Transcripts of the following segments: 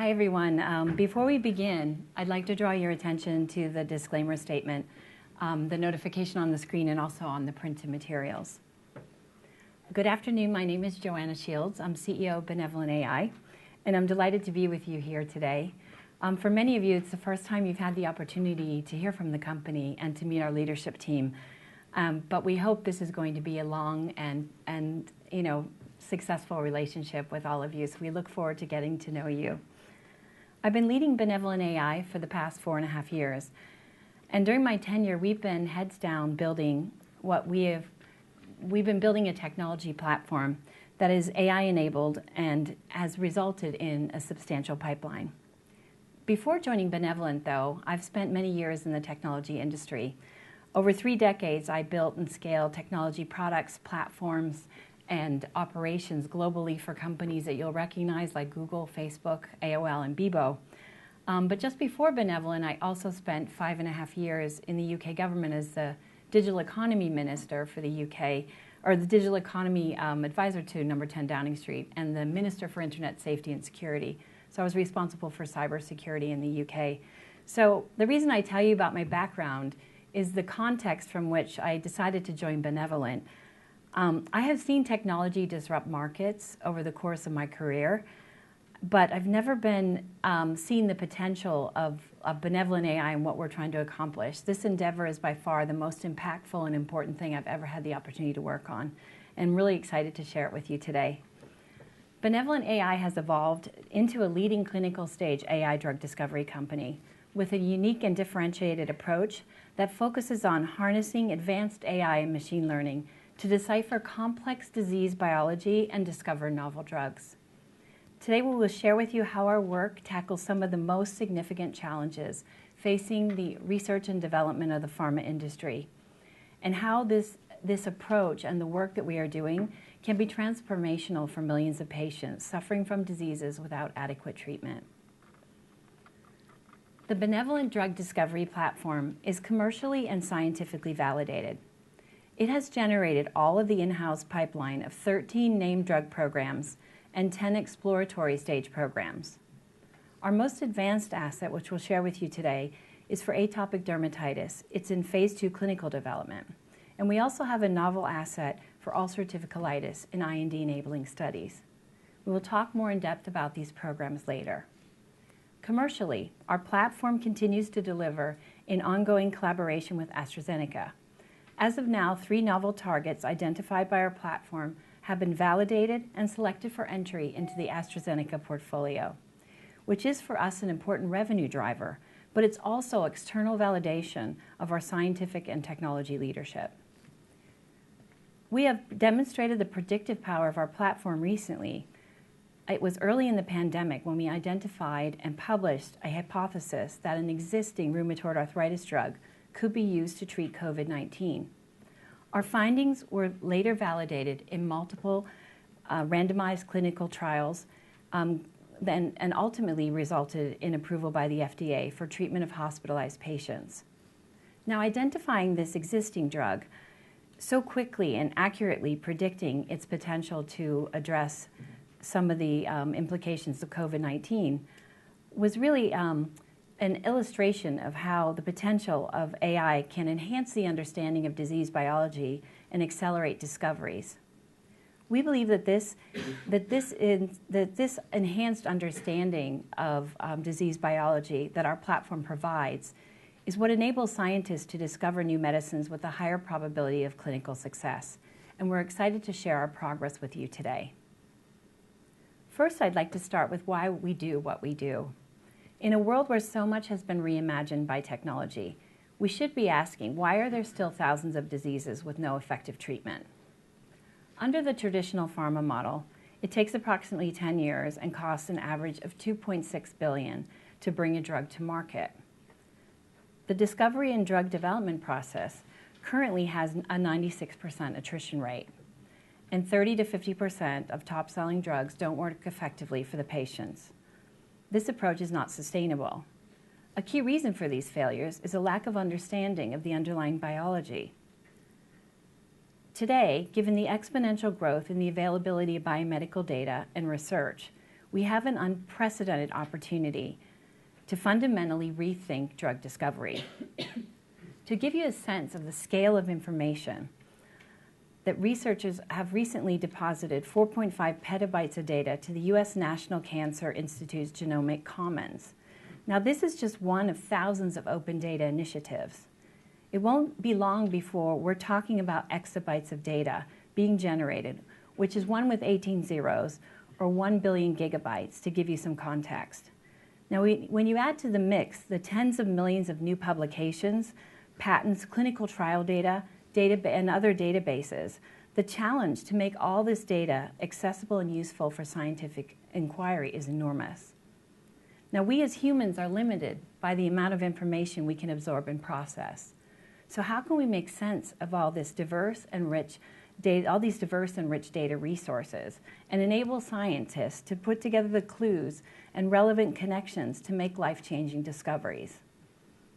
Hi, everyone. Before we begin, I'd like to draw your attention to the disclaimer statement, the notification on the screen and also on the printed materials. Good afternoon. My name is Joanna Shields. I'm CEO of BenevolentAI, and I'm delighted to be with you here today. For many of you, it's the first time you've had the opportunity to hear from the company and to meet our leadership team. We hope this is going to be a long and you know successful relationship with all of you, so we look forward to getting to know you. I've been leading BenevolentAI for the past four and a half years, and during my tenure, we've been heads down. We've been building a technology platform that is AI-enabled and has resulted in a substantial pipeline. Before joining Benevolent, though, I've spent many years in the technology industry. Over three decades, I built and scaled technology products, platforms, and operations globally for companies that you'll recognize, like Google, Facebook, AOL, and Bebo. But just before Benevolent, I also spent five and a half years in the U.K. government as the Digital Economy Minister for the U.K., or the Digital Economy Advisor to Number Ten Downing Street and the Minister for Internet Safety and Security. I was responsible for cybersecurity in the U.K. The reason I tell you about my background is the context from which I decided to join BenevolentAI. I have seen technology disrupt markets over the course of my career, but I've never seen the potential of BenevolentAI and what we're trying to accomplish. This endeavor is by far the most impactful and important thing I've ever had the opportunity to work on, and really excited to share it with you today. BenevolentAI has evolved into a leading clinical stage AI drug discovery company with a unique and differentiated approach that focuses on harnessing advanced AI and machine learning to decipher complex disease biology and discover novel drugs. Today, we will share with you how our work tackles some of the most significant challenges facing the research and development of the pharma industry and how this approach and the work that we are doing can be transformational for millions of patients suffering from diseases without adequate treatment. The Benevolent drug discovery platform is commercially and scientifically validated. It has generated all of the in-house pipeline of 13 named drug programs and 10 exploratory stage programs. Our most advanced asset, which we'll share with you today, is for atopic dermatitis. It's in phase II clinical development, and we also have a novel asset for ulcerative colitis in IND-enabling studies. We will talk more in depth about these programs later. Commercially, our platform continues to deliver in ongoing collaboration with AstraZeneca. As of now, three novel targets identified by our platform have been validated and selected for entry into the AstraZeneca portfolio, which is for us an important revenue driver, but it's also external validation of our scientific and technology leadership. We have demonstrated the predictive power of our platform recently. It was early in the pandemic when we identified and published a hypothesis that an existing rheumatoid arthritis drug could be used to treat COVID-19. Our findings were later validated in multiple randomized clinical trials, then and ultimately resulted in approval by the FDA for treatment of hospitalized patients. Now, identifying this existing drug so quickly and accurately predicting its potential to address some of the implications of COVID-19 was really an illustration of how the potential of AI can enhance the understanding of disease biology and accelerate discoveries. We believe that this enhanced understanding of disease biology that our platform provides is what enables scientists to discover new medicines with a higher probability of clinical success, and we're excited to share our progress with you today. First, I'd like to start with why we do what we do. In a world where so much has been reimagined by technology, we should be asking, why are there still thousands of diseases with no effective treatment? Under the traditional pharma model, it takes approximately 10 years and costs an average of $2.6 billion to bring a drug to market. The discovery and drug development process currently has a 96% attrition rate, and 30%-50% of top-selling drugs don't work effectively for the patients. This approach is not sustainable. A key reason for these failures is a lack of understanding of the underlying biology. Today, given the exponential growth in the availability of biomedical data and research, we have an unprecedented opportunity to fundamentally rethink drug discovery. To give you a sense of the scale of information that researchers have recently deposited 4.5 PB of data to the US National Cancer Institute's Genomic Data Commons. Now, this is just one of thousands of open data initiatives. It won't be long before we're talking about exabytes of data being generated, which is one with 18 zeros or 1 billion GB to give you some context. Now, when you add to the mix the tens of millions of new publications, patents, clinical trial data and other databases, the challenge to make all this data accessible and useful for scientific inquiry is enormous. Now, we as humans are limited by the amount of information we can absorb and process. So how can we make sense of all these diverse and rich data resources and enable scientists to put together the clues and relevant connections to make life-changing discoveries?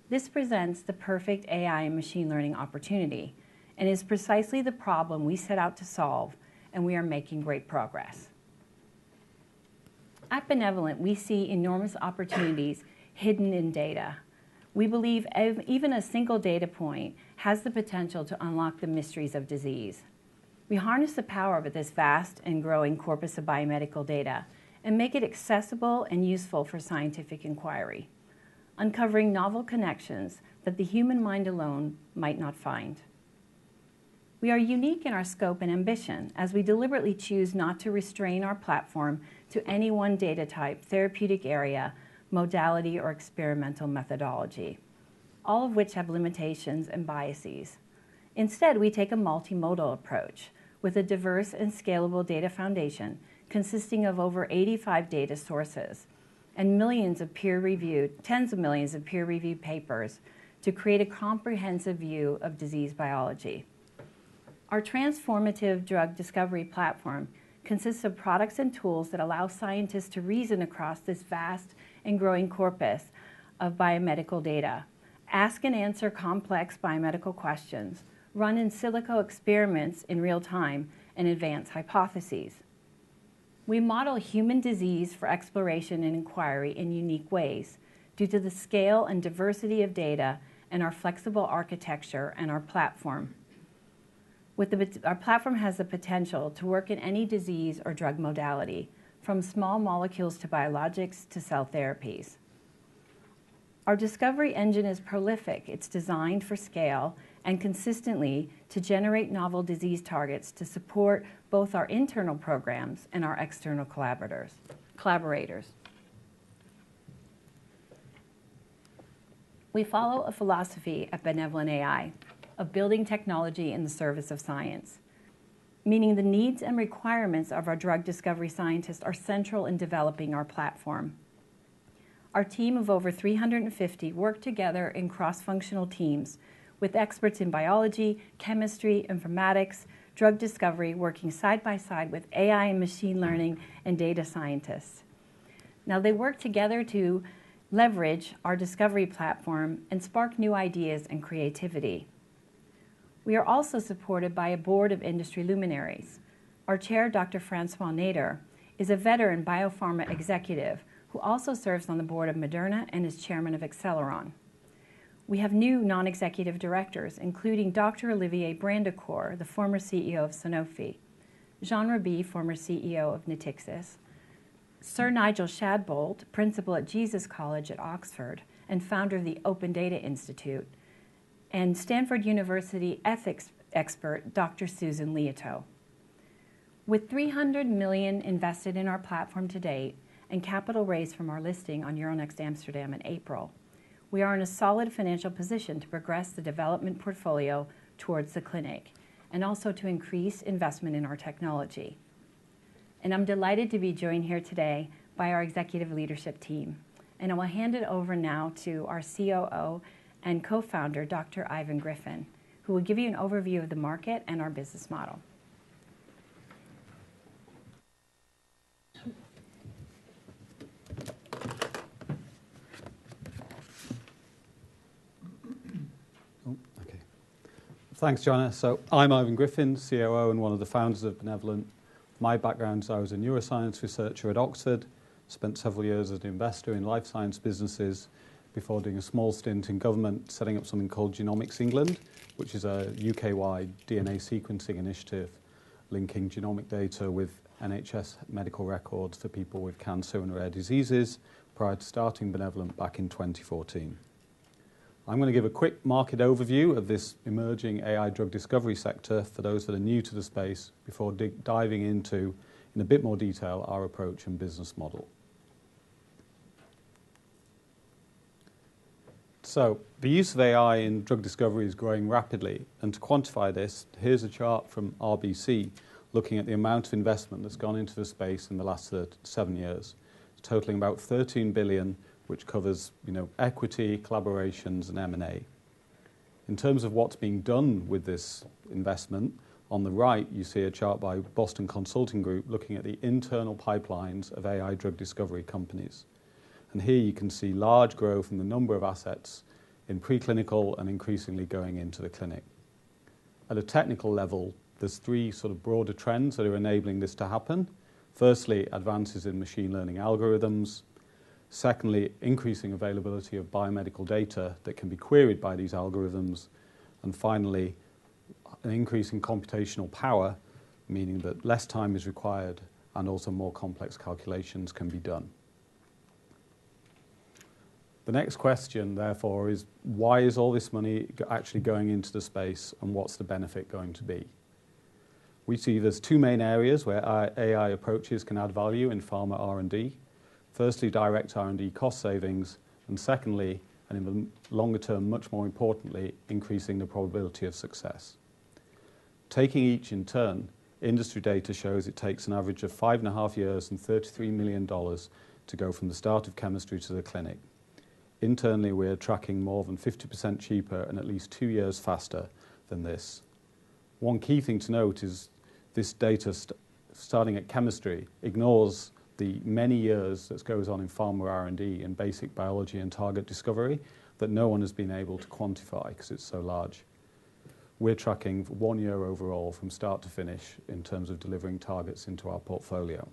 This presents the perfect AI and machine learning opportunity and is precisely the problem we set out to solve, and we are making great progress. At Benevolent, we see enormous opportunities hidden in data. We believe even a single data point has the potential to unlock the mysteries of disease. We harness the power of this vast and growing corpus of biomedical data and make it accessible and useful for scientific inquiry, uncovering novel connections that the human mind alone might not find. We are unique in our scope and ambition as we deliberately choose not to restrain our platform to any one data type, therapeutic area, modality or experimental methodology, all of which have limitations and biases. Instead, we take a multimodal approach with a diverse and scalable data foundation consisting of over 85 data sources and tens of millions of peer-reviewed papers to create a comprehensive view of disease biology. Our transformative drug discovery platform consists of products and tools that allow scientists to reason across this vast and growing corpus of biomedical data, ask and answer complex biomedical questions, run in silico experiments in real-time, and advance hypotheses. We model human disease for exploration and inquiry in unique ways due to the scale and diversity of data in our flexible architecture and our platform. Our platform has the potential to work in any disease or drug modality, from small molecules to biologics to cell therapies. Our discovery engine is prolific. It's designed for scale and consistently to generate novel disease targets to support both our internal programs and our external collaborators. We follow a philosophy at BenevolentAI of building technology in the service of science, meaning the needs and requirements of our drug discovery scientists are central in developing our platform. Our team of over 350 work together in cross-functional teams with experts in biology, chemistry, informatics, drug discovery, working side by side with AI and machine learning and data scientists. Now, they work together to leverage our discovery platform and spark new ideas and creativity. We are also supported by a board of industry luminaries. Our chair, Dr. François Nader, is a veteran Biopharma Executive who also serves on the Board of Moderna and is Chairman of Acceleron. We have new non-executive directors, including Dr. Olivier Brandicourt, the former CEO of Sanofi, Jean Raby, former CEO of Natixis, Sir Nigel Shadbolt, Principal at Jesus College at Oxford and Founder of the Open Data Institute, and Stanford University ethics expert, Dr. Susan Liautaud. With 300 million invested in our platform to date and capital raised from our listing on Euronext Amsterdam in April, we are in a solid financial position to progress the development portfolio towards the clinic and also to increase investment in our technology. I'm delighted to be joined here today by our executive leadership team, and I will hand it over now to our COO and Co-Founder, Dr. Ivan Griffin, who will give you an overview of the market and our business model. Oh, okay. Thanks, Joanna. I'm Ivan Griffin, COO, and one of the Founders of Benevolent. My background is I was a neuroscience researcher at Oxford, spent several years as an investor in life science businesses before doing a small stint in government, setting up something called Genomics England, which is a U.K.-wide DNA sequencing initiative linking genomic data with NHS medical records for people with cancer and rare diseases prior to starting Benevolent back in 2014. I'm gonna give a quick market overview of this emerging AI drug discovery sector for those that are new to the space before diving into, in a bit more detail, our approach and business model. The use of AI in drug discovery is growing rapidly, and to quantify this, here's a chart from RBC looking at the amount of investment that's gone into the space in the last seven years, totaling about $13 billion, which covers, you know, equity, collaborations, and M&A. In terms of what's being done with this investment, on the right you see a chart by Boston Consulting Group looking at the internal pipelines of AI drug discovery companies. Here you can see large growth in the number of assets in preclinical and increasingly going into the clinic. At a technical level, there's three sort of broader trends that are enabling this to happen. Firstly, advances in machine learning algorithms. Secondly, increasing availability of biomedical data that can be queried by these algorithms. Finally, an increase in computational power, meaning that less time is required and also more complex calculations can be done. The next question, therefore, is: Why is all this money actually going into the space, and what's the benefit going to be? We see there's two main areas where AI approaches can add value in pharma R&D. Firstly, direct R&D cost savings and secondly, and in the longer term, much more importantly, increasing the probability of success. Taking each in turn, industry data shows it takes an average of five and a half years and $33 million to go from the start of chemistry to the clinic. Internally, we're tracking more than 50% cheaper and at least two years faster than this. One key thing to note is this data starting at chemistry ignores the many years that goes on in pharma R&D in basic biology and target discovery that no one has been able to quantify 'cause it's so large. We're tracking one year overall from start to finish in terms of delivering targets into our portfolio.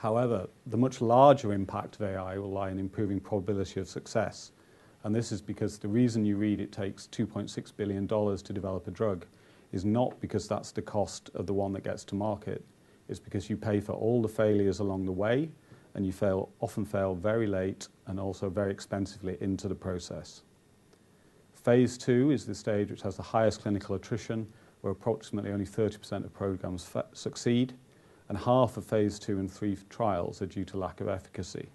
However, the much larger impact of AI will lie in improving probability of success, and this is because the reason you read it takes $2.6 billion to develop a drug is not because that's the cost of the one that gets to market, it's because you pay for all the failures along the way, and you often fail very late and also very expensively into the process. Phase II is the stage which has the highest clinical attrition, where approximately only 30% of programs succeed and half of phase II and III trials are due to lack of efficacy.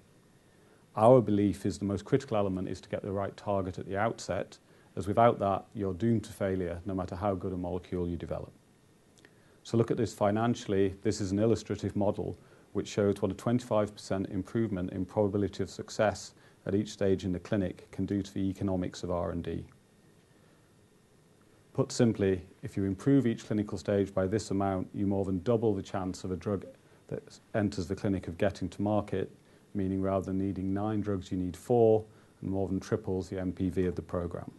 Our belief is the most critical element is to get the right target at the outset, as without that, you're doomed to failure no matter how good a molecule you develop. Look at this financially, this is an illustrative model which shows what a 25% improvement in probability of success at each stage in the clinic can do to the economics of R&D. Put simply, if you improve each clinical stage by this amount, you more than double the chance of a drug that enters the clinic of getting to market, meaning rather than needing nine drugs, you need four, and more than triples the NPV of the program.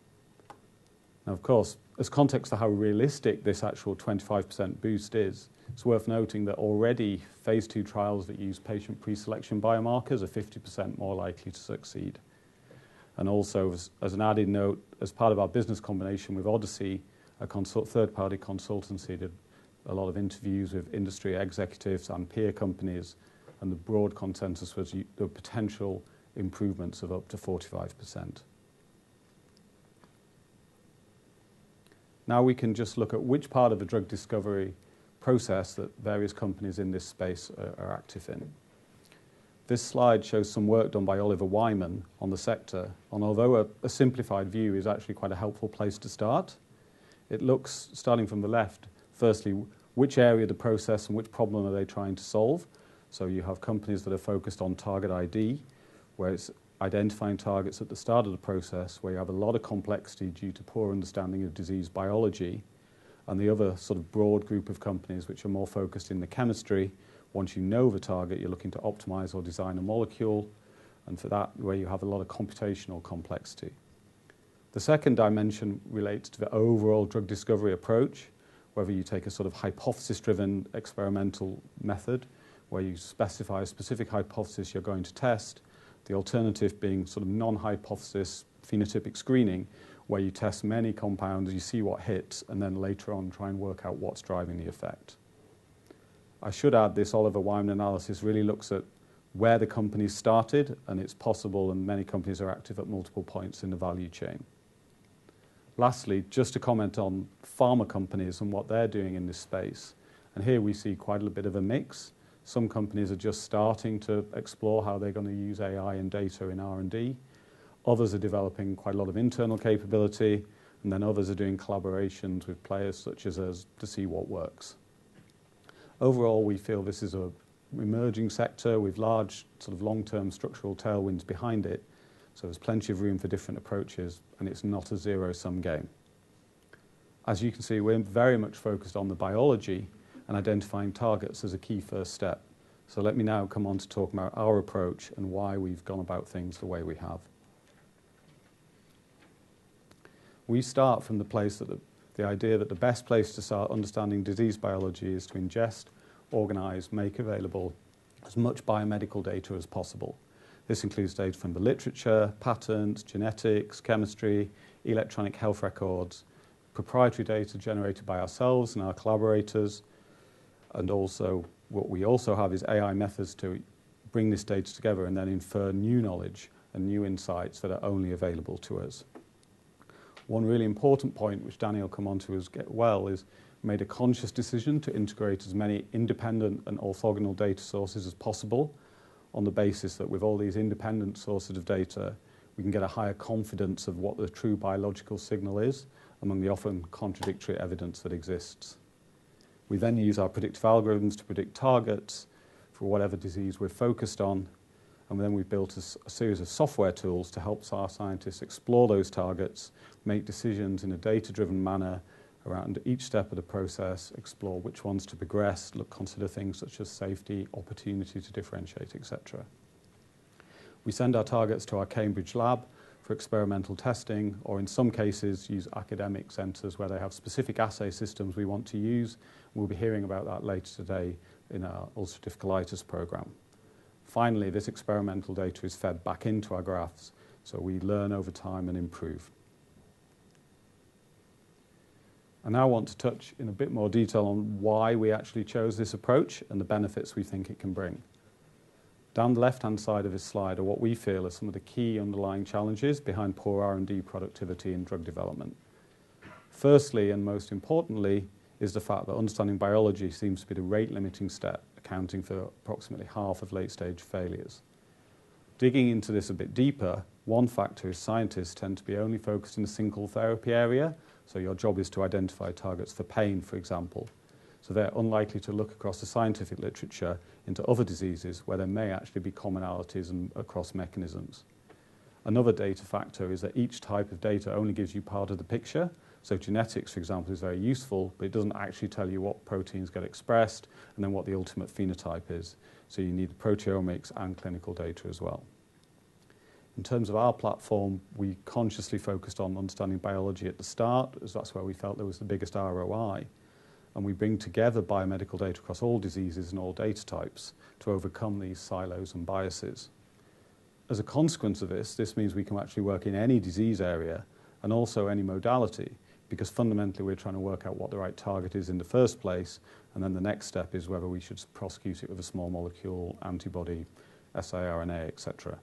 Now, of course, as context for how realistic this actual 25% boost is, it's worth noting that already phase II trials that use patient preselection biomarkers are 50% more likely to succeed. Also as an added note, as part of our business combination with Odyssey, a third-party consultancy did a lot of interviews with industry executives and peer companies, and the broad consensus was the potential improvements of up to 45%. Now we can just look at which part of the drug discovery process that various companies in this space are active in. This slide shows some work done by Oliver Wyman on the sector, and although a simplified view is actually quite a helpful place to start, it looks, starting from the left, firstly, which area of the process and which problem are they trying to solve. You have companies that are focused on target ID, where it's identifying targets at the start of the process, where you have a lot of complexity due to poor understanding of disease biology, and the other sort of broad group of companies which are more focused in the chemistry. Once you know the target, you're looking to optimize or design a molecule, and for that, where you have a lot of computational complexity. The second dimension relates to the overall drug discovery approach, whether you take a sort of hypothesis-driven experimental method, where you specify a specific hypothesis you're going to test, the alternative being sort of non-hypothesis phenotypic screening, where you test many compounds and you see what hits, and then later on try and work out what's driving the effect. I should add this Oliver Wyman analysis really looks at where the company started, and it's possible, and many companies are active at multiple points in the value chain. Lastly, just to comment on pharma companies and what they're doing in this space, and here we see quite a bit of a mix. Some companies are just starting to explore how they're gonna use AI and data in R&D. Others are developing quite a lot of internal capability, and then others are doing collaborations with players such as us to see what works. Overall, we feel this is an emerging sector with large sort of long-term structural tailwinds behind it, so there's plenty of room for different approaches, and it's not a zero-sum game. As you can see, we're very much focused on the biology and identifying targets as a key first step. Let me now come on to talk about our approach and why we've gone about things the way we have. We start from the place that the idea that the best place to start understanding disease biology is to ingest, organize, make available as much biomedical data as possible. This includes data from the literature, patents, genetics, chemistry, electronic health records, proprietary data generated by ourselves and our collaborators, and also what we also have is AI methods to bring this data together and then infer new knowledge and new insights that are only available to us. One really important point which Daniel will come onto is get well is made a conscious decision to integrate as many independent and orthogonal data sources as possible on the basis that with all these independent sources of data, we can get a higher confidence of what the true biological signal is among the often contradictory evidence that exists. We then use our predictive algorithms to predict targets for whatever disease we're focused on, and then we've built a series of software tools to help our scientists explore those targets, make decisions in a data-driven manner around each step of the process, explore which ones to progress, look, consider things such as safety, opportunity to differentiate, et cetera. We send our targets to our Cambridge lab for experimental testing, or in some cases, use academic centers where they have specific assay systems we want to use. We'll be hearing about that later today in our ulcerative colitis program. Finally, this experimental data is fed back into our graphs, so we learn over time and improve. I now want to touch in a bit more detail on why we actually chose this approach and the benefits we think it can bring. Down the left-hand side of this slide are what we feel are some of the key underlying challenges behind poor R&D productivity in drug development. First, and most importantly, is the fact that understanding biology seems to be the rate-limiting step, accounting for approximately half of late-stage failures. Digging into this a bit deeper, one factor is scientists tend to be only focused in a single therapy area, so your job is to identify targets for pain, for example. They're unlikely to look across the scientific literature into other diseases where there may actually be commonalities and across mechanisms. Another data factor is that each type of data only gives you part of the picture. Genetics, for example, is very useful, but it doesn't actually tell you what proteins get expressed and then what the ultimate phenotype is. You need the proteomics and clinical data as well. In terms of our platform, we consciously focused on understanding biology at the start as that's where we felt there was the biggest ROI, and we bring together biomedical data across all diseases and all data types to overcome these silos and biases. As a consequence of this means we can actually work in any disease area and also any modality because fundamentally we're trying to work out what the right target is in the first place, and then the next step is whether we should prosecute it with a small molecule, antibody, siRNA, et cetera.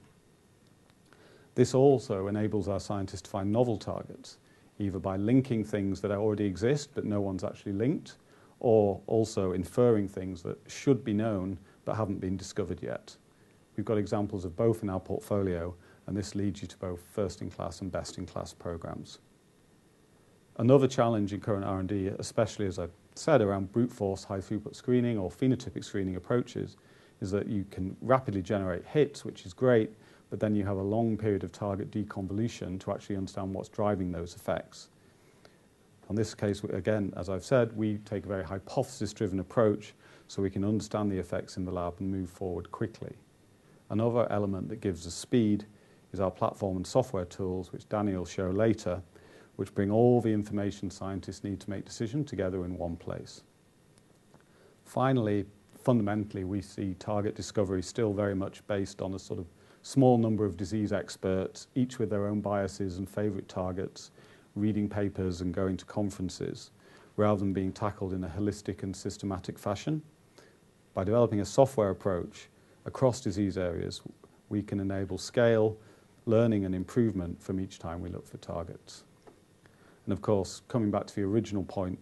This also enables our scientists to find novel targets, either by linking things that already exist but no one's actually linked, or also inferring things that should be known but haven't been discovered yet. We've got examples of both in our portfolio, and this leads you to both first-in-class and best-in-class programs. Another challenge in current R&D, especially as I've said around brute force high-throughput screening or phenotypic screening approaches, is that you can rapidly generate hits, which is great, but then you have a long period of target deconvolution to actually understand what's driving those effects. In this case, again, as I've said, we take a very hypothesis-driven approach, so we can understand the effects in the lab and move forward quickly. Another element that gives us speed is our platform and software tools, which Danny will show later, which bring all the information scientists need to make decisions together in one place. Finally, fundamentally, we see target discovery still very much based on a sort of small number of disease experts, each with their own biases and favorite targets, reading papers and going to conferences, rather than being tackled in a holistic and systematic fashion. By developing a software approach across disease areas, we can enable scale, learning, and improvement from each time we look for targets. Of course, coming back to the original point,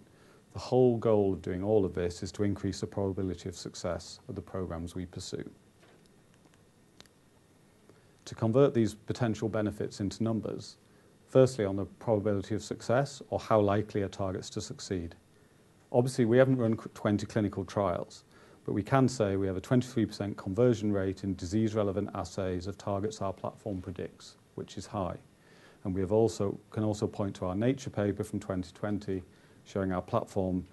the whole goal of doing all of this is to increase the probability of success of the programs we pursue. To convert these potential benefits into numbers, firstly, on the probability of success or how likely are targets to succeed. Obviously, we haven't run 20 clinical trials, but we can say we have a 23% conversion rate in disease-relevant assays of targets our platform predicts, which is high. We can also point to our Nature paper from 2020 showing our platform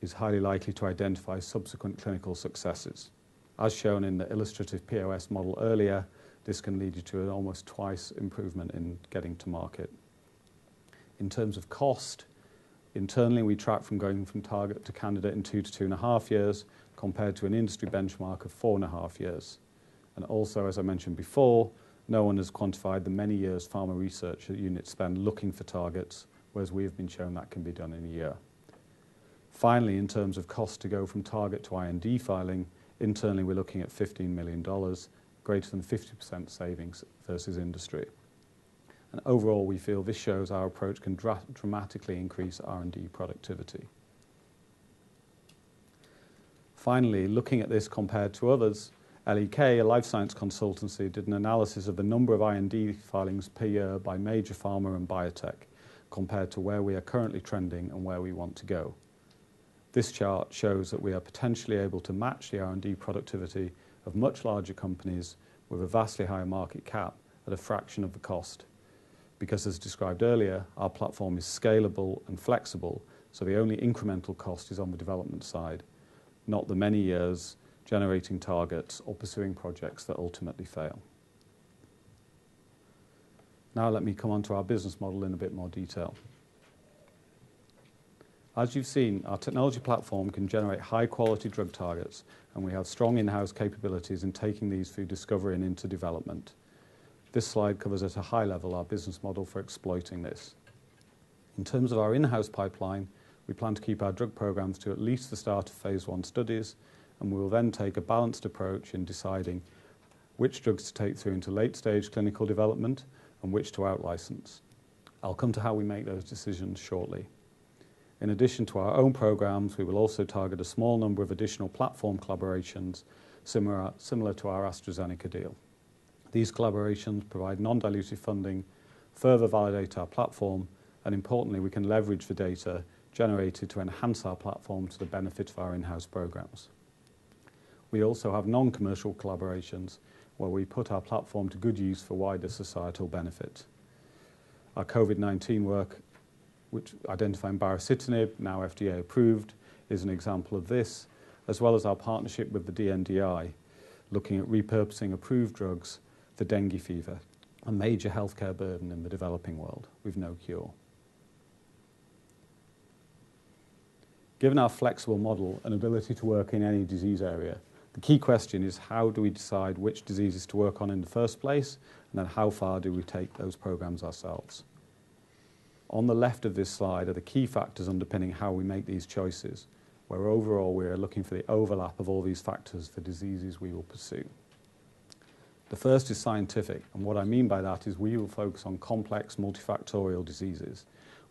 is highly likely to identify subsequent clinical successes. As shown in the illustrative POS model earlier, this can lead you to an almost twice improvement in getting to market. In terms of cost, internally, we track from going from target to candidate in two-two and a half years, compared to an industry benchmark of four and a half years. Also, as I mentioned before, no one has quantified the many years pharma research units spend looking for targets, whereas we have been shown that can be done in a year. Finally, in terms of cost to go from target to IND filing, internally, we're looking at $15 million, greater than 50% savings versus industry. Overall, we feel this shows our approach can dramatically increase R&D productivity. Finally, looking at this compared to others, L.E.K., a life science consultancy, did an analysis of the number of IND filings per year by major pharma and biotech, compared to where we are currently trending and where we want to go. This chart shows that we are potentially able to match the R&D productivity of much larger companies with a vastly higher market cap at a fraction of the cost. Because as described earlier, our platform is scalable and flexible, so the only incremental cost is on the development side, not the many years generating targets or pursuing projects that ultimately fail. Now let me come on to our business model in a bit more detail. As you've seen, our technology platform can generate high-quality drug targets, and we have strong in-house capabilities in taking these through discovery and into development. This slide covers at a high level our business model for exploiting this. In terms of our in-house pipeline, we plan to keep our drug programs to at least the start of phase I studies, and we will then take a balanced approach in deciding which drugs to take through into late-stage clinical development and which to out-license. I'll come to how we make those decisions shortly. In addition to our own programs, we will also target a small number of additional platform collaborations similar to our AstraZeneca deal. These collaborations provide non-dilutive funding, further validate our platform, and importantly, we can leverage the data generated to enhance our platform to the benefit of our in-house programs. We also have non-commercial collaborations where we put our platform to good use for wider societal benefit. Our COVID-19 work, which identifying baricitinib, now FDA-approved, is an example of this, as well as our partnership with the DNDi, looking at repurposing approved drugs for dengue fever, a major healthcare burden in the developing world with no cure. Given our flexible model and ability to work in any disease area, the key question is how do we decide which diseases to work on in the first place, and then how far do we take those programs ourselves? On the left of this slide are the key factors underpinning how we make these choices, where overall, we are looking for the overlap of all these factors for diseases we will pursue. The first is scientific, and what I mean by that is we will focus on complex multifactorial diseases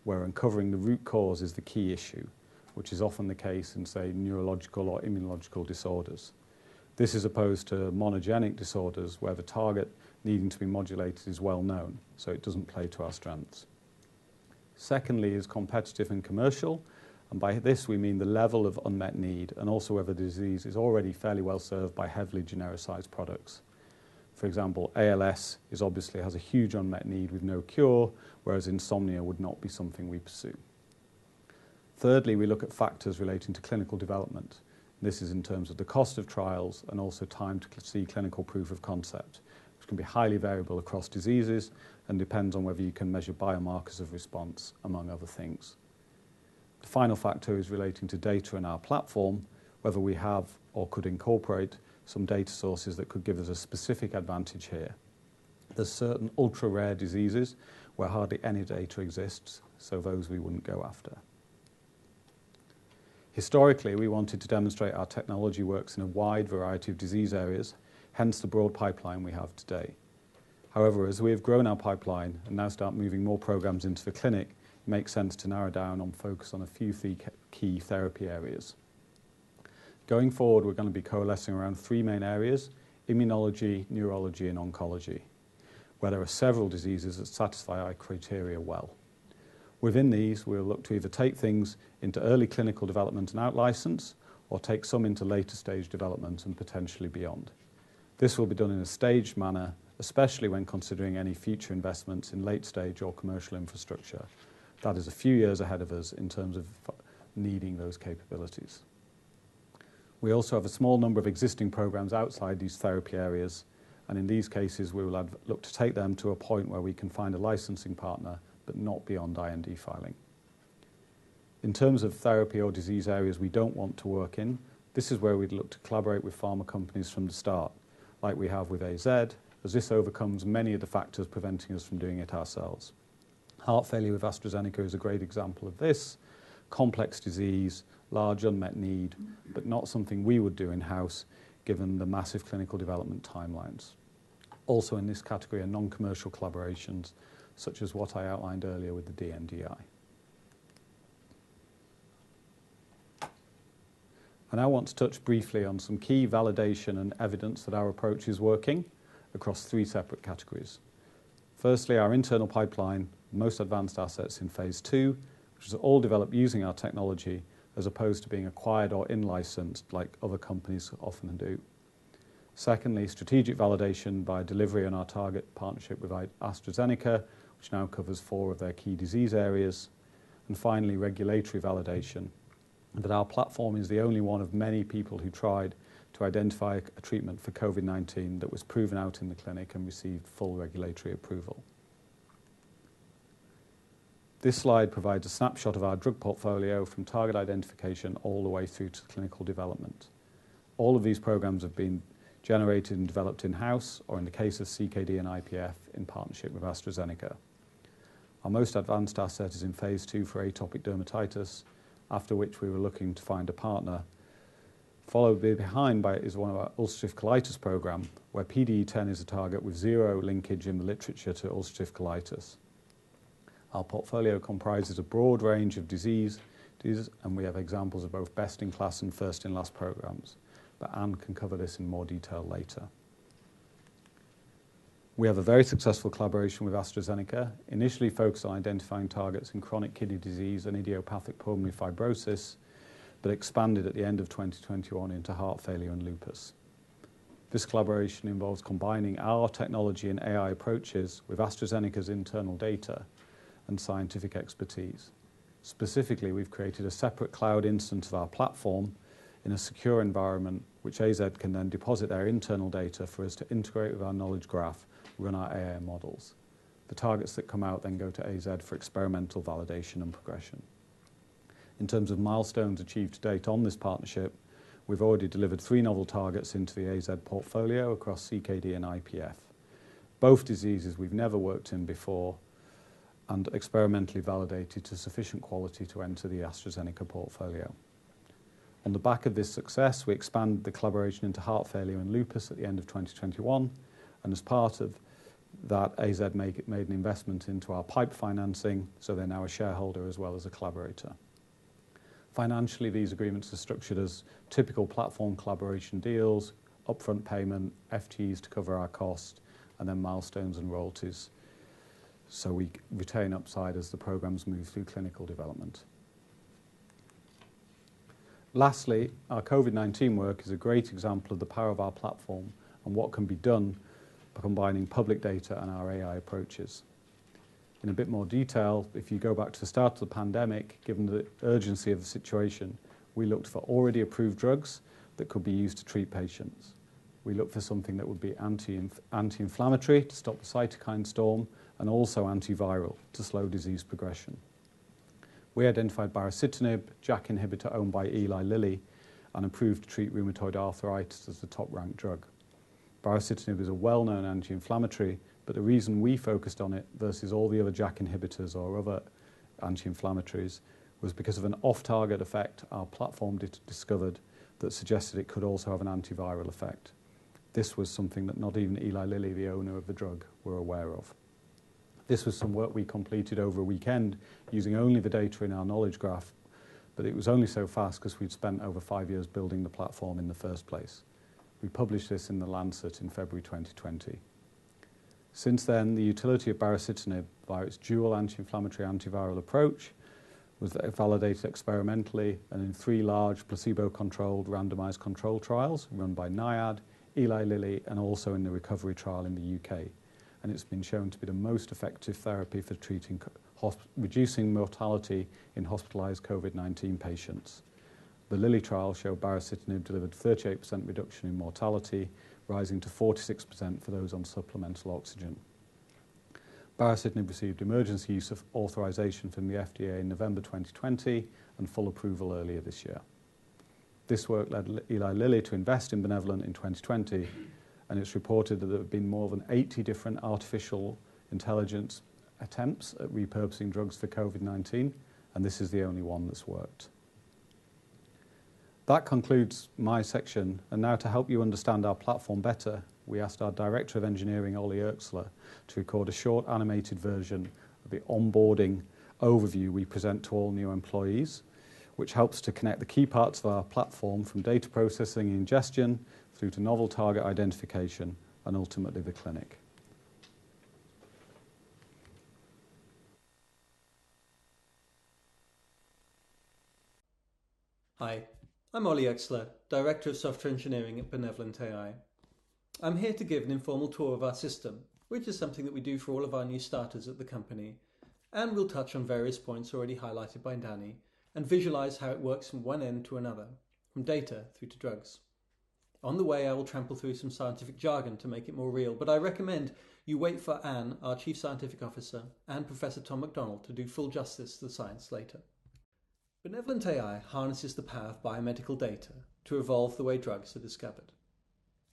where uncovering the root cause is the key issue, which is often the case in, say, neurological or immunological disorders. This is opposed to monogenic disorders, where the target needing to be modulated is well known, so it doesn't play to our strengths. Secondly is competitive and commercial, and by this we mean the level of unmet need and also whether disease is already fairly well served by heavily genericized products. For example, ALS obviously has a huge unmet need with no cure, whereas insomnia would not be something we'd pursue. Thirdly, we look at factors relating to clinical development. This is in terms of the cost of trials and also time to see clinical proof of concept, which can be highly variable across diseases and depends on whether you can measure biomarkers of response, among other things. The final factor is relating to data in our platform, whether we have or could incorporate some data sources that could give us a specific advantage here. There's certain ultra-rare diseases where hardly any data exists, so those we wouldn't go after. Historically, we wanted to demonstrate our technology works in a wide variety of disease areas, hence the broad pipeline we have today. However, as we have grown our pipeline and now start moving more programs into the clinic, it makes sense to narrow down and focus on a few key therapy areas. Going forward, we're gonna be coalescing around three main areas: immunology, neurology, and oncology, where there are several diseases that satisfy our criteria well. Within these, we'll look to either take things into early clinical development and out-license or take some into later stage development and potentially beyond. This will be done in a staged manner, especially when considering any future investments in late stage or commercial infrastructure. That is a few years ahead of us in terms of needing those capabilities. We also have a small number of existing programs outside these therapy areas, and in these cases, we will look to take them to a point where we can find a licensing partner, but not beyond IND filing. In terms of therapy or disease areas we don't want to work in, this is where we'd look to collaborate with pharma companies from the start, like we have with AZ, as this overcomes many of the factors preventing us from doing it ourselves. Heart failure with AstraZeneca is a great example of this, complex disease, large unmet need, but not something we would do in-house given the massive clinical development timelines. Also, in this category are non-commercial collaborations, such as what I outlined earlier with the DNDi. I want to touch briefly on some key validation and evidence that our approach is working across three separate categories. Firstly, our internal pipeline, most advanced assets in phase two, which is all developed using our technology as opposed to being acquired or in-licensed like other companies often do. Secondly, strategic validation by delivery on our target partnership with AstraZeneca, which now covers four of their key disease areas. Finally, regulatory validation, that our platform is the only one of many people who tried to identify a treatment for COVID-19 that was proven out in the clinic and received full regulatory approval. This slide provides a snapshot of our drug portfolio from target identification all the way through to the clinical development. All of these programs have been generated and developed in-house, or in the case of CKD and IPF, in partnership with AstraZeneca. Our most advanced asset is in phase II for atopic dermatitis, after which we were looking to find a partner. Following behind is one of our ulcerative colitis program, where PDE10 is a target with zero linkage in the literature to ulcerative colitis. Our portfolio comprises a broad range of disease, and we have examples of both best-in-class and first-in-class programs, but Anne can cover this in more detail later. We have a very successful collaboration with AstraZeneca, initially focused on identifying targets in chronic kidney disease and idiopathic pulmonary fibrosis, but expanded at the end of 2021 into heart failure and lupus. This collaboration involves combining our technology and AI approaches with AstraZeneca's internal data and scientific expertise. Specifically, we've created a separate cloud instance of our platform in a secure environment, which AZ can then deposit their internal data for us to integrate with our knowledge graph, run our AI models. The targets that come out then go to AZ for experimental validation and progression. In terms of milestones achieved to date on this partnership, we've already delivered three novel targets into the AZ portfolio across CKD and IPF. Both diseases we've never worked in before and experimentally validated to sufficient quality to enter the AstraZeneca portfolio. On the back of this success, we expand the collaboration into heart failure and lupus at the end of 2021, and as part of that, AZ made an investment into our PIPE financing, so they're now a shareholder as well as a collaborator. Financially, these agreements are structured as typical platform collaboration deals, upfront payment, FTEs to cover our cost, and then milestones and royalties. We retain upside as the programs move through clinical development. Lastly, our COVID-19 work is a great example of the power of our platform and what can be done by combining public data and our AI approaches. In a bit more detail, if you go back to the start of the pandemic, given the urgency of the situation, we looked for already approved drugs that could be used to treat patients. We looked for something that would be anti-inflammatory to stop the cytokine storm and also antiviral to slow disease progression. We identified baricitinib, JAK inhibitor owned by Eli Lilly, and approved to treat rheumatoid arthritis as the top-ranked drug. Baricitinib is a well-known anti-inflammatory, but the reason we focused on it versus all the other JAK inhibitors or other anti-inflammatories was because of an off-target effect our platform discovered that suggested it could also have an antiviral effect. This was something that not even Eli Lilly, the owner of the drug, were aware of. This was some work we completed over a weekend using only the data in our knowledge graph. It was only so fast because we'd spent over five years building the platform in the first place. We published this in The Lancet in February 2020. Since then, the utility of baricitinib by its dual anti-inflammatory, antiviral approach was validated experimentally and in three large placebo-controlled randomized controlled trials run by NIAID, Eli Lilly, and also in the RECOVERY trial in the UK. It's been shown to be the most effective therapy for reducing mortality in hospitalized COVID-19 patients. The Lilly trial showed baricitinib delivered 38% reduction in mortality, rising to 46% for those on supplemental oxygen. Baricitinib received emergency use authorization from the FDA in November 2020 and full approval earlier this year. This work led Eli Lilly to invest in Benevolent in 2020, and it's reported that there have been more than 80 different artificial intelligence attempts at repurposing drugs for COVID-19, and this is the only one that's worked. That concludes my section. Now to help you understand our platform better, we asked our Director of Engineering, Olly Oechsle, to record a short animated version of the onboarding overview we present to all new employees, which helps to connect the key parts of our platform from data processing ingestion through to novel target identification and ultimately the clinic. Hi, I'm Olly Oechsle, Director of Software Engineering at BenevolentAI. I'm here to give an informal tour of our system, which is something that we do for all of our new starters at the company. We'll touch on various points already highlighted by Danny and visualize how it works from one end to another, from data through to drugs. On the way, I will trample through some scientific jargon to make it more real. I recommend you wait for Anne, our Chief Scientific Officer, and Professor Tom MacDonald to do full justice to the science later. BenevolentAI harnesses the power of biomedical data to evolve the way drugs are discovered.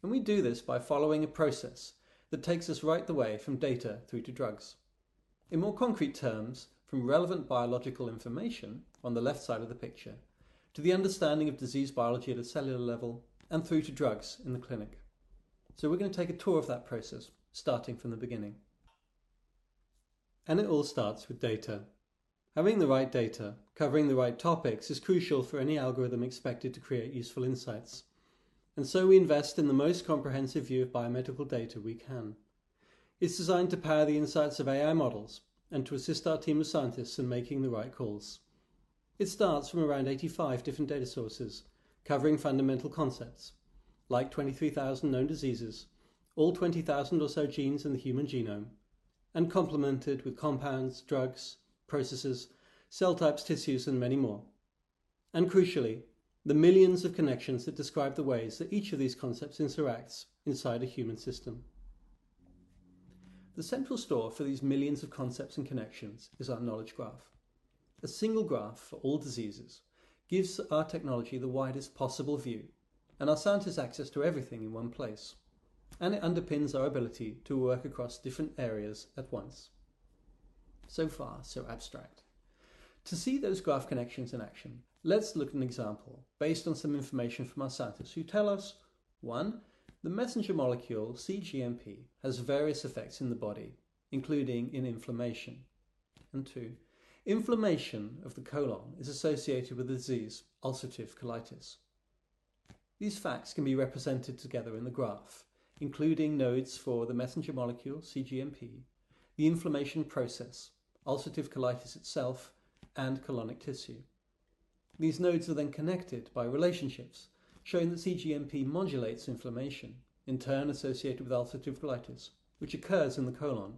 We do this by following a process that takes us right the way from data through to drugs. In more concrete terms, from relevant biological information on the left side of the picture, to the understanding of disease biology at a cellular level and through to drugs in the clinic. We're gonna take a tour of that process starting from the beginning. It all starts with data. Having the right data, covering the right topics is crucial for any algorithm expected to create useful insights. We invest in the most comprehensive view of biomedical data we can. It's designed to power the insights of AI models and to assist our team of scientists in making the right calls. It starts from around 85 different data sources covering fundamental concepts, like 23,000 known diseases, all 20,000 or so genes in the human genome, and complemented with compounds, drugs, processes, cell types, tissues, and many more. Crucially, the millions of connections that describe the ways that each of these concepts interacts inside a human system. The central store for these millions of concepts and connections is our knowledge graph. A single graph for all diseases gives our technology the widest possible view and our scientists access to everything in one place, and it underpins our ability to work across different areas at once. Far, so abstract. To see those graph connections in action, let's look at an example based on some information from our scientists who tell us, one, the messenger molecule cGMP has various effects in the body, including in inflammation. Number two, inflammation of the colon is associated with the disease ulcerative colitis. These facts can be represented together in the graph, including nodes for the messenger molecule cGMP, the inflammation process, ulcerative colitis itself, and colonic tissue. These nodes are then connected by relationships showing that cGMP modulates inflammation, in turn associated with ulcerative colitis, which occurs in the colon.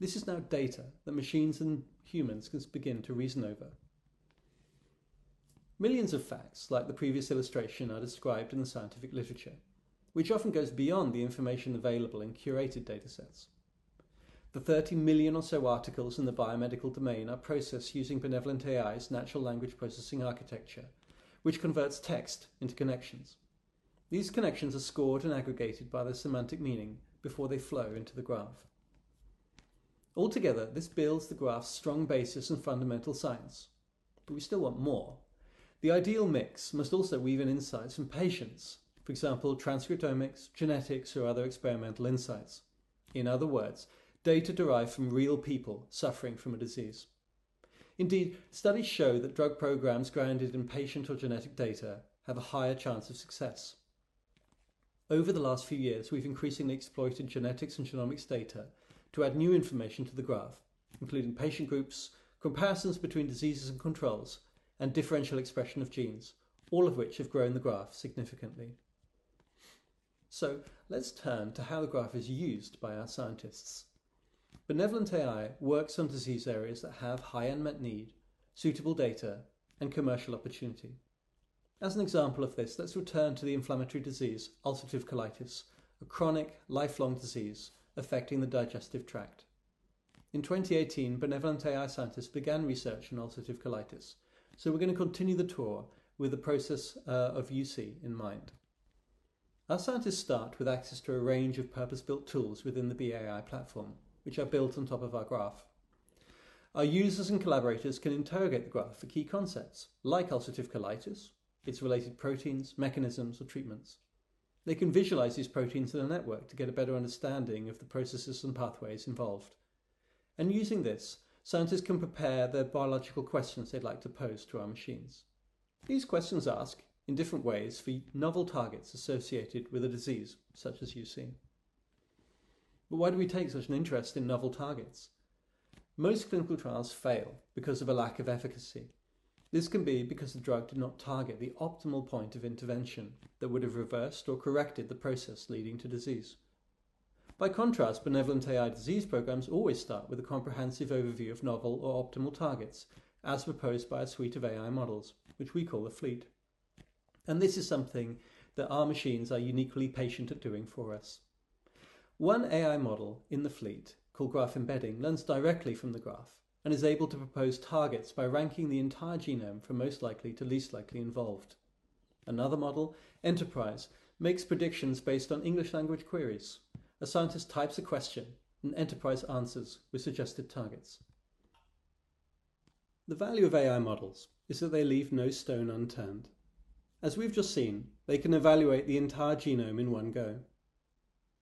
This is now data that machines and humans can begin to reason over. Millions of facts, like the previous illustration, are described in the scientific literature, which often goes beyond the information available in curated datasets. The 30 million or so articles in the biomedical domain are processed using BenevolentAI's natural language processing architecture, which converts text into connections. These connections are scored and aggregated by their semantic meaning before they flow into the graph. Altogether, this builds the graph's strong basis in fundamental science. We still want more. The ideal mix must also weave in insights from patients, for example, transcriptomics, genetics, or other experimental insights. In other words, data derived from real people suffering from a disease. Indeed, studies show that drug programs grounded in patient or genetic data have a higher chance of success. Over the last few years, we've increasingly exploited genetics and genomics data to add new information to the graph, including patient groups, comparisons between diseases and controls, and differential expression of genes, all of which have grown the graph significantly. Let's turn to how the graph is used by our scientists. BenevolentAI works on disease areas that have high unmet need, suitable data, and commercial opportunity. As an example of this, let's return to the inflammatory disease, ulcerative colitis, a chronic lifelong disease affecting the digestive tract. In 2018, BenevolentAI scientists began research on ulcerative colitis, so we're gonna continue the tour with the process, of UC in mind. Our scientists start with access to a range of purpose-built tools within the BAI platform, which are built on top of our graph. Our users and collaborators can interrogate the graph for key concepts like ulcerative colitis, its related proteins, mechanisms or treatments. They can visualize these proteins in a network to get a better understanding of the processes and pathways involved. Using this, scientists can prepare their biological questions they'd like to pose to our machines. These questions ask, in different ways, for novel targets associated with a disease such as UC. But why do we take such an interest in novel targets? Most clinical trials fail because of a lack of efficacy. This can be because the drug did not target the optimal point of intervention that would have reversed or corrected the process leading to disease. By contrast, BenevolentAI disease programs always start with a comprehensive overview of novel or optimal targets, as proposed by a suite of AI models, which we call a fleet. This is something that our machines are uniquely patient at doing for us. One AI model in the fleet, called Graph Embedding, learns directly from the graph and is able to propose targets by ranking the entire genome from most likely to least likely involved. Another model, Enterprise, makes predictions based on English language queries. A scientist types a question, and Enterprise answers with suggested targets. The value of AI models is that they leave no stone unturned. As we've just seen, they can evaluate the entire genome in one go.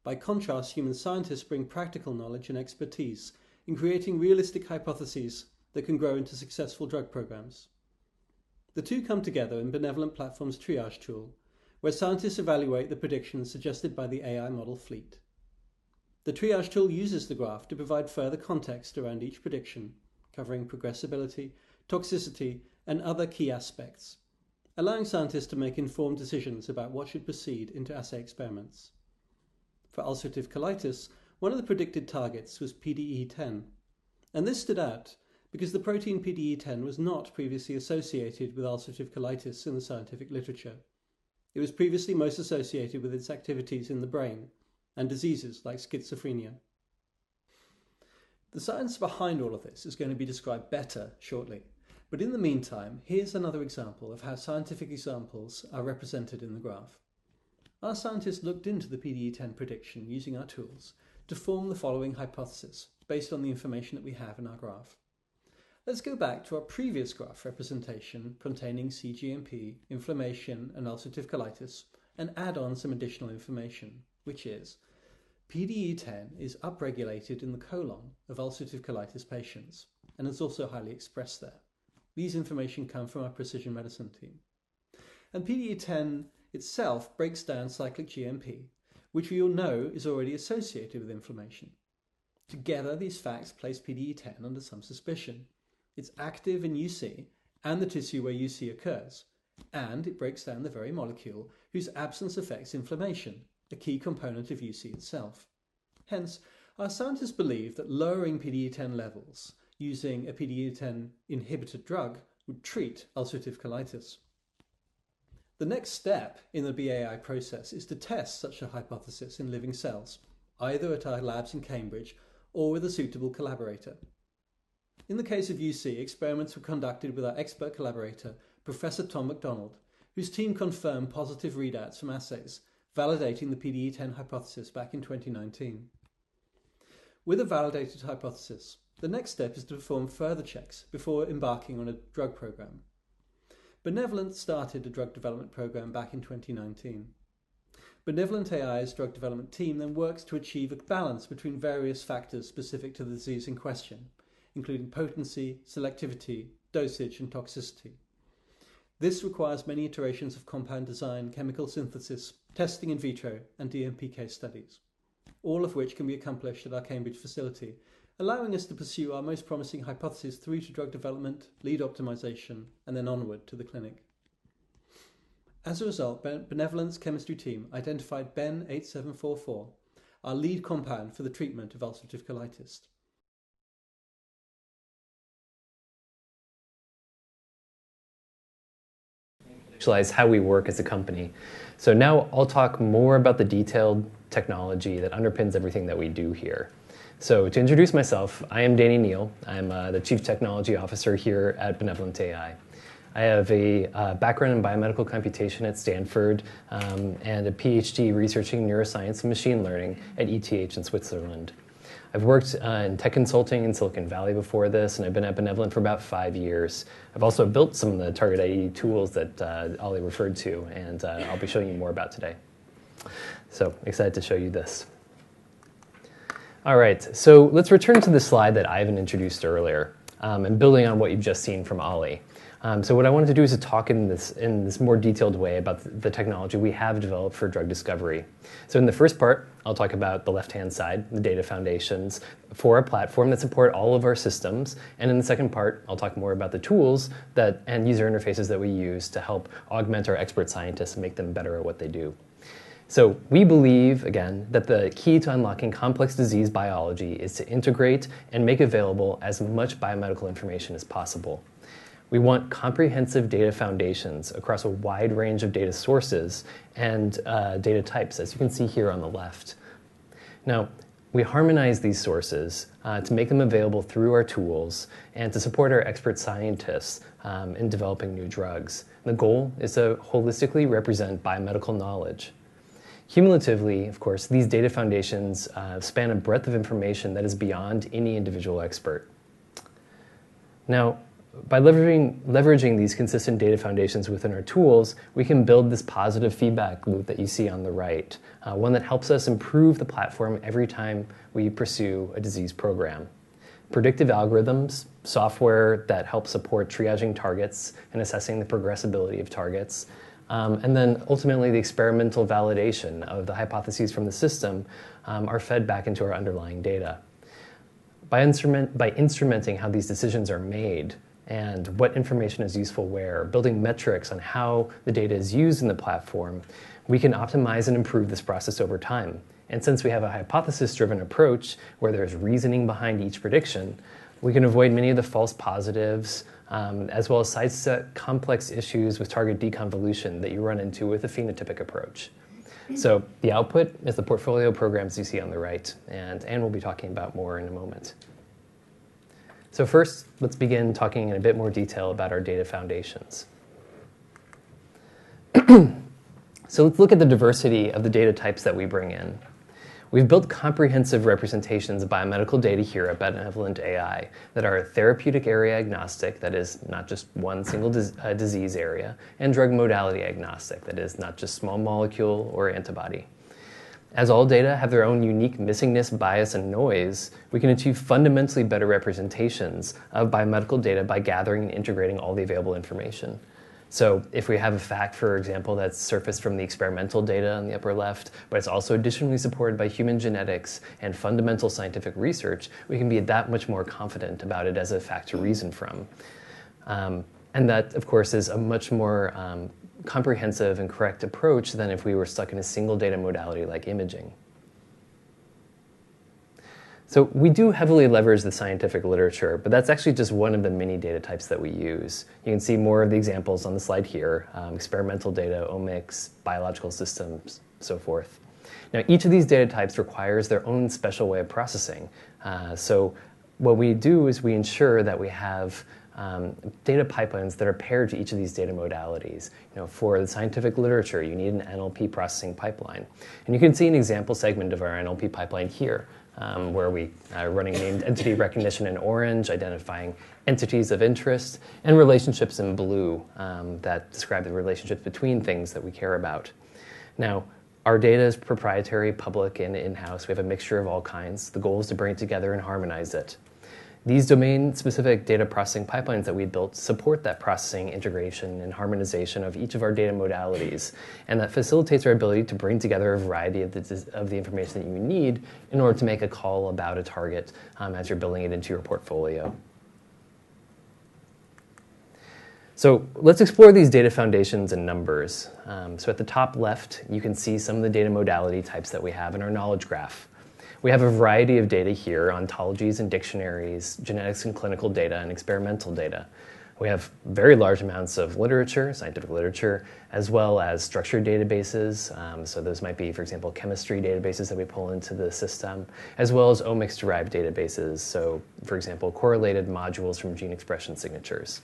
By contrast, human scientists bring practical knowledge and expertise in creating realistic hypotheses that can grow into successful drug programs. The two come together in Benevolent Platform's triage tool, where scientists evaluate the predictions suggested by the AI model fleet. The triage tool uses the graph to provide further context around each prediction, covering progressability, toxicity, and other key aspects, allowing scientists to make informed decisions about what should proceed into assay experiments. For ulcerative colitis, one of the predicted targets was PDE10, and this stood out because the protein PDE10 was not previously associated with ulcerative colitis in the scientific literature. It was previously most associated with its activities in the brain and diseases like schizophrenia. The science behind all of this is gonna be described better shortly, but in the meantime, here's another example of how scientific examples are represented in the graph. Our scientists looked into the PDE10 prediction using our tools to form the following hypothesis based on the information that we have in our graph. Let's go back to our previous graph representation containing cGMP, inflammation, and ulcerative colitis and add on some additional information, which is PDE10 is upregulated in the colon of ulcerative colitis patients and is also highly expressed there. These information come from our precision medicine team. PDE10 itself breaks down cyclic GMP, which we all know is already associated with inflammation. Together, these facts place PDE10 under some suspicion. It's active in UC and the tissue where UC occurs, and it breaks down the very molecule whose absence affects inflammation, a key component of UC itself. Hence, our scientists believe that lowering PDE10 levels using a PDE10 inhibitor drug would treat ulcerative colitis. The next step in the BAI process is to test such a hypothesis in living cells, either at our labs in Cambridge or with a suitable collaborator. In the case of UC, experiments were conducted with our expert collaborator, Professor Tom MacDonald, whose team confirmed positive readouts from assays validating the PDE10 hypothesis back in 2019. With a validated hypothesis, the next step is to perform further checks before embarking on a drug program. Benevolent started a drug development program back in 2019. BenevolentAI's drug development team then works to achieve a balance between various factors specific to the disease in question, including potency, selectivity, dosage, and toxicity. This requires many iterations of compound design, chemical synthesis, testing in vitro, and DMPK studies, all of which can be accomplished at our Cambridge facility, allowing us to pursue our most promising hypothesis through to drug development, lead optimization, and then onward to the clinic. As a result, Benevolent's chemistry team identified BEN-8744, our lead compound for the treatment of ulcerative colitis. Visualize how we work as a company. Now I'll talk more about the detailed technology that underpins everything that we do here. To introduce myself, I am Daniel. I'm the Chief Technology Officer here at BenevolentAI. I have a background in biomedical computation at Stanford, and a PhD researching neuroscience and machine learning at ETH in Switzerland. I've worked in tech consulting in Silicon Valley before this, and I've been at BenevolentAI for about five years. I've also built some of the TargetID tools that Olly referred to and I'll be showing you more about today. Excited to show you this. All right, let's return to the slide that Ivan introduced earlier, and building on what you've just seen from Olly. What I wanted to do is to talk in this more detailed way about the technology we have developed for drug discovery. In the first part, I'll talk about the left-hand side, the data foundations for a platform that support all of our systems. In the second part, I'll talk more about the tools that and user interfaces that we use to help augment our expert scientists and make them better at what they do. We believe, again, that the key to unlocking complex disease biology is to integrate and make available as much biomedical information as possible. We want comprehensive data foundations across a wide range of data sources and data types, as you can see here on the left. Now, we harmonize these sources to make them available through our tools and to support our expert scientists in developing new drugs. The goal is to holistically represent biomedical knowledge. Cumulatively, of course, these data foundations span a breadth of information that is beyond any individual expert. Now, by leveraging these consistent data foundations within our tools, we can build this positive feedback loop that you see on the right, one that helps us improve the platform every time we pursue a disease program. Predictive algorithms, software that helps support triaging targets and assessing the progressibility of targets, and then ultimately, the experimental validation of the hypotheses from the system, are fed back into our underlying data. By instrumenting how these decisions are made and what information is useful where, building metrics on how the data is used in the platform, we can optimize and improve this process over time. Since we have a hypothesis-driven approach where there's reasoning behind each prediction, we can avoid many of the false positives, as well as side-step complex issues with target deconvolution that you run into with a phenotypic approach. The output is the portfolio programs you see on the right, and Anne will be talking about more in a moment. First, let's begin talking in a bit more detail about our data foundations. Let's look at the diversity of the data types that we bring in. We've built comprehensive representations of biomedical data here at BenevolentAI that are therapeutic area agnostic, that is, not just one single disease area, and drug modality agnostic, that is, not just small molecule or antibody. As all data have their own unique missingness, bias, and noise, we can achieve fundamentally better representations of biomedical data by gathering and integrating all the available information. If we have a fact, for example, that's surfaced from the experimental data on the upper left, but it's also additionally supported by human genetics and fundamental scientific research, we can be that much more confident about it as a fact to reason from. That, of course, is a much more comprehensive and correct approach than if we were stuck in a single data modality like imaging. We do heavily leverage the scientific literature, but that's actually just one of the many data types that we use. You can see more of the examples on the slide here, experimental data, omics, biological systems, so forth. Each of these data types requires their own special way of processing. What we do is we ensure that we have data pipelines that are paired to each of these data modalities. You know, for the scientific literature, you need an NLP processing pipeline. You can see an example segment of our NLP pipeline here, where we are running named entity recognition in orange, identifying entities of interest and relationships in blue, that describe the relationships between things that we care about. Our data is proprietary, public, and in-house. We have a mixture of all kinds. The goal is to bring it together and harmonize it. These domain-specific data processing pipelines that we built support that processing integration and harmonization of each of our data modalities, and that facilitates our ability to bring together a variety of the information that you need in order to make a call about a target, as you're building it into your portfolio. Let's explore these data foundations and numbers. At the top left, you can see some of the data modality types that we have in our knowledge graph. We have a variety of data here, ontologies and dictionaries, genetics and clinical data, and experimental data. We have very large amounts of literature, scientific literature, as well as structured databases. Those might be, for example, chemistry databases that we pull into the system, as well as omics-derived databases. For example, correlated modules from gene expression signatures.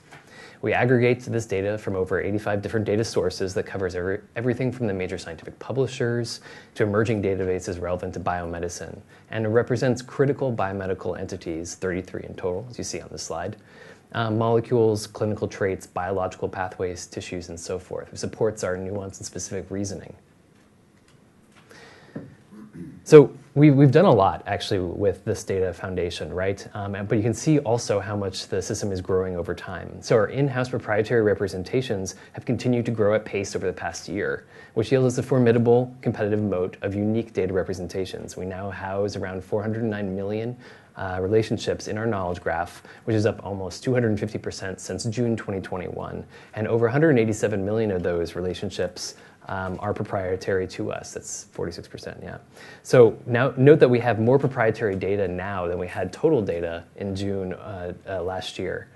We aggregate this data from over 85 different data sources that covers everything from the major scientific publishers to emerging databases relevant to biomedicine, and it represents critical biomedical entities, 33 in total, as you see on this slide. Molecules, clinical traits, biological pathways, tissues, and so forth. It supports our nuanced and specific reasoning. We've done a lot actually with this data foundation, right? You can see also how much the system is growing over time. Our in-house proprietary representations have continued to grow at pace over the past year, which yields a formidable competitive moat of unique data representations. We now house around 409 million relationships in our knowledge graph, which is up almost 250% since June 2021. Over 187 million of those relationships are proprietary to us. That's 46%. Yeah. Now note that we have more proprietary data now than we had total data in June last year.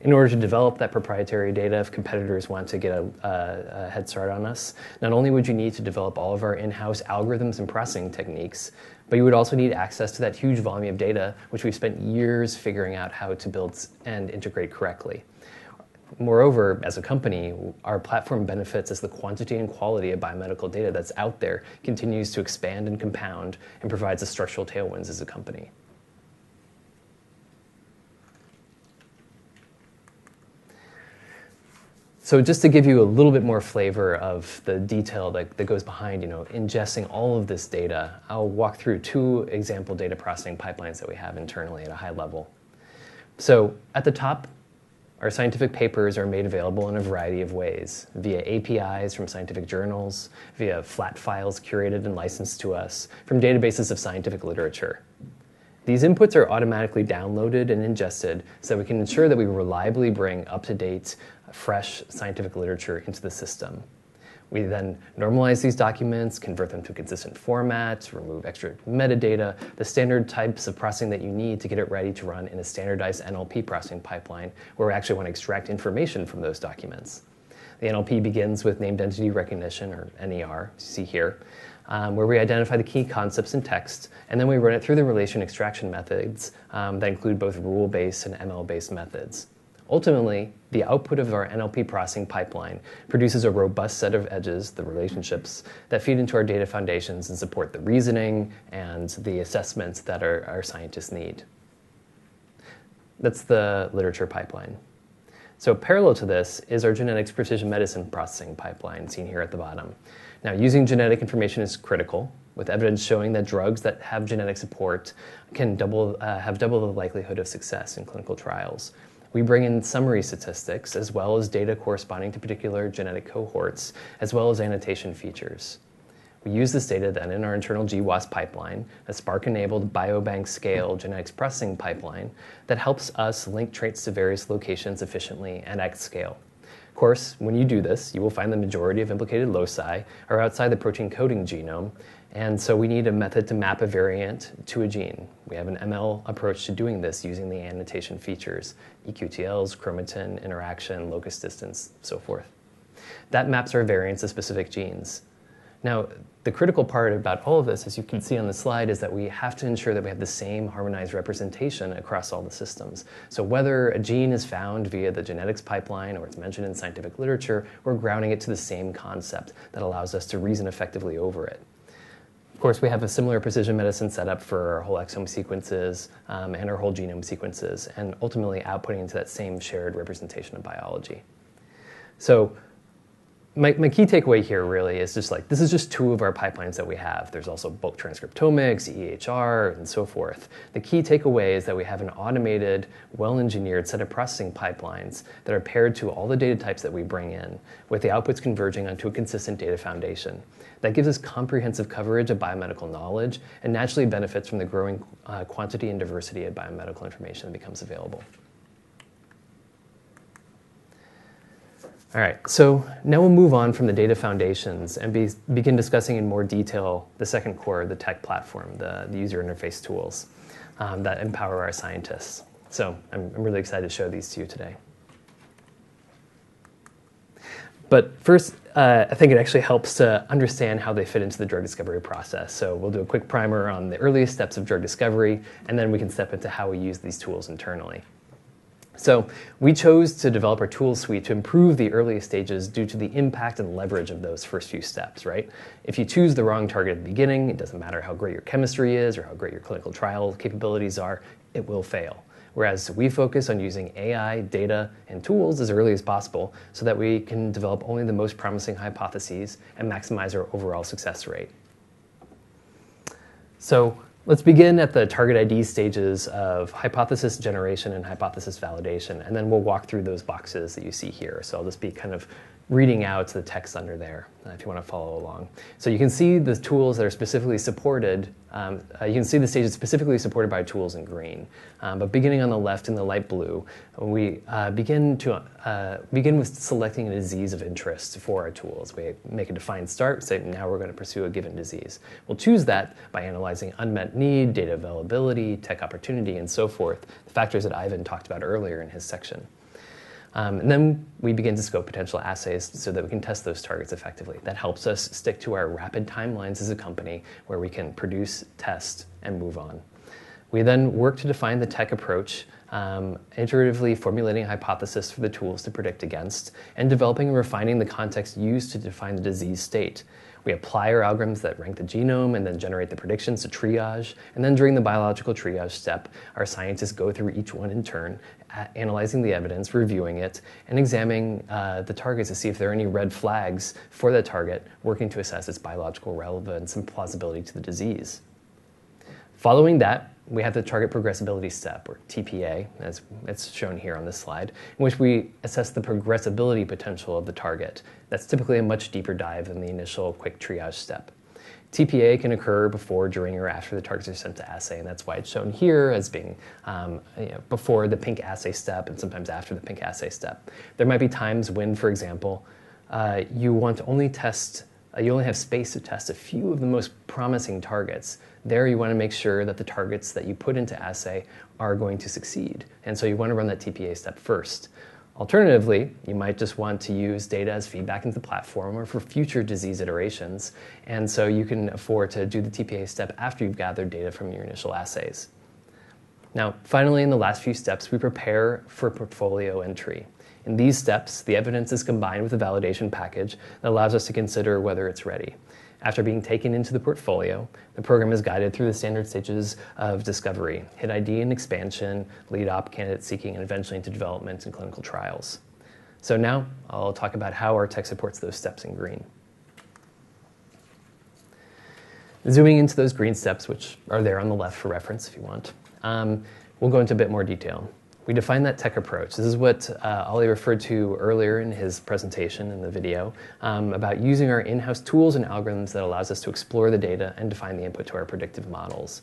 In order to develop that proprietary data if competitors want to get a head start on us, not only would you need to develop all of our in-house algorithms and processing techniques, but you would also need access to that huge volume of data, which we've spent years figuring out how to build and integrate correctly. Moreover, as a company, our platform benefits as the quantity and quality of biomedical data that's out there continues to expand and compound and provides us structural tailwinds as a company. Just to give you a little bit more flavor of the detail that goes behind, you know, ingesting all of this data, I'll walk through two example data processing pipelines that we have internally at a high level. At the top, our scientific papers are made available in a variety of ways, via APIs from scientific journals, via flat files curated and licensed to us from databases of scientific literature. These inputs are automatically downloaded and ingested so we can ensure that we reliably bring up-to-date, fresh scientific literature into the system. We then normalize these documents, convert them to a consistent format, remove extra metadata, the standard types of processing that you need to get it ready to run in a standardized NLP processing pipeline, where we actually wanna extract information from those documents. The NLP begins with named entity recognition, or NER, you see here, where we identify the key concepts and texts, and then we run it through the relation extraction methods, that include both rule-based and ML-based methods. Ultimately, the output of our NLP processing pipeline produces a robust set of edges, the relationships that feed into our data foundations and support the reasoning and the assessments that our scientists need. That's the literature pipeline. Parallel to this is our genetics precision medicine processing pipeline seen here at the bottom. Now, using genetic information is critical, with evidence showing that drugs that have genetic support can have double the likelihood of success in clinical trials. We bring in summary statistics as well as data corresponding to particular genetic cohorts, as well as annotation features. We use this data then in our internal GWAS pipeline, a Spark-enabled biobank scale genetics processing pipeline that helps us link traits to various locations efficiently and at scale. Of course, when you do this, you will find the majority of implicated loci are outside the protein coding genome, and so we need a method to map a variant to a gene. We have an ML approach to doing this using the annotation features, eQTLs, chromatin interaction, locus distance, so forth. That maps our variants to specific genes. Now, the critical part about all of this, as you can see on the slide, is that we have to ensure that we have the same harmonized representation across all the systems. Whether a gene is found via the genetics pipeline or it's mentioned in scientific literature, we're grounding it to the same concept that allows us to reason effectively over it. Of course, we have a similar precision medicine set up for our whole exome sequences, and our whole genome sequences, and ultimately outputting into that same shared representation of biology. My key takeaway here really is just like this is just two of our pipelines that we have. There's also bulk transcriptomics, EHR, and so forth. The key takeaway is that we have an automated, well-engineered set of processing pipelines that are paired to all the data types that we bring in, with the outputs converging onto a consistent data foundation that gives us comprehensive coverage of biomedical knowledge and naturally benefits from the growing quantity and diversity of biomedical information that becomes available. All right, now we'll move on from the data foundations and begin discussing in more detail the second core, the tech platform, the user interface tools that empower our scientists. I'm really excited to show these to you today. But first, I think it actually helps to understand how they fit into the drug discovery process. We'll do a quick primer on the earliest steps of drug discovery, and then we can step into how we use these tools internally. We chose to develop our tool suite to improve the earliest stages due to the impact and leverage of those first few steps, right? If you choose the wrong target at the beginning, it doesn't matter how great your chemistry is or how great your clinical trial capabilities are, it will fail. Whereas we focus on using AI, data, and tools as early as possible so that we can develop only the most promising hypotheses and maximize our overall success rate. Let's begin at the target ID stages of hypothesis generation and hypothesis validation, and then we'll walk through those boxes that you see here. I'll just be kind of reading out the text under there, if you wanna follow along. You can see the tools that are specifically supported, you can see the stages specifically supported by tools in green. Beginning on the left in the light blue, we begin with selecting a disease of interest for our tools. We make a defined start, stating how we're gonna pursue a given disease. We'll choose that by analyzing unmet need, data availability, tech opportunity, and so forth, the factors that Ivan talked about earlier in his section. We begin to scope potential assays so that we can test those targets effectively. That helps us stick to our rapid timelines as a company, where we can produce, test, and move on. We work to define the tech approach, iteratively formulating a hypothesis for the tools to predict against and developing and refining the context used to define the disease state. We apply our algorithms that rank the genome and then generate the predictions to triage, and then during the biological triage step, our scientists go through each one in turn, analyzing the evidence, reviewing it, and examining the targets to see if there are any red flags for that target, working to assess its biological relevance and plausibility to the disease. Following that, we have the target progressability step, or TPA, as it's shown here on this slide, in which we assess the progressability potential of the target. That's typically a much deeper dive than the initial quick triage step. TPA can occur before, during, or after the targets are sent to assay, and that's why it's shown here as being before the pink assay step and sometimes after the pink assay step. There might be times when, for example, you want to only test. You only have space to test a few of the most promising targets. There, you wanna make sure that the targets that you put into assay are going to succeed, and so you wanna run that TPA step first. Alternatively, you might just want to use data as feedback into the platform or for future disease iterations, and so you can afford to do the TPA step after you've gathered data from your initial assays. Now, finally, in the last few steps, we prepare for portfolio entry. In these steps, the evidence is combined with a validation package that allows us to consider whether it's ready. After being taken into the portfolio, the program is guided through the standard stages of discovery, hit ID and expansion, lead op candidate seeking, and eventually into development and clinical trials. Now I'll talk about how our tech supports those steps in green. Zooming into those green steps, which are there on the left for reference if you want, we'll go into a bit more detail. We define that tech approach. This is what Olly referred to earlier in his presentation in the video, about using our in-house tools and algorithms that allows us to explore the data and define the input to our predictive models.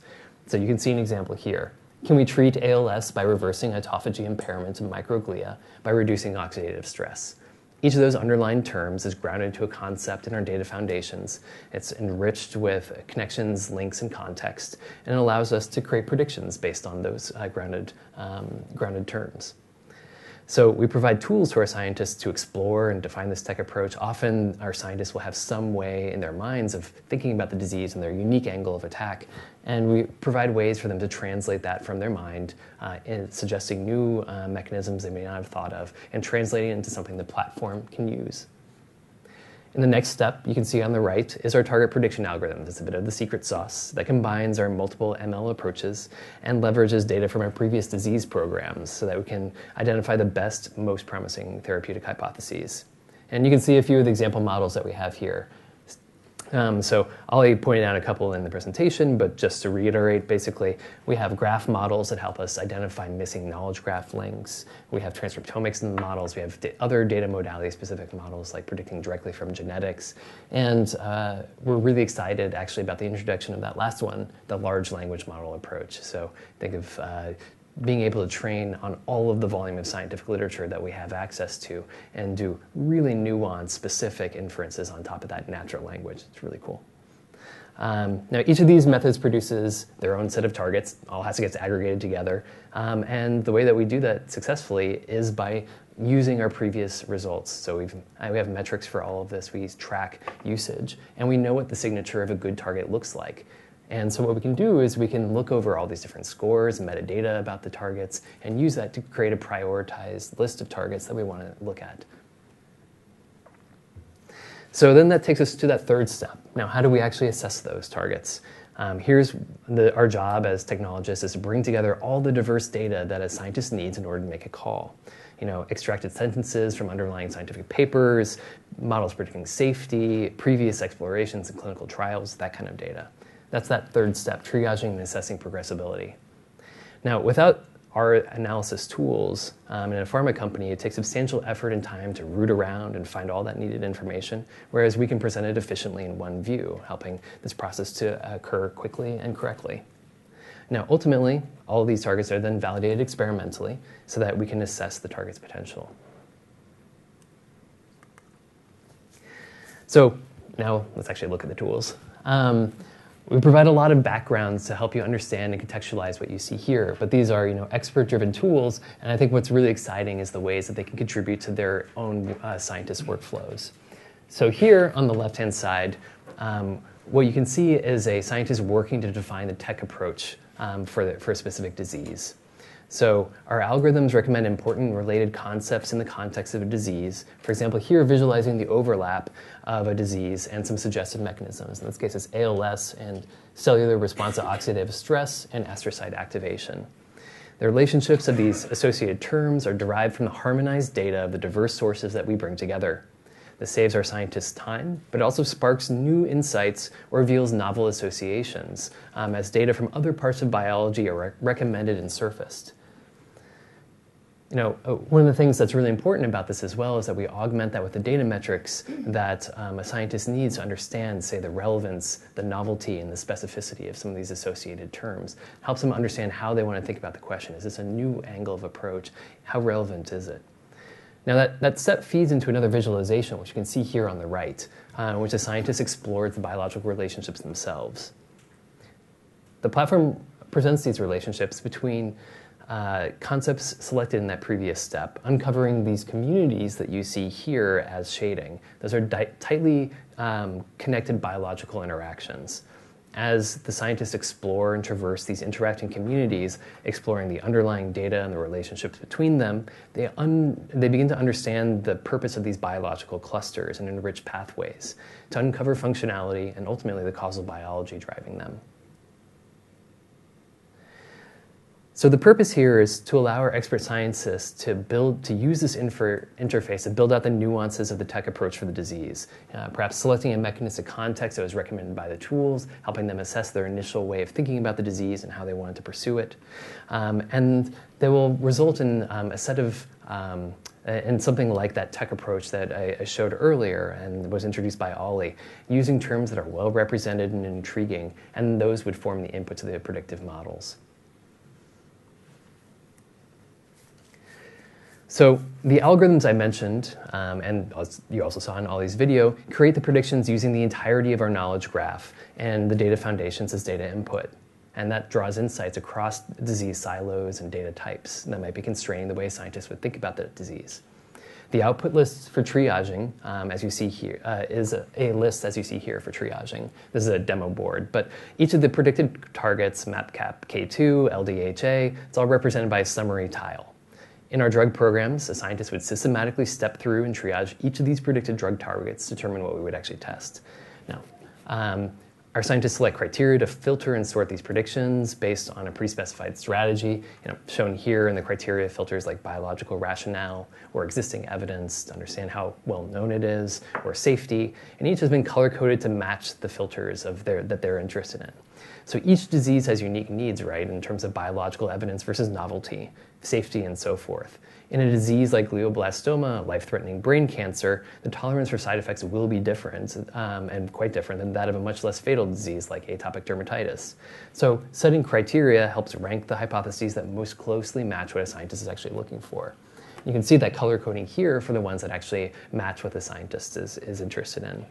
You can see an example here. Can we treat ALS by reversing autophagy impairment in microglia by reducing oxidative stress? Each of those underlined terms is grounded to a concept in our data foundations. It's enriched with connections, links, and context, and it allows us to create predictions based on those grounded terms. We provide tools to our scientists to explore and define this tech approach. Often, our scientists will have some way in their minds of thinking about the disease and their unique angle of attack, and we provide ways for them to translate that from their mind in suggesting new mechanisms they may not have thought of and translating into something the platform can use. In the next step, you can see on the right is our target prediction algorithm. It's a bit of the secret sauce that combines our multiple ML approaches and leverages data from our previous disease programs, so that we can identify the best, most promising therapeutic hypotheses. You can see a few of the example models that we have here. Olly pointed out a couple in the presentation, but just to reiterate, basically, we have graph models that help us identify missing knowledge graph links. We have transcriptomics in the models. We have other data modality-specific models, like predicting directly from genetics. We're really excited actually about the introduction of that last one, the large language model approach. Think of being able to train on all of the volume of scientific literature that we have access to and do really nuanced, specific inferences on top of that natural language. It's really cool. Now each of these methods produces their own set of targets. It all has to get aggregated together. The way that we do that successfully is by using our previous results. We have metrics for all of this. We track usage, and we know what the signature of a good target looks like. What we can do is we can look over all these different scores and metadata about the targets and use that to create a prioritized list of targets that we wanna look at. That takes us to that third step. Now, how do we actually assess those targets? Our job as technologists is to bring together all the diverse data that a scientist needs in order to make a call. You know, extracted sentences from underlying scientific papers, models predicting safety, previous explorations and clinical trials, that kind of data. That's that third step, triaging and assessing progressibility. Now, without our analysis tools, in a pharma company, it takes substantial effort and time to root around and find all that needed information, whereas we can present it efficiently in one view, helping this process to occur quickly and correctly. Now, ultimately, all of these targets are then validated experimentally so that we can assess the target's potential. Now let's actually look at the tools. We provide a lot of backgrounds to help you understand and contextualize what you see here, but these are, you know, expert-driven tools, and I think what's really exciting is the ways that they can contribute to their own scientist workflows. Here on the left-hand side, what you can see is a scientist working to define the tech approach for a specific disease. Our algorithms recommend important related concepts in the context of a disease. For example, here, visualizing the overlap of a disease and some suggestive mechanisms. In this case, it's ALS and cellular response to oxidative stress and astrocyte activation. The relationships of these associated terms are derived from the harmonized data of the diverse sources that we bring together. This saves our scientists time, but it also sparks new insights or reveals novel associations, as data from other parts of biology are recommended and surfaced. You know, one of the things that's really important about this as well is that we augment that with the data metrics that, a scientist needs to understand, say, the relevance, the novelty, and the specificity of some of these associated terms. Helps them understand how they wanna think about the question. Is this a new angle of approach? How relevant is it? Now, that set feeds into another visualization, which you can see here on the right, in which the scientists explore the biological relationships themselves. The platform presents these relationships between concepts selected in that previous step, uncovering these communities that you see here as shading. Those are tightly connected biological interactions. As the scientists explore and traverse these interacting communities, exploring the underlying data and the relationships between them, they begin to understand the purpose of these biological clusters and enrich pathways to uncover functionality and ultimately the causal biology driving them. The purpose here is to allow our expert scientists to use this interfaced to build out the nuances of the tech approach for the disease. Perhaps selecting a mechanistic context that was recommended by the tools, helping them assess their initial way of thinking about the disease and how they wanted to pursue it. They will result in a set of something like that tech approach that I showed earlier and was introduced by Olly, using terms that are well-represented and intriguing, and those would form the input to the predictive models. The algorithms I mentioned, you also saw in Olly's video, create the predictions using the entirety of our knowledge graph and the data foundations as data input, and that draws insights across disease silos and data types that might be constraining the way a scientist would think about the disease. The output lists for triaging, as you see here, is a list as you see here for triaging. This is a demo board. Each of the predicted targets, MAPKAPK2, LDHA, it's all represented by a summary tile. In our drug programs, a scientist would systematically step through and triage each of these predicted drug targets to determine what we would actually test. Now, our scientists select criteria to filter and sort these predictions based on a pre-specified strategy. You know, shown here in the criteria filters like biological rationale or existing evidence to understand how well known it is or safety, and each has been color-coded to match the filters that they're interested in. Each disease has unique needs, right, in terms of biological evidence versus novelty, safety, and so forth. In a disease like glioblastoma, a life-threatening brain cancer, the tolerance for side effects will be different, and quite different than that of a much less fatal disease like atopic dermatitis. Setting criteria helps rank the hypotheses that most closely match what a scientist is actually looking for. You can see that color coding here for the ones that actually match what the scientist is interested in.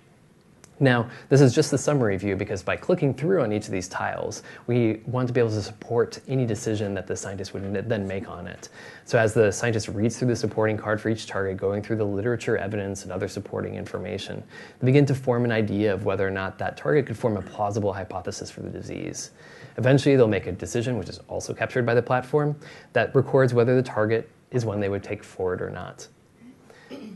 Now, this is just the summary view because by clicking through on each of these tiles, we want to be able to support any decision that the scientist would then make on it. So as the scientist reads through the supporting card for each target, going through the literature evidence and other supporting information, they begin to form an idea of whether or not that target could form a plausible hypothesis for the disease. Eventually, they'll make a decision, which is also captured by the platform, that records whether the target is one they would take forward or not.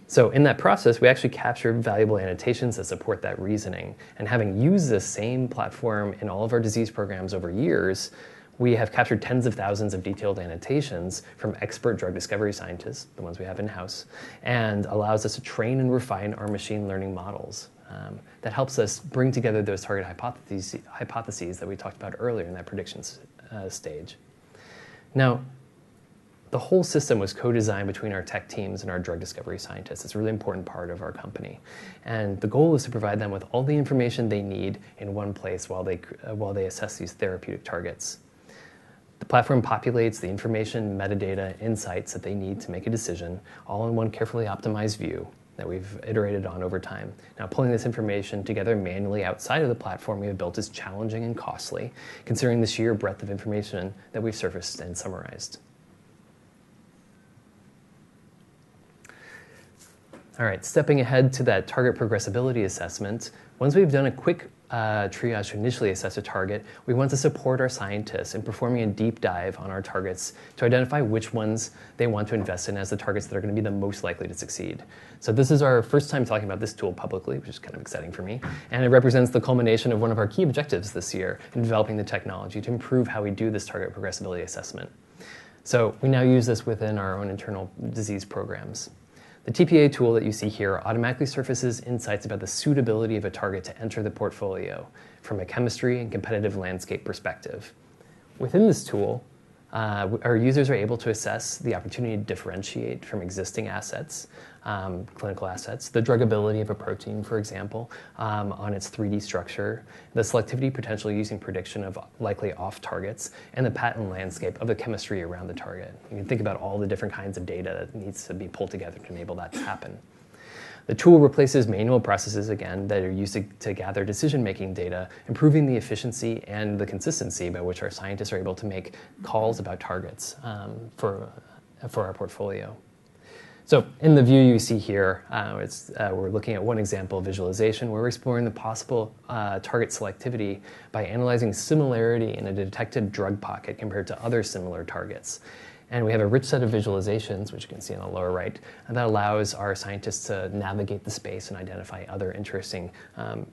So in that process, we actually captured valuable annotations that support that reasoning. Having used this same platform in all of our disease programs over years, we have captured tens of thousands of detailed annotations from expert drug discovery scientists, the ones we have in-house, and allows us to train and refine our machine learning models, that helps us bring together those target hypotheses that we talked about earlier in that predictions stage. Now, the whole system was co-designed between our tech teams and our drug discovery scientists. It's a really important part of our company. The goal is to provide them with all the information they need in one place while they assess these therapeutic targets. The platform populates the information, metadata, insights that they need to make a decision, all in one carefully optimized view that we've iterated on over time. Now, pulling this information together manually outside of the platform we have built is challenging and costly considering the sheer breadth of information that we've surfaced and summarized. All right. Stepping ahead to that target progressability assessment. Once we've done a quick triage to initially assess a target, we want to support our scientists in performing a deep dive on our targets to identify which ones they want to invest in as the targets that are gonna be the most likely to succeed. This is our first time talking about this tool publicly, which is kind of exciting for me, and it represents the culmination of one of our key objectives this year in developing the technology to improve how we do this target progressability assessment. We now use this within our own internal disease programs. The TPA tool that you see here automatically surfaces insights about the suitability of a target to enter the portfolio from a chemistry and competitive landscape perspective. Within this tool, our users are able to assess the opportunity to differentiate from existing assets, clinical assets, the drug ability of a protein, for example, on its 3-D structure, the selectivity potential using prediction of likely off targets, and the patent landscape of the chemistry around the target. You can think about all the different kinds of data that needs to be pulled together to enable that to happen. The tool replaces manual processes again that are used to gather decision-making data, improving the efficiency and the consistency by which our scientists are able to make calls about targets, for our portfolio. In the view you see here, it's, we're looking at one example of visualization where we're exploring the possible, target selectivity by analyzing similarity in a detected drug pocket compared to other similar targets. We have a rich set of visualizations, which you can see on the lower right, and that allows our scientists to navigate the space and identify other interesting,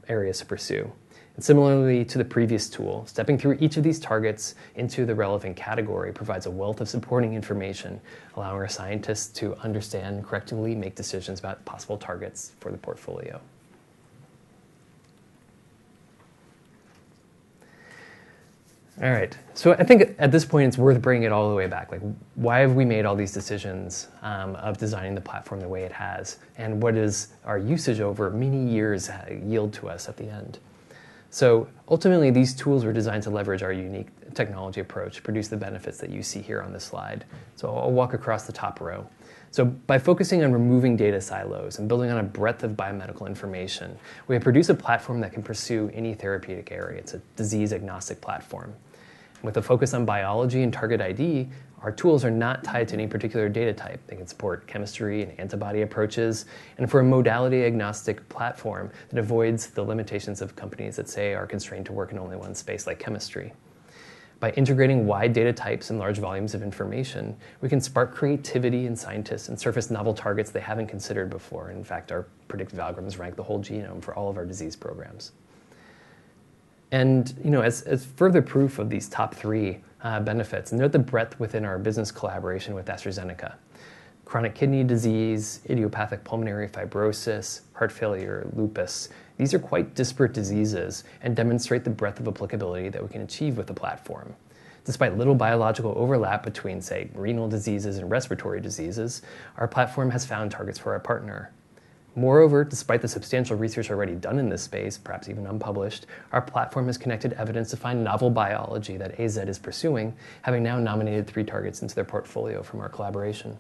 areas to pursue. Similarly to the previous tool, stepping through each of these targets into the relevant category provides a wealth of supporting information, allowing our scientists to understand and correctly make decisions about possible targets for the portfolio. All right, I think at this point it's worth bringing it all the way back. Like, why have we made all these decisions of designing the platform the way it has, and what is our usage over many years yield to us at the end? Ultimately, these tools were designed to leverage our unique technology approach, produce the benefits that you see here on this slide. I'll walk across the top row. By focusing on removing data silos and building on a breadth of biomedical information, we have produced a platform that can pursue any therapeutic area. It's a disease-agnostic platform. With a focus on biology and target ID, our tools are not tied to any particular data type. They can support chemistry and antibody approaches, and for a modality-agnostic platform that avoids the limitations of companies that, say, are constrained to work in only one space, like chemistry. By integrating wide data types and large volumes of information, we can spark creativity in scientists and surface novel targets they haven't considered before. In fact, our predictive algorithms rank the whole genome for all of our disease programs. You know, as further proof of these top three benefits, note the breadth within our business collaboration with AstraZeneca. Chronic kidney disease, idiopathic pulmonary fibrosis, heart failure, lupus. These are quite disparate diseases and demonstrate the breadth of applicability that we can achieve with the platform. Despite little biological overlap between, say, renal diseases and respiratory diseases, our platform has found targets for our partner. Moreover, despite the substantial research already done in this space, perhaps even unpublished, our platform has connected evidence to find novel biology that AZ is pursuing, having now nominated three targets into their portfolio from our collaboration.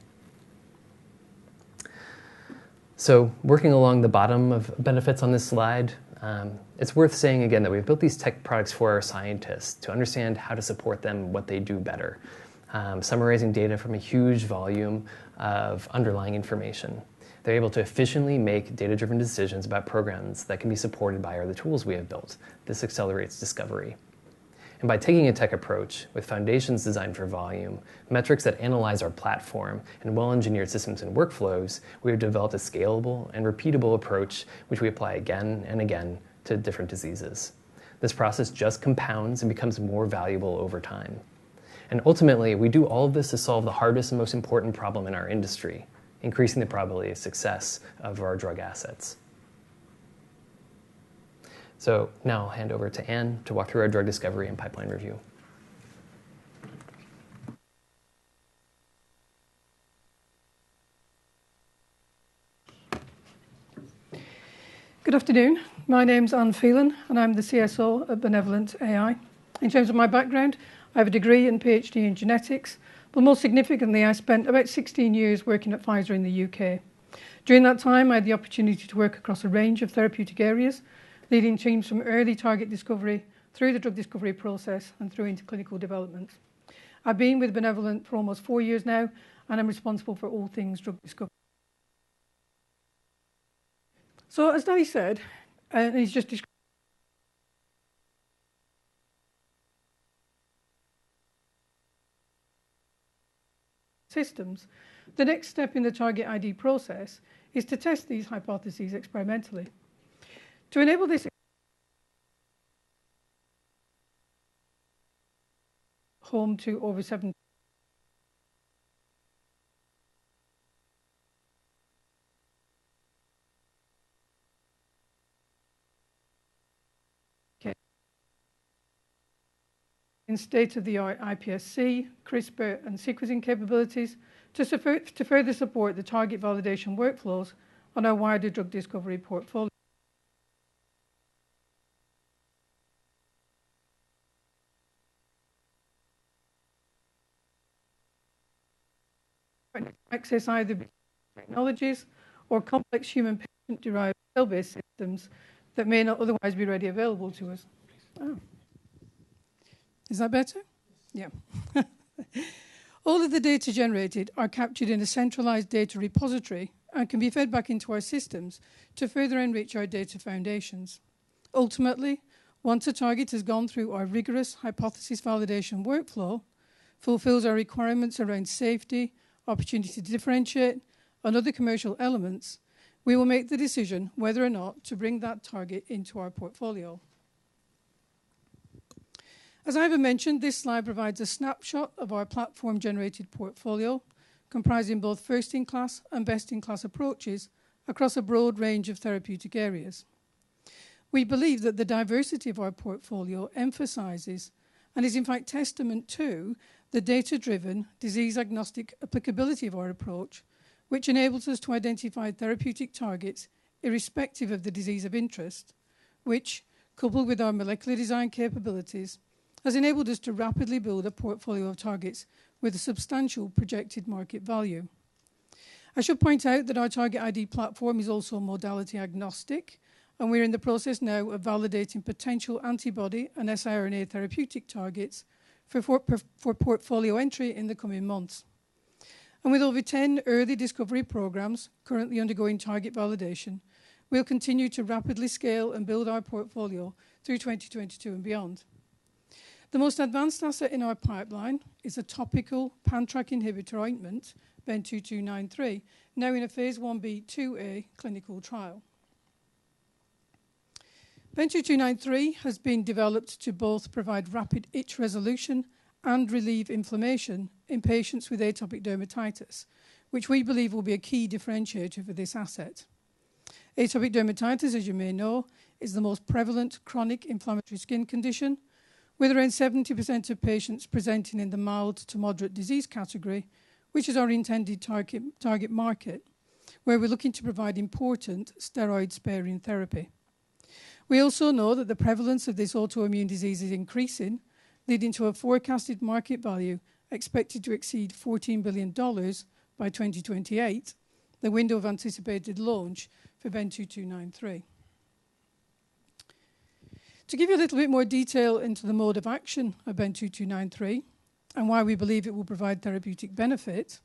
Working along the bottom of benefits on this slide, it's worth saying again that we've built these tech products for our scientists to understand how to support them, what they do better. Summarizing data from a huge volume of underlying information, they're able to efficiently make data-driven decisions about programs that can be supported by all the tools we have built. This accelerates discovery. By taking a tech approach with foundations designed for volume, metrics that analyze our platform, and well-engineered systems and workflows, we have developed a scalable and repeatable approach which we apply again and again to different diseases. This process just compounds and becomes more valuable over time. Ultimately, we do all of this to solve the hardest and most important problem in our industry, increasing the probability of success of our drug assets. Now I'll hand over to Anne to walk through our drug discovery and pipeline review. Good afternoon. My name's Anne Phelan, and I'm the CSO at BenevolentAI. In terms of my background, I have a degree and PhD in genetics, but more significantly, I spent about 16 years working at Pfizer in the U.K. During that time, I had the opportunity to work across a range of therapeutic areas, leading teams from early target discovery through the drug discovery process and through into clinical development. I've been with BenevolentAI for almost four years now, and I'm responsible for all things drug discovey. As Danny said, and he's just described systems. The next step in the target ID process is to test these hypotheses experimentally. To enable this home to over seven state-of-the-art iPSC, CRISPR, and sequencing capabilities to further support the target validation workflows on our wider drug discovery portfolio. Access either technologies or complex human patient-derived cell-based systems that may not otherwise be readily available to us. Oh. Is that better? Yes. Yeah. All of the data generated are captured in a centralized data repository and can be fed back into our systems to further enrich our data foundations. Ultimately, once a target has gone through our rigorous hypothesis validation workflow, fulfills our requirements around safety, opportunity to differentiate, and other commercial elements, we will make the decision whether or not to bring that target into our portfolio. As Ivan mentioned, this slide provides a snapshot of our platform-generated portfolio, comprising both first-in-class and best-in-class approaches across a broad range of therapeutic areas. We believe that the diversity of our portfolio emphasizes, and is in fact testament to, the data-driven, disease-agnostic applicability of our approach, which enables us to identify therapeutic targets irrespective of the disease of interest, which, coupled with our molecular design capabilities, has enabled us to rapidly build a portfolio of targets with a substantial projected market value. I should point out that our target ID platform is also modality-agnostic, and we're in the process now of validating potential antibody and siRNA therapeutic targets for portfolio entry in the coming months. With over 10 early discovery programs currently undergoing target validation, we'll continue to rapidly scale and build our portfolio through 2022 and beyond. The most advanced asset in our pipeline is a topical pan-Trk inhibitor ointment, BEN-2293, now in a Phase I-B, II-A clinical trial. BEN-2293 has been developed to both provide rapid itch resolution and relieve inflammation in patients with atopic dermatitis, which we believe will be a key differentiator for this asset. Atopic dermatitis, as you may know, is the most prevalent chronic inflammatory skin condition, with around 70% of patients presenting in the mild-to-moderate disease category, which is our intended target market, where we're looking to provide important steroid-sparing therapy. We also know that the prevalence of this autoimmune disease is increasing, leading to a forecasted market value expected to exceed $14 billion by 2028, the window of anticipated launch for BEN-2293. To give you a little bit more detail into the mode of action of BEN-2293 and why we believe it will provide therapeutic benefit,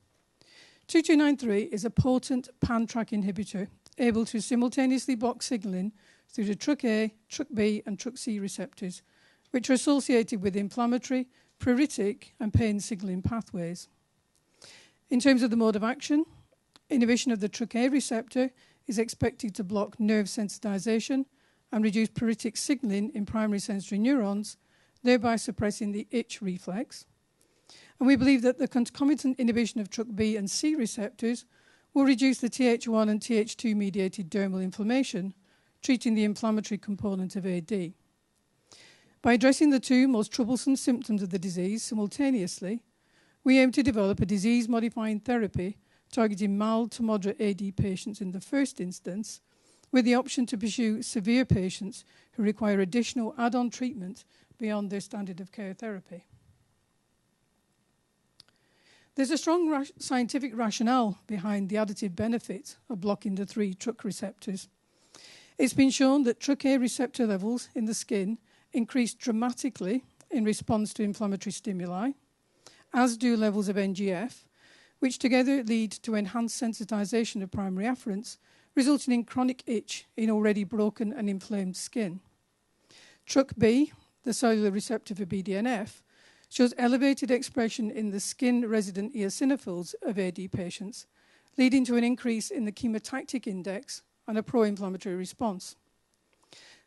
2293 is a potent pan-Trk inhibitor, able to simultaneously block signaling through the TrkA, TrkB, and TrkC receptors, which are associated with inflammatory, pruritic, and pain signaling pathways. In terms of the mode of action, inhibition of the TrkA receptor is expected to block nerve sensitization and reduce pruritic signaling in primary sensory neurons, thereby suppressing the itch reflex. We believe that the concomitant inhibition of TrkB and C receptors will reduce the Th1 and Th2-mediated dermal inflammation, treating the inflammatory component of AD. By addressing the two most troublesome symptoms of the disease simultaneously, we aim to develop a disease-modifying therapy targeting mild to moderate AD patients in the first instance, with the option to pursue severe patients who require additional add-on treatment beyond their standard of care therapy. There's a strong scientific rationale behind the additive benefit of blocking the three Trk receptors. It's been shown that TrkA receptor levels in the skin increase dramatically in response to inflammatory stimuli, as do levels of NGF, which together lead to enhanced sensitization of primary afferents, resulting in chronic itch in already broken and inflamed skin. TrkB, the cellular receptor for BDNF, shows elevated expression in the skin-resident eosinophils of AD patients, leading to an increase in the chemotactic index and a pro-inflammatory response.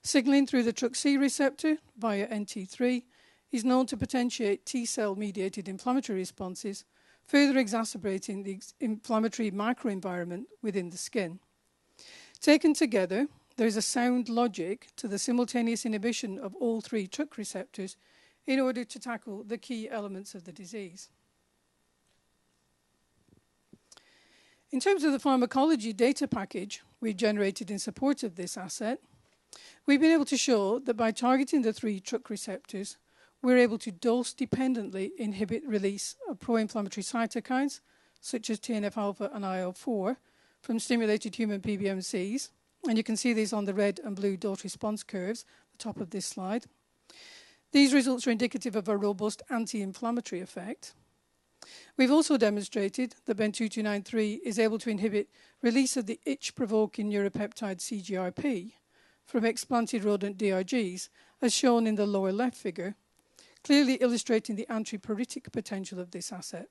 Signaling through the TrkC receptor via NT3 is known to potentiate T cell-mediated inflammatory responses, further exacerbating the inflammatory microenvironment within the skin. Taken together, there is a sound logic to the simultaneous inhibition of all three Trk receptors in order to tackle the key elements of the disease. In terms of the pharmacology data package we've generated in support of this asset, we've been able to show that by targeting the three Trk receptors, we're able to dose-dependently inhibit release of pro-inflammatory cytokines, such as TNF alpha and IL-4, from stimulated human PBMCs, and you can see these on the red and blue dot response curves at the top of this slide. These results are indicative of a robust anti-inflammatory effect. We've also demonstrated that BEN-2293 is able to inhibit release of the itch-provoking neuropeptide CGRP from explanted rodent DRGs, as shown in the lower left figure, clearly illustrating the antipruritic potential of this asset.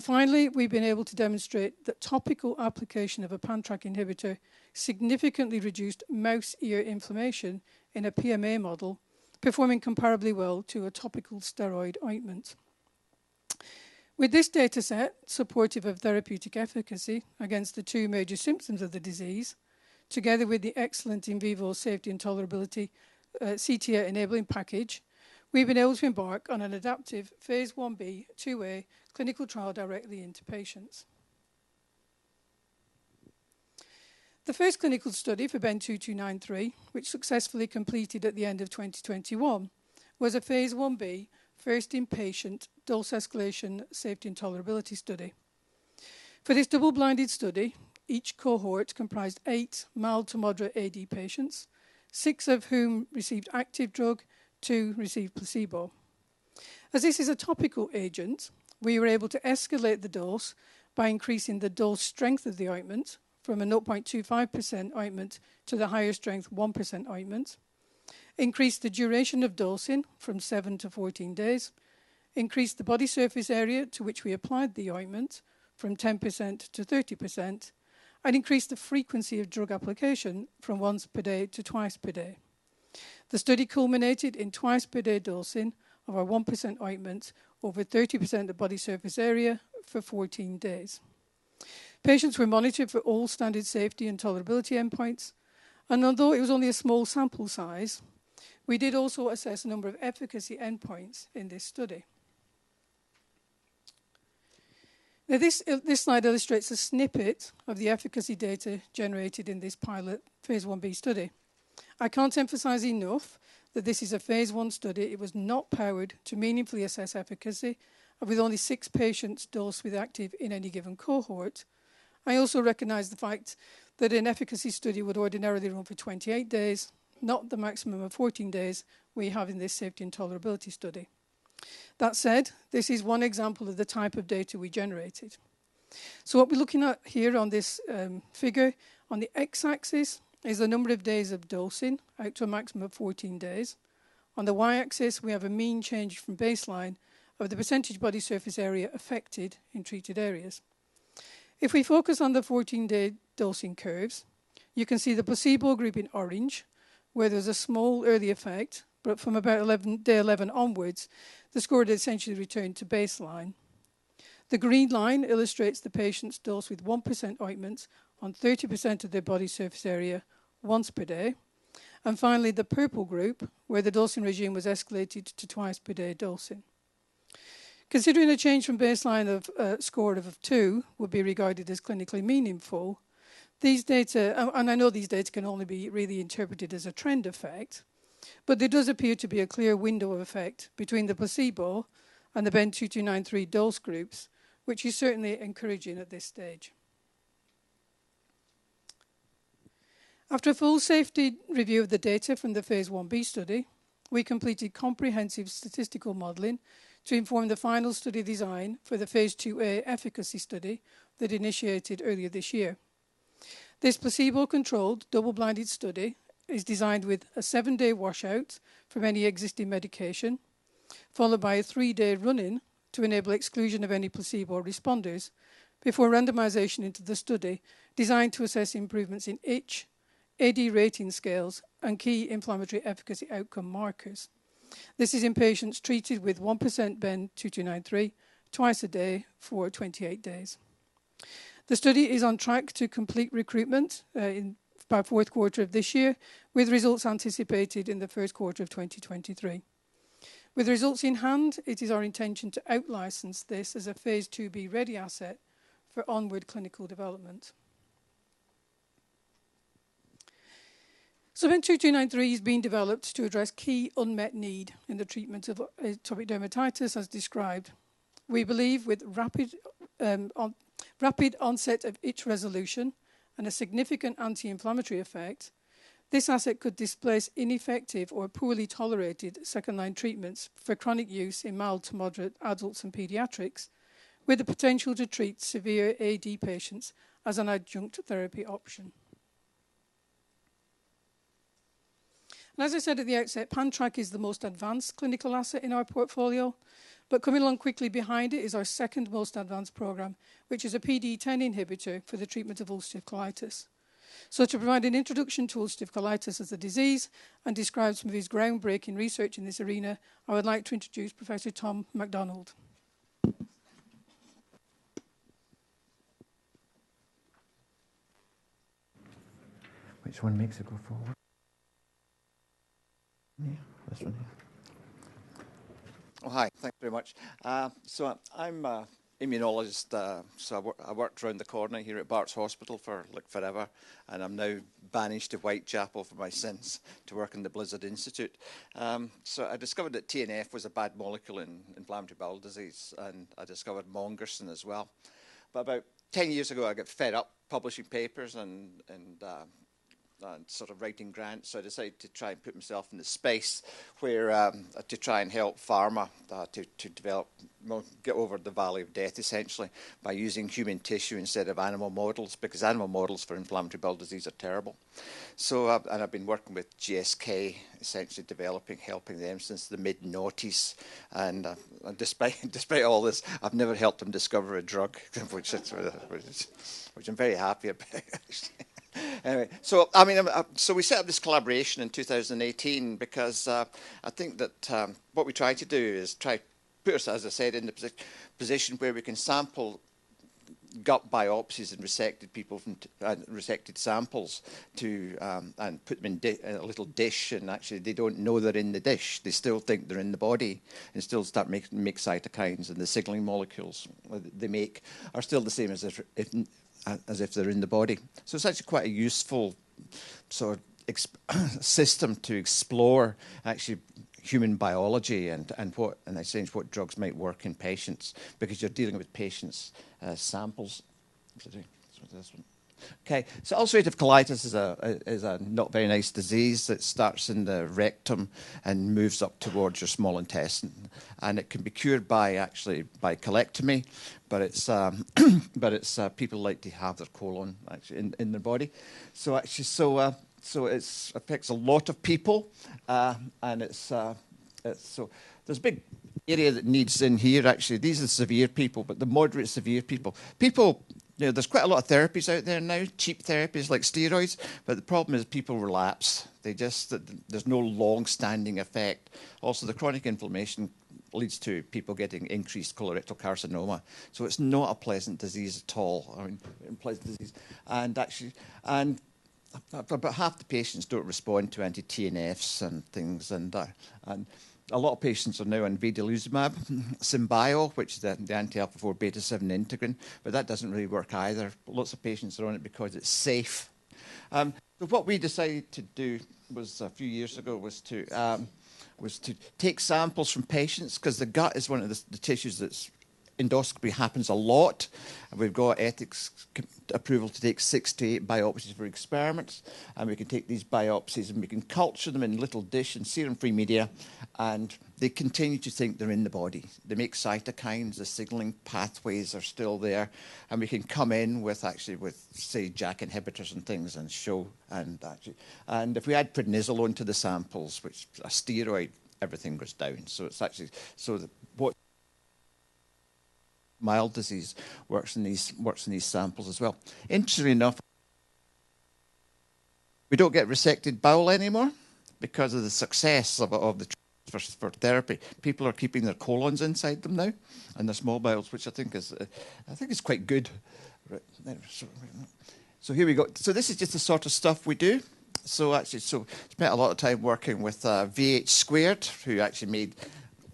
Finally, we've been able to demonstrate that topical application of a pan-Trk inhibitor significantly reduced most ear inflammation in a PMA model, performing comparably well to a topical steroid ointment. With this data set supportive of therapeutic efficacy against the two major symptoms of the disease, together with the excellent in vivo safety and tolerability, CTA enabling package, we've been able to embark on an adaptive phase I-B, II-A clinical trial directly into patients. The first clinical study for BEN-2293, which successfully completed at the end of 2021, was a phase I-B, first-in-patient dose escalation safety and tolerability study. For this double-blind study, each cohort comprised eight mild to moderate AD patients, six of whom received active drug, two received placebo. As this is a topical agent, we were able to escalate the dose by increasing the dose strength of the ointment from a 0.25% ointment to the higher strength 1% ointment. Increase the duration of dosing from seven days-14 days, increase the body surface area to which we applied the ointment from 10%-30%, and increase the frequency of drug application from once per day to twice per day. The study culminated in twice per day dosing of our 1% ointment over 30% of body surface area for 14 days. Patients were monitored for all standard safety and tolerability endpoints, and although it was only a small sample size, we did also assess a number of efficacy endpoints in this study. Now, this slide illustrates a snippet of the efficacy data generated in this pilot phase 1-B study. I can't emphasize enough that this is a phase I study. It was not powered to meaningfully assess efficacy with only six patients dosed with active in any given cohort. I also recognize the fact that an efficacy study would ordinarily run for 28 days, not the maximum of 14 days we have in this safety and tolerability study. That said, this is one example of the type of data we generated. What we're looking at here on this figure, on the X-axis is the number of days of dosing out to a maximum of 14 days. On the Y-axis, we have a mean change from baseline of the percentage body surface area affected in treated areas. If we focus on the 14-day dosing curves, you can see the placebo group in orange, where there's a small early effect, but from about day 11 onwards, the score then essentially returned to baseline. The green line illustrates the patients dosed with 1% ointment on 30% of their body surface area once per day. Finally, the purple group, where the dosing regimen was escalated to twice per day dosing. Considering a change from baseline of score of two would be regarded as clinically meaningful, these data can only be really interpreted as a trend effect, but there does appear to be a clear window of effect between the placebo and the BEN-2293 dose groups, which is certainly encouraging at this stage. After a full safety review of the data from the phase I-B study, we completed comprehensive statistical modeling to inform the final study design for the phase II-A efficacy study that initiated earlier this year. This placebo-controlled, double-blinded study is designed with a seven-day washout from any existing medication, followed by a three-day run-in to enable exclusion of any placebo responders before randomization into the study designed to assess improvements in itch, AD rating scales, and key inflammatory efficacy outcome markers. This is in patients treated with 1% BEN-2293 twice a day for 28 days. The study is on track to complete recruitment by fourth quarter of this year, with results anticipated in the first quarter of 2023. With results in hand, it is our intention to out-license this as a phase II-B-ready asset for onward clinical development. BEN-2293 is being developed to address key unmet need in the treatment of atopic dermatitis, as described. We believe with rapid onset of itch resolution and a significant anti-inflammatory effect, this asset could displace ineffective or poorly tolerated second-line treatments for chronic use in mild to moderate adults and pediatrics, with the potential to treat severe AD patients as an adjunct therapy option. As I said at the outset, pan-Trk is the most advanced clinical asset in our portfolio. Coming along quickly behind it is our second most advanced program, which is a PDE10 inhibitor for the treatment of ulcerative colitis. To provide an introduction to ulcerative colitis as a disease and describe some of these groundbreaking research in this arena, I would like to introduce Professor Tom MacDonald. Which one makes it go forward? Yeah, this one here. Oh, hi. Thank you very much. I'm an immunologist, so I worked around the corner here at Barts Hospital for, like, forever, and I'm now banished to Whitechapel for my sins to work in the Blizard Institute. I discovered that TNF was a bad molecule in inflammatory bowel disease, and I discovered Mongersen as well. About 10 years ago, I got fed up publishing papers and sort of writing grants. I decided to try and put myself in the space where to try and help pharma to develop, well, get over the valley of death, essentially, by using human tissue instead of animal models, because animal models for inflammatory bowel disease are terrible. I've been working with GSK, essentially developing, helping them since the mid-noughties. Despite all this, I've never helped them discover a drug. Which I'm very happy about actually. We set up this collaboration in 2018 because I think that what we try to do is put us, as I said, in the position where we can sample gut biopsies and resected samples and put them in a little dish, and actually they don't know they're in the dish. They still think they're in the body, and still start make cytokines, and the signaling molecules they make are still the same as if they're in the body. It's actually quite a useful sort of ex vivo system to explore actually human biology and essentially what drugs might work in patients, because you're dealing with patients' samples. Ulcerative colitis is a not very nice disease that starts in the rectum and moves up towards your small intestine, and it can be cured actually by colectomy. But people like to have their colon actually in their body. It affects a lot of people. There's a big unmet need here, actually. These are severe patients, but the moderate-to-severe patients. You know, there's quite a lot of therapies out there now, cheap therapies like steroids, but the problem is people relapse. There's no long-standing effect. The chronic inflammation leads to people getting increased colorectal carcinoma, so it's not a pleasant disease at all. I mean, unpleasant disease. About half the patients don't respond to anti-TNFs and things, and a lot of patients are now on vedolizumab, Entyvio, the anti-α4β7 integrin, but that doesn't really work either. Lots of patients are on it because it's safe. A few years ago, we decided to take samples from patients 'cause the gut is one of the tissues that's endoscopy happens a lot, and we've got ethics approval to take 60 biopsies for experiments. We can take these biopsies, and we can culture them in a little dish and serum-free media, and they continue to think they're in the body. They make cytokines. The signaling pathways are still there. We can come in with, actually, with, say, JAK inhibitors and things and show, actually. If we add prednisolone to the samples, which is a steroid, everything goes down. It's actually. What works in mild disease works in these samples as well. Interestingly enough, we don't get resected bowel anymore because of the success of the therapy. People are keeping their colons inside them now and their small bowels, which I think is quite good. Here we go. This is just the sort of stuff we do. Actually, spent a lot of time working with VHsquared, who actually made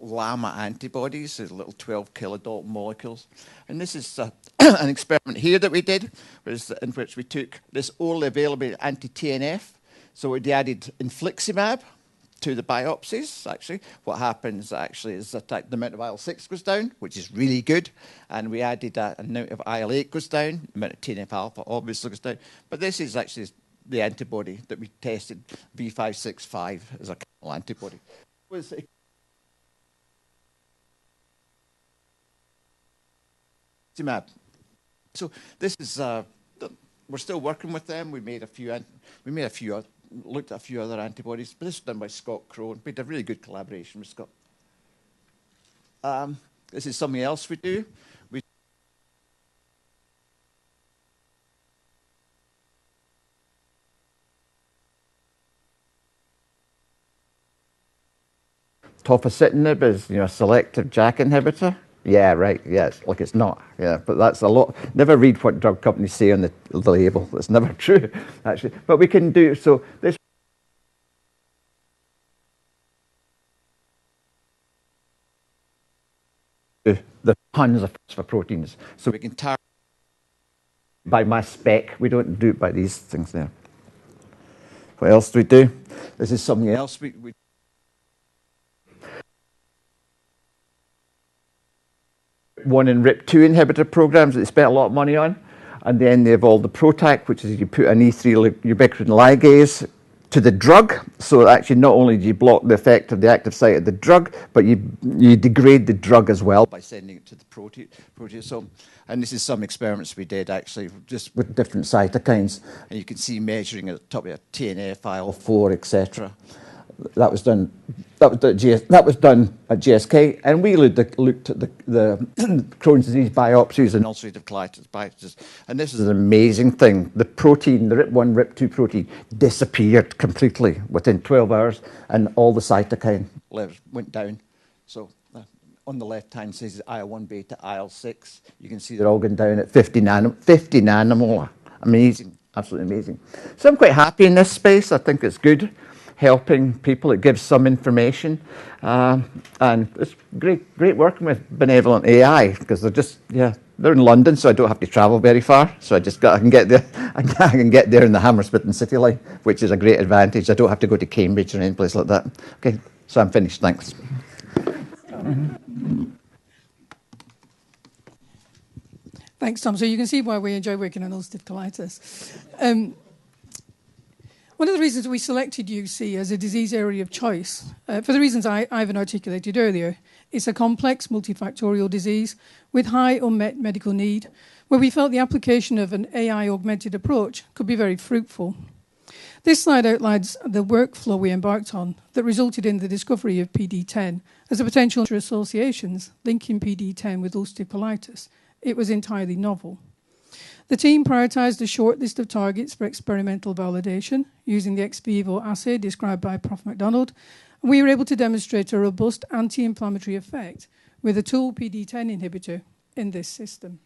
llama antibodies. They're little 12-kDa molecules. This is an experiment here that we did. In which we took this only available anti-TNF. We added infliximab to the biopsies, actually. What happens actually is that the amount of IL-6 goes down, which is really good. The amount of IL-8 goes down. The amount of TNF-α obviously goes down. This is actually the antibody that we tested, V565 as an antibody. Was a to mab. This is, we're still working with them. We made a few and looked at a few other antibodies. This is done by Scott Crowe, and we had a really good collaboration with Scott. This is something else we do. The one sitting there is, you know, a selective JAK inhibitor. Yeah, right. Yes. Like it's not. Yeah. That's a lot. Never read what drug companies say on the label. That's never true actually. We can do it. The tons of proteins. We can tell by mass spec, we don't do it by these things there. What else do we do? This is something else we RIP1 and RIP2 inhibitor programs that we spent a lot of money on. They evolved the PROTAC, which is you put an E3 ubiquitin ligase to the drug. Actually, not only do you block the effect of the active site of the drug, but you degrade the drug as well by sending it to the proteasome. This is some experiments we did actually just with different cytokines, and you can see measuring at the top here TNF, IL-4, etc. That was done at GSK, and we looked at the Crohn's disease biopsies and ulcerative colitis biopsies. This is an amazing thing. The protein, the RIP1, RIP2 protein disappeared completely within 12 hours, and all the cytokine levels went down. On the left-hand side is IL-1β to IL-6. You can see they're all going down at 50 nmol. Amazing. Absolutely amazing. I'm quite happy in this space. I think it's good helping people. It gives some information. It's great working with BenevolentAI because they're just. They're in London, so I don't have to travel very far. I can get there in the Hammersmith and City Line, which is a great advantage. I don't have to go to Cambridge or any place like that. Okay. I'm finished. Thanks. Thanks, Tom. You can see why we enjoy working on ulcerative colitis. One of the reasons we selected UC as a disease area of choice, for the reasons Ivan articulated earlier, is a complex multifactorial disease with high unmet medical need where we felt the application of an AI-augmented approach could be very fruitful. This slide outlines the workflow we embarked on that resulted in the discovery of PDE10 as a potential target associations linking PDE10 with ulcerative colitis. It was entirely novel. The team prioritized a short list of targets for experimental validation using the ex vivo assay described by Prof. MacDonald. We were able to demonstrate a robust anti-inflammatory effect with a tool PDE10 inhibitor in this system.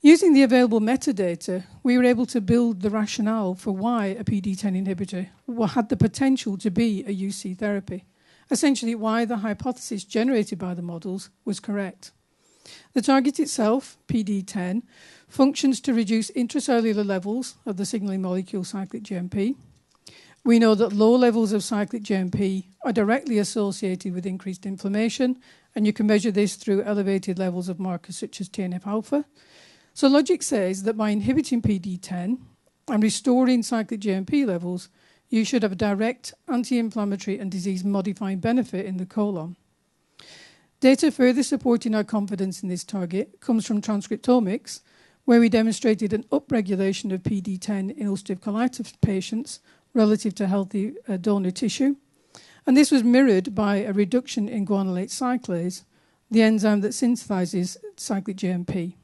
Using the available metadata, we were able to build the rationale for why a PDE10 inhibitor had the potential to be a UC therapy. Essentially, why the hypothesis generated by the models was correct. The target itself, PDE10, functions to reduce intracellular levels of the signaling molecule cyclic GMP. We know that low levels of cyclic GMP are directly associated with increased inflammation, and you can measure this through elevated levels of markers such as TNF-α. So logic says that by inhibiting PDE10 and restoring cyclic GMP levels, you should have a direct anti-inflammatory and disease-modifying benefit in the colon. Data further supporting our confidence in this target comes from transcriptomics, where we demonstrated an upregulation of PDE10 in ulcerative colitis patients relative to healthy donor tissue. This was mirrored by a reduction in guanylate cyclase, the enzyme that synthesizes cyclic GMP.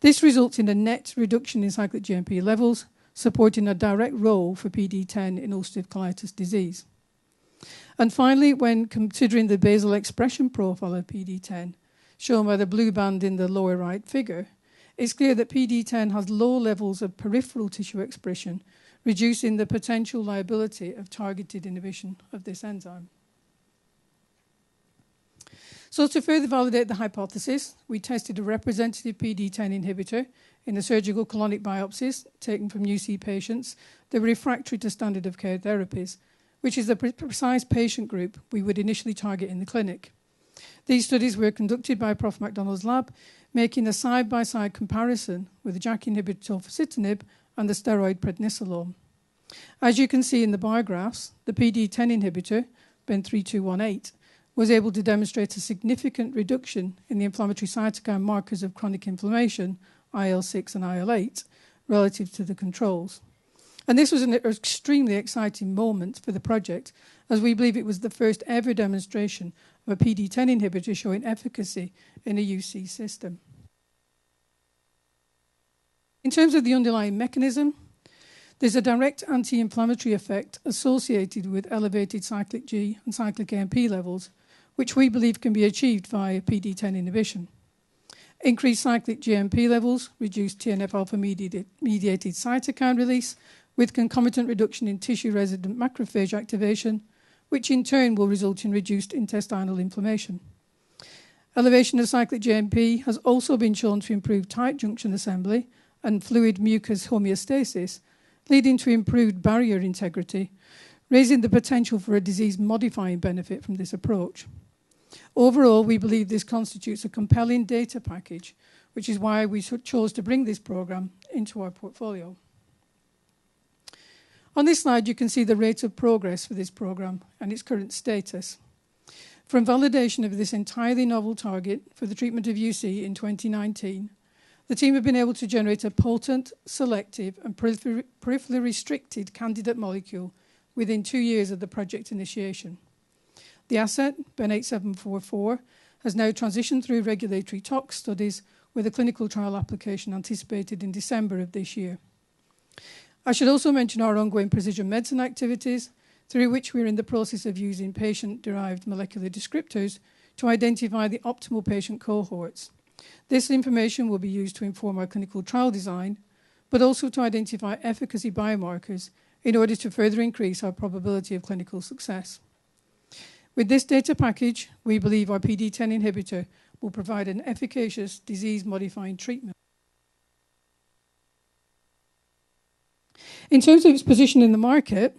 This results in a net reduction in cyclic GMP levels, supporting a direct role for PDE10 in ulcerative colitis disease. Finally, when considering the basal expression profile of PDE10, shown by the blue band in the lower right figure, it's clear that PDE10 has low levels of peripheral tissue expression, reducing the potential liability of targeted inhibition of this enzyme. To further validate the hypothesis, we tested a representative PDE10 inhibitor in the surgical colonic biopsies taken from UC patients that are refractory to standard of care therapies, which is the precise patient group we would initially target in the clinic. These studies were conducted by Prof. MacDonald's lab, making a side-by-side comparison with the JAK inhibitor ruxolitinib and the steroid prednisolone. As you can see in the bar graphs, the PDE10 inhibitor, BEN-3218, was able to demonstrate a significant reduction in the inflammatory cytokine markers of chronic inflammation, IL-6 and IL-8, relative to the controls. This was an extremely exciting moment for the project as we believe it was the first-ever demonstration of a PDE10 inhibitor showing efficacy in a UC system. In terms of the underlying mechanism, there's a direct anti-inflammatory effect associated with elevated cyclic GMP and cyclic AMP levels, which we believe can be achieved via PDE10 inhibition. Increased cyclic GMP levels reduce TNF-α mediated cytokine release with concomitant reduction in tissue-resident macrophage activation, which in turn will result in reduced intestinal inflammation. Elevation of cyclic GMP has also been shown to improve tight junction assembly and fluid mucus homeostasis, leading to improved barrier integrity, raising the potential for a disease-modifying benefit from this approach. Overall, we believe this constitutes a compelling data package, which is why we chose to bring this program into our portfolio. On this slide, you can see the rate of progress for this program and its current status. From validation of this entirely novel target for the treatment of UC in 2019, the team have been able to generate a potent, selective, and peripherally restricted candidate molecule within two years of the project initiation. The asset, BEN-8744, has now transitioned through regulatory tox studies with a clinical trial application anticipated in December of this year. I should also mention our ongoing precision medicine activities, through which we are in the process of using patient-derived molecular descriptors to identify the optimal patient cohorts. This information will be used to inform our clinical trial design, but also to identify efficacy biomarkers in order to further increase our probability of clinical success. With this data package, we believe our PDE10 inhibitor will provide an efficacious disease-modifying treatment. In terms of its position in the market,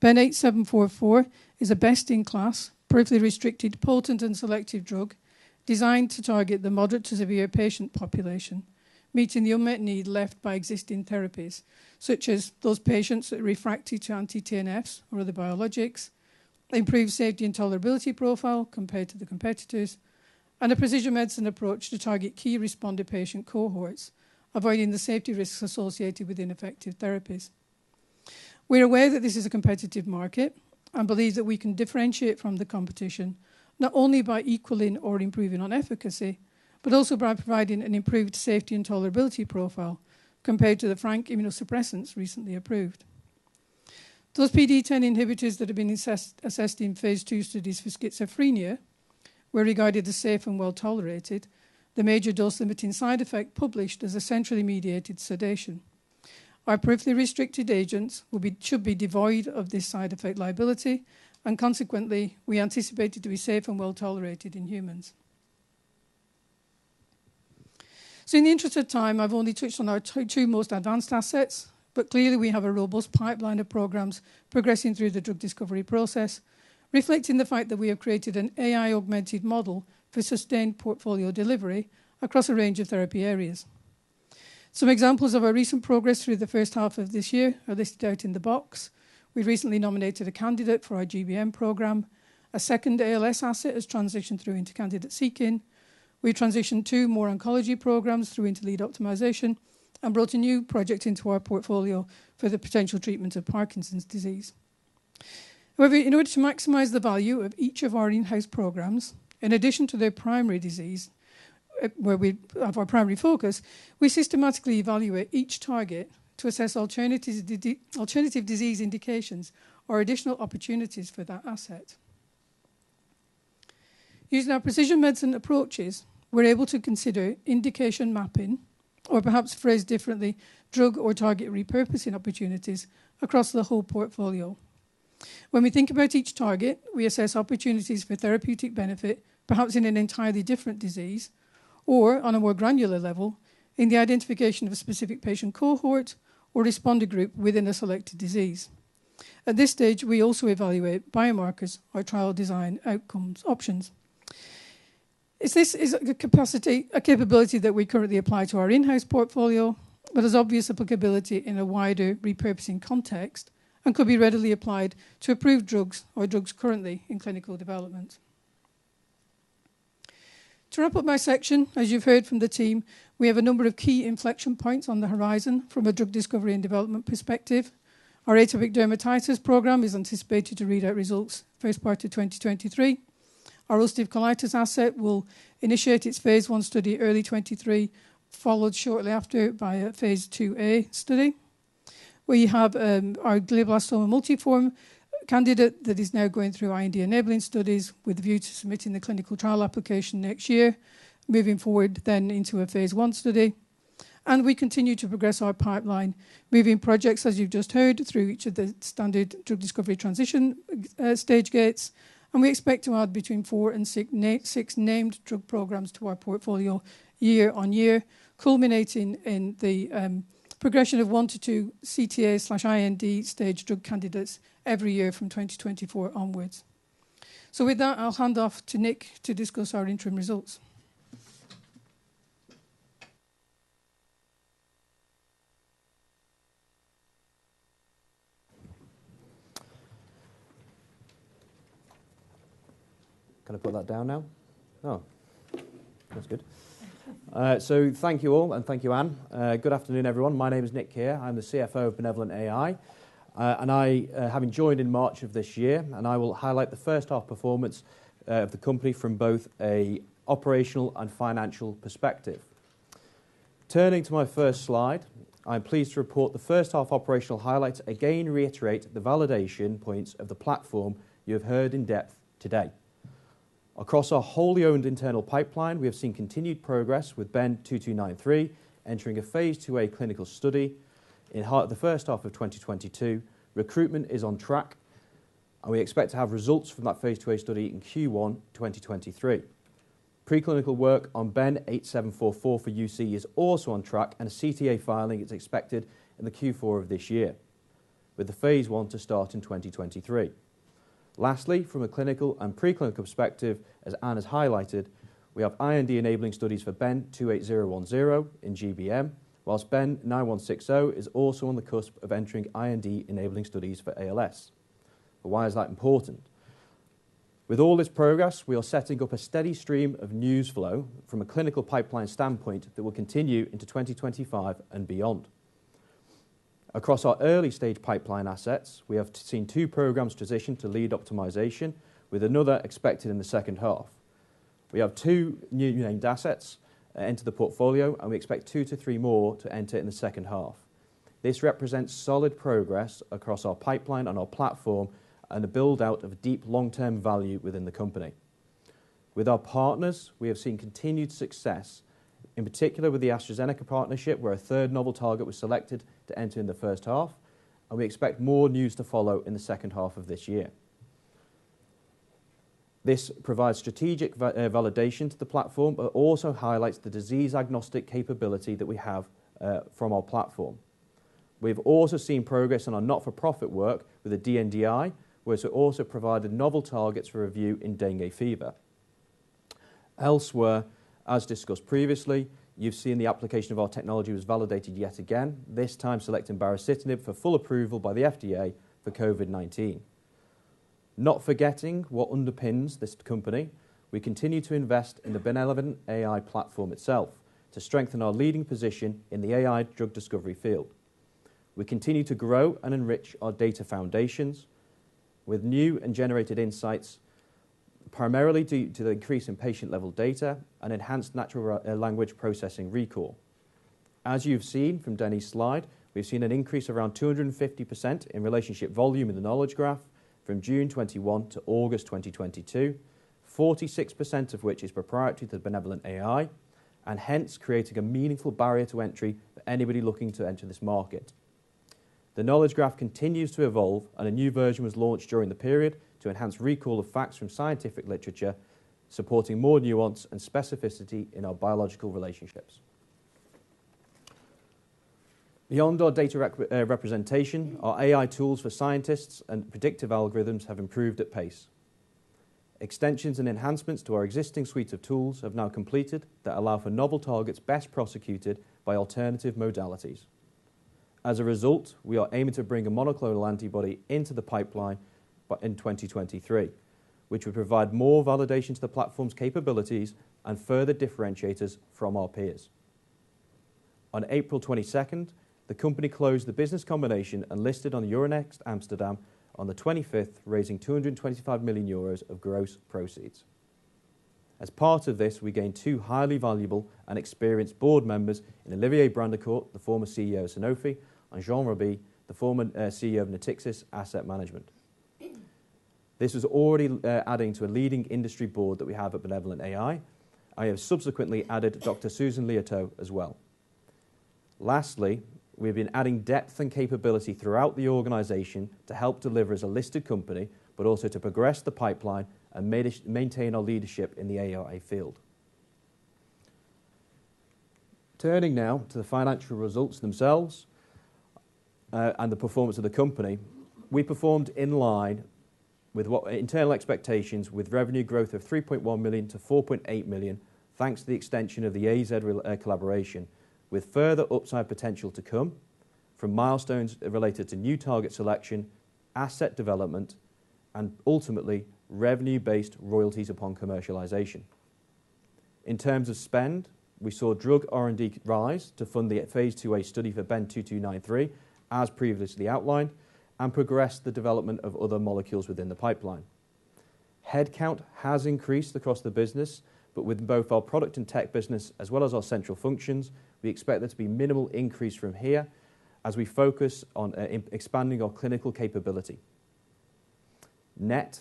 BEN-8744 is a best-in-class, peripherally restricted, potent, and selective drug designed to target the moderate to severe patient population, meeting the unmet need left by existing therapies, such as those patients that are refractory to anti-TNFs or other biologics, improved safety and tolerability profile compared to the competitors, and a precision medicine approach to target key responder patient cohorts, avoiding the safety risks associated with ineffective therapies. We're aware that this is a competitive market and believe that we can differentiate from the competition not only by equaling or improving on efficacy, but also by providing an improved safety and tolerability profile compared to the frank immunosuppressants recently approved. Those PDE10 inhibitors that have been assessed in phase II studies for schizophrenia were regarded as safe and well-tolerated. The major dose-limiting side effect published is a centrally mediated sedation. Our peripherally restricted agents should be devoid of this side effect liability, and consequently, we anticipate it to be safe and well-tolerated in humans. In the interest of time, I've only touched on our two most advanced assets, but clearly we have a robust pipeline of programs progressing through the drug discovery process, reflecting the fact that we have created an AI-augmented model for sustained portfolio delivery across a range of therapy areas. Some examples of our recent progress through the first half of this year are listed out in the box. We recently nominated a candidate for our GBM program. A second ALS asset has transitioned through into candidate seeking. We transitioned two more oncology programs through into lead optimization and brought a new project into our portfolio for the potential treatment of Parkinson's disease. However, in order to maximize the value of each of our in-house programs, in addition to their primary disease, where we have our primary focus, we systematically evaluate each target to assess alternative disease indications or additional opportunities for that asset. Using our precision medicine approaches, we're able to consider indication mapping or perhaps phrased differently, drug or target repurposing opportunities across the whole portfolio. When we think about each target, we assess opportunities for therapeutic benefit, perhaps in an entirely different disease or on a more granular level in the identification of a specific patient cohort or responder group within a selected disease. At this stage, we also evaluate biomarkers or trial design outcomes options. This is a capability that we currently apply to our in-house portfolio, but has obvious applicability in a wider repurposing context and could be readily applied to approved drugs or drugs currently in clinical development. To wrap up my section, as you've heard from the team, we have a number of key inflection points on the horizon from a drug discovery and development perspective. Our atopic dermatitis program is anticipated to read out results first part of 2023. Our ulcerative colitis asset will initiate its phase I study early 2023, followed shortly after by a phase II-A study. We have our glioblastoma multiforme candidate that is now going through IND enabling studies with a view to submitting the clinical trial application next year. Moving forward into a phase I study, we continue to progress our pipeline, moving projects, as you've just heard, through each of the standard drug discovery transition stage gates. We expect to add between four and six named drug programs to our portfolio year on year, culminating in the progression of one-two CTA/IND stage drug candidates every year from 2024 onwards. With that, I'll hand off to Nick to discuss our interim results. Can I put that down now? Oh, that's good. Thank you all, and thank you, Anne. Good afternoon, everyone. My name is Nick Keher. I'm the CFO of BenevolentAI, and I, having joined in March of this year, will highlight the first half performance of the company from both an operational and financial perspective. Turning to my first slide, I'm pleased to report the first half operational highlights, again reiterate the validation points of the platform you have heard in depth today. Across our wholly owned internal pipeline, we have seen continued progress with BEN-2293 entering a phase II-A clinical study in the first half of 2022. Recruitment is on track, and we expect to have results from that phase II-A study in Q1 2023. Preclinical work on BEN-8744 for UC is also on track, and a CTA filing is expected in the Q4 of this year, with the phase I to start in 2023. Lastly, from a clinical and preclinical perspective, as Anne has highlighted, we have IND-enabling studies for BEN-28010 in GBM, while BEN-9160 is also on the cusp of entering IND-enabling studies for ALS. Why is that important? With all this progress, we are setting up a steady stream of news flow from a clinical pipeline standpoint that will continue into 2025 and beyond. Across our early-stage pipeline assets, we have seen two programs transition to lead optimization, with another expected in the second half. We have two new named assets enter the portfolio, and we expect two-three more to enter in the second half. This represents solid progress across our pipeline and our platform and a build-out of deep long-term value within the company. With our partners, we have seen continued success, in particular with the AstraZeneca partnership, where a third novel target was selected to enter in the first half, and we expect more news to follow in the second half of this year. This provides strategic validation to the platform, but it also highlights the disease-agnostic capability that we have from our platform. We've also seen progress on our not-for-profit work with the DNDi, which also provided novel targets for review in dengue fever. Elsewhere, as discussed previously, you've seen the application of our technology was validated yet again, this time selecting baricitinib for full approval by the FDA for COVID-19. Not forgetting what underpins this company, we continue to invest in the BenevolentAI platform itself to strengthen our leading position in the AI drug discovery field. We continue to grow and enrich our data foundations with new and generated insights, primarily due to the increase in patient-level data and enhanced natural language processing recall. As you've seen from Danny's' slide, we've seen an increase of around 250% in relationship volume in the knowledge graph from June 2021 to August 2022, 46% of which is proprietary to BenevolentAI and hence creating a meaningful barrier to entry for anybody looking to enter this market. The knowledge graph continues to evolve, and a new version was launched during the period to enhance recall of facts from scientific literature, supporting more nuance and specificity in our biological relationships. Beyond our data representation, our AI tools for scientists and predictive algorithms have improved at pace. Extensions and enhancements to our existing suite of tools have now completed that allow for novel targets best prosecuted by alternative modalities. As a result, we are aiming to bring a monoclonal antibody into the pipeline in 2023, which would provide more validation to the platform's capabilities and further differentiate us from our peers. On April 22nd, the company closed the business combination and listed on Euronext Amsterdam on the 25th, raising 225 million euros of gross proceeds. As part of this, we gained two highly valuable and experienced board members in Olivier Brandicourt, the former CEO of Sanofi, and Jean Raby, the former CEO of Natixis Investment Managers. This is already adding to a leading industry board that we have at BenevolentAI. I have subsequently added Dr. Susan Liautaud as well. Lastly, we've been adding depth and capability throughout the organization to help deliver as a listed company, but also to progress the pipeline and maintain our leadership in the AI field. Turning now to the financial results themselves, and the performance of the company, we performed in line with what internal expectations, with revenue growth of 3.1 million-4.8 million, thanks to the extension of the AZ collaboration, with further upside potential to come from milestones related to new target selection, asset development, and ultimately revenue-based royalties upon commercialization. In terms of spend, we saw drug R&D rise to fund the phase II-A study for BEN-2293, as previously outlined, and progress the development of other molecules within the pipeline. Headcount has increased across the business, but with both our product and tech business as well as our central functions, we expect there to be minimal increase from here as we focus on expanding our clinical capability. Net,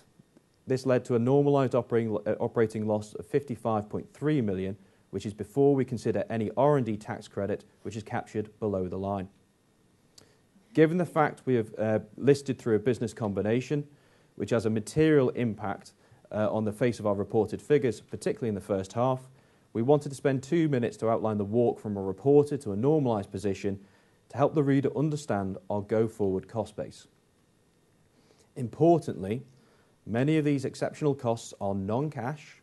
this led to a normalized operating loss of 55.3 million, which is before we consider any R&D tax credit, which is captured below the line. Given the fact we have listed through a business combination, which has a material impact on the face of our reported figures, particularly in the first half, we wanted to spend two minutes to outline the walk from a reported to a normalized position to help the reader understand our go-forward cost base. Importantly, many of these exceptional costs are non-cash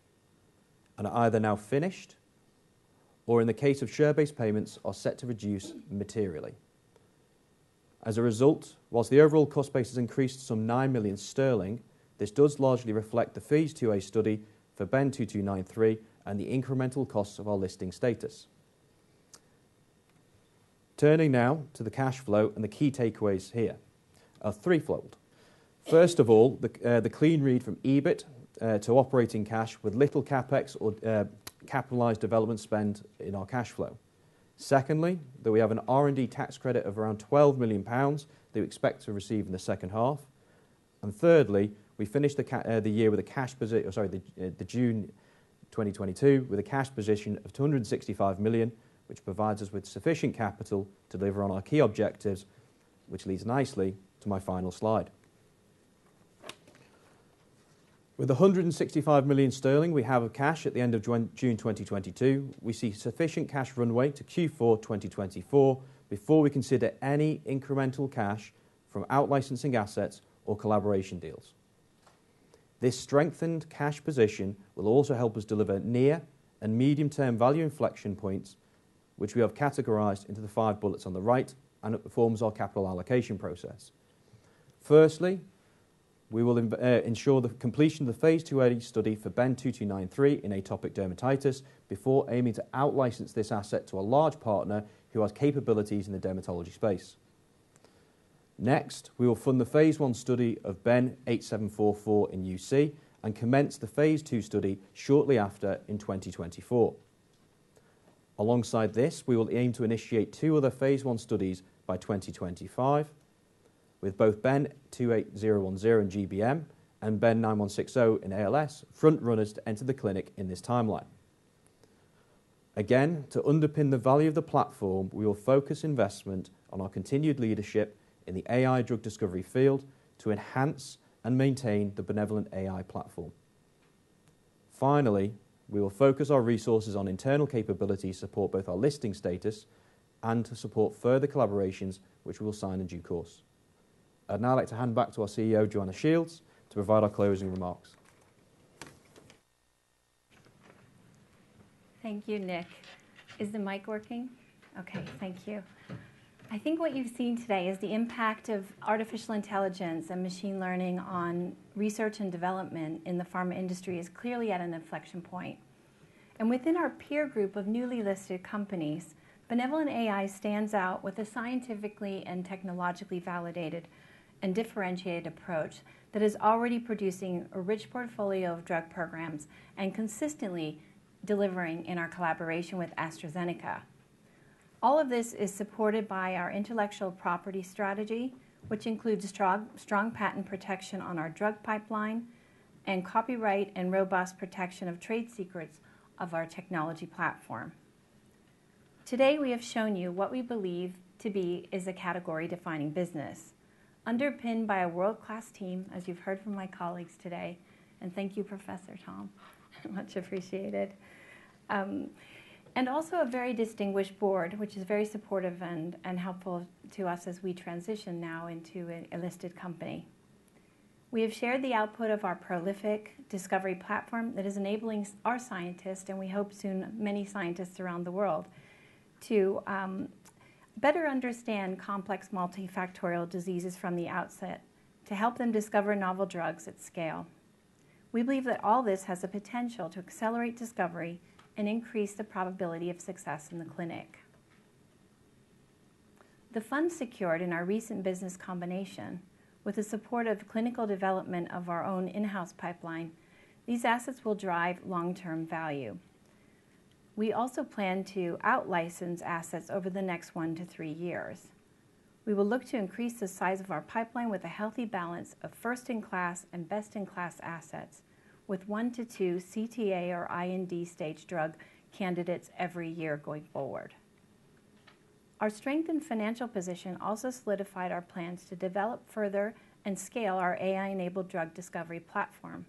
and are either now finished or, in the case of share-based payments, are set to reduce materially. As a result, while the overall cost base has increased some 9 million sterling, this does largely reflect the phase II-A study for BEN-2293 and the incremental costs of our listing status. Turning now to the cash flow and the key takeaways here are threefold. First of all, the clean read from EBIT to operating cash with little CapEx or capitalized development spend in our cash flow. Secondly, that we have an R&D tax credit of around 12 million pounds that we expect to receive in the second half. Thirdly, we finished the end June 2022 with a cash position of 265 million, which provides us with sufficient capital to deliver on our key objectives, which leads nicely to my final slide. With the 165 million sterling we have of cash at the end of June 2022, we see sufficient cash runway to Q4 2024 before we consider any incremental cash from out licensing assets or collaboration deals. This strengthened cash position will also help us deliver near and medium-term value inflection points, which we have categorized into the five bullets on the right, and it informs our capital allocation process. Firstly, we will ensure the completion of the phase II-A study for BEN-2293 in atopic dermatitis before aiming to out-license this asset to a large partner who has capabilities in the dermatology space. Next, we will fund the phase I study of BEN-8744 in UC and commence the phase II study shortly after in 2024. Alongside this, we will aim to initiate two other phase I studies by 2025, with both BEN-28010 in GBM and BEN-9160 in ALS front runners to enter the clinic in this timeline. Again, to underpin the value of the platform, we will focus investment on our continued leadership in the AI drug discovery field to enhance and maintain the BenevolentAI platform. Finally, we will focus our resources on internal capabilities to support both our listing status and to support further collaborations which we'll sign in due course. I'd now like to hand back to our CEO, Joanna Shields, to provide our closing remarks. Thank you, Nick. Is the mic working? Okay, thank you. I think what you've seen today is the impact of artificial intelligence and machine learning on research and development in the pharma industry is clearly at an inflection point. Within our peer group of newly listed companies, BenevolentAI stands out with a scientifically and technologically validated and differentiated approach that is already producing a rich portfolio of drug programs and consistently delivering in our collaboration with AstraZeneca. All of this is supported by our intellectual property strategy, which includes strong patent protection on our drug pipeline and copyright and robust protection of trade secrets of our technology platform. Today, we have shown you what we believe to be is a category-defining business, underpinned by a world-class team, as you've heard from my colleagues today. Thank you, Professor Tom. Much appreciated. Also a very distinguished board, which is very supportive and helpful to us as we transition now into a listed company. We have shared the output of our prolific discovery platform that is enabling our scientists, and we hope soon many scientists around the world, to better understand complex multifactorial diseases from the outset to help them discover novel drugs at scale. We believe that all this has the potential to accelerate discovery and increase the probability of success in the clinic. The funds secured in our recent business combination will support the clinical development of our own in-house pipeline. These assets will drive long-term value. We also plan to out-license assets over the next one to three years. We will look to increase the size of our pipeline with a healthy balance of first-in-class and best-in-class assets, with 1-2 CTA or IND stage drug candidates every year going forward. Our strengthened financial position also solidified our plans to develop further and scale our AI-enabled drug discovery platform.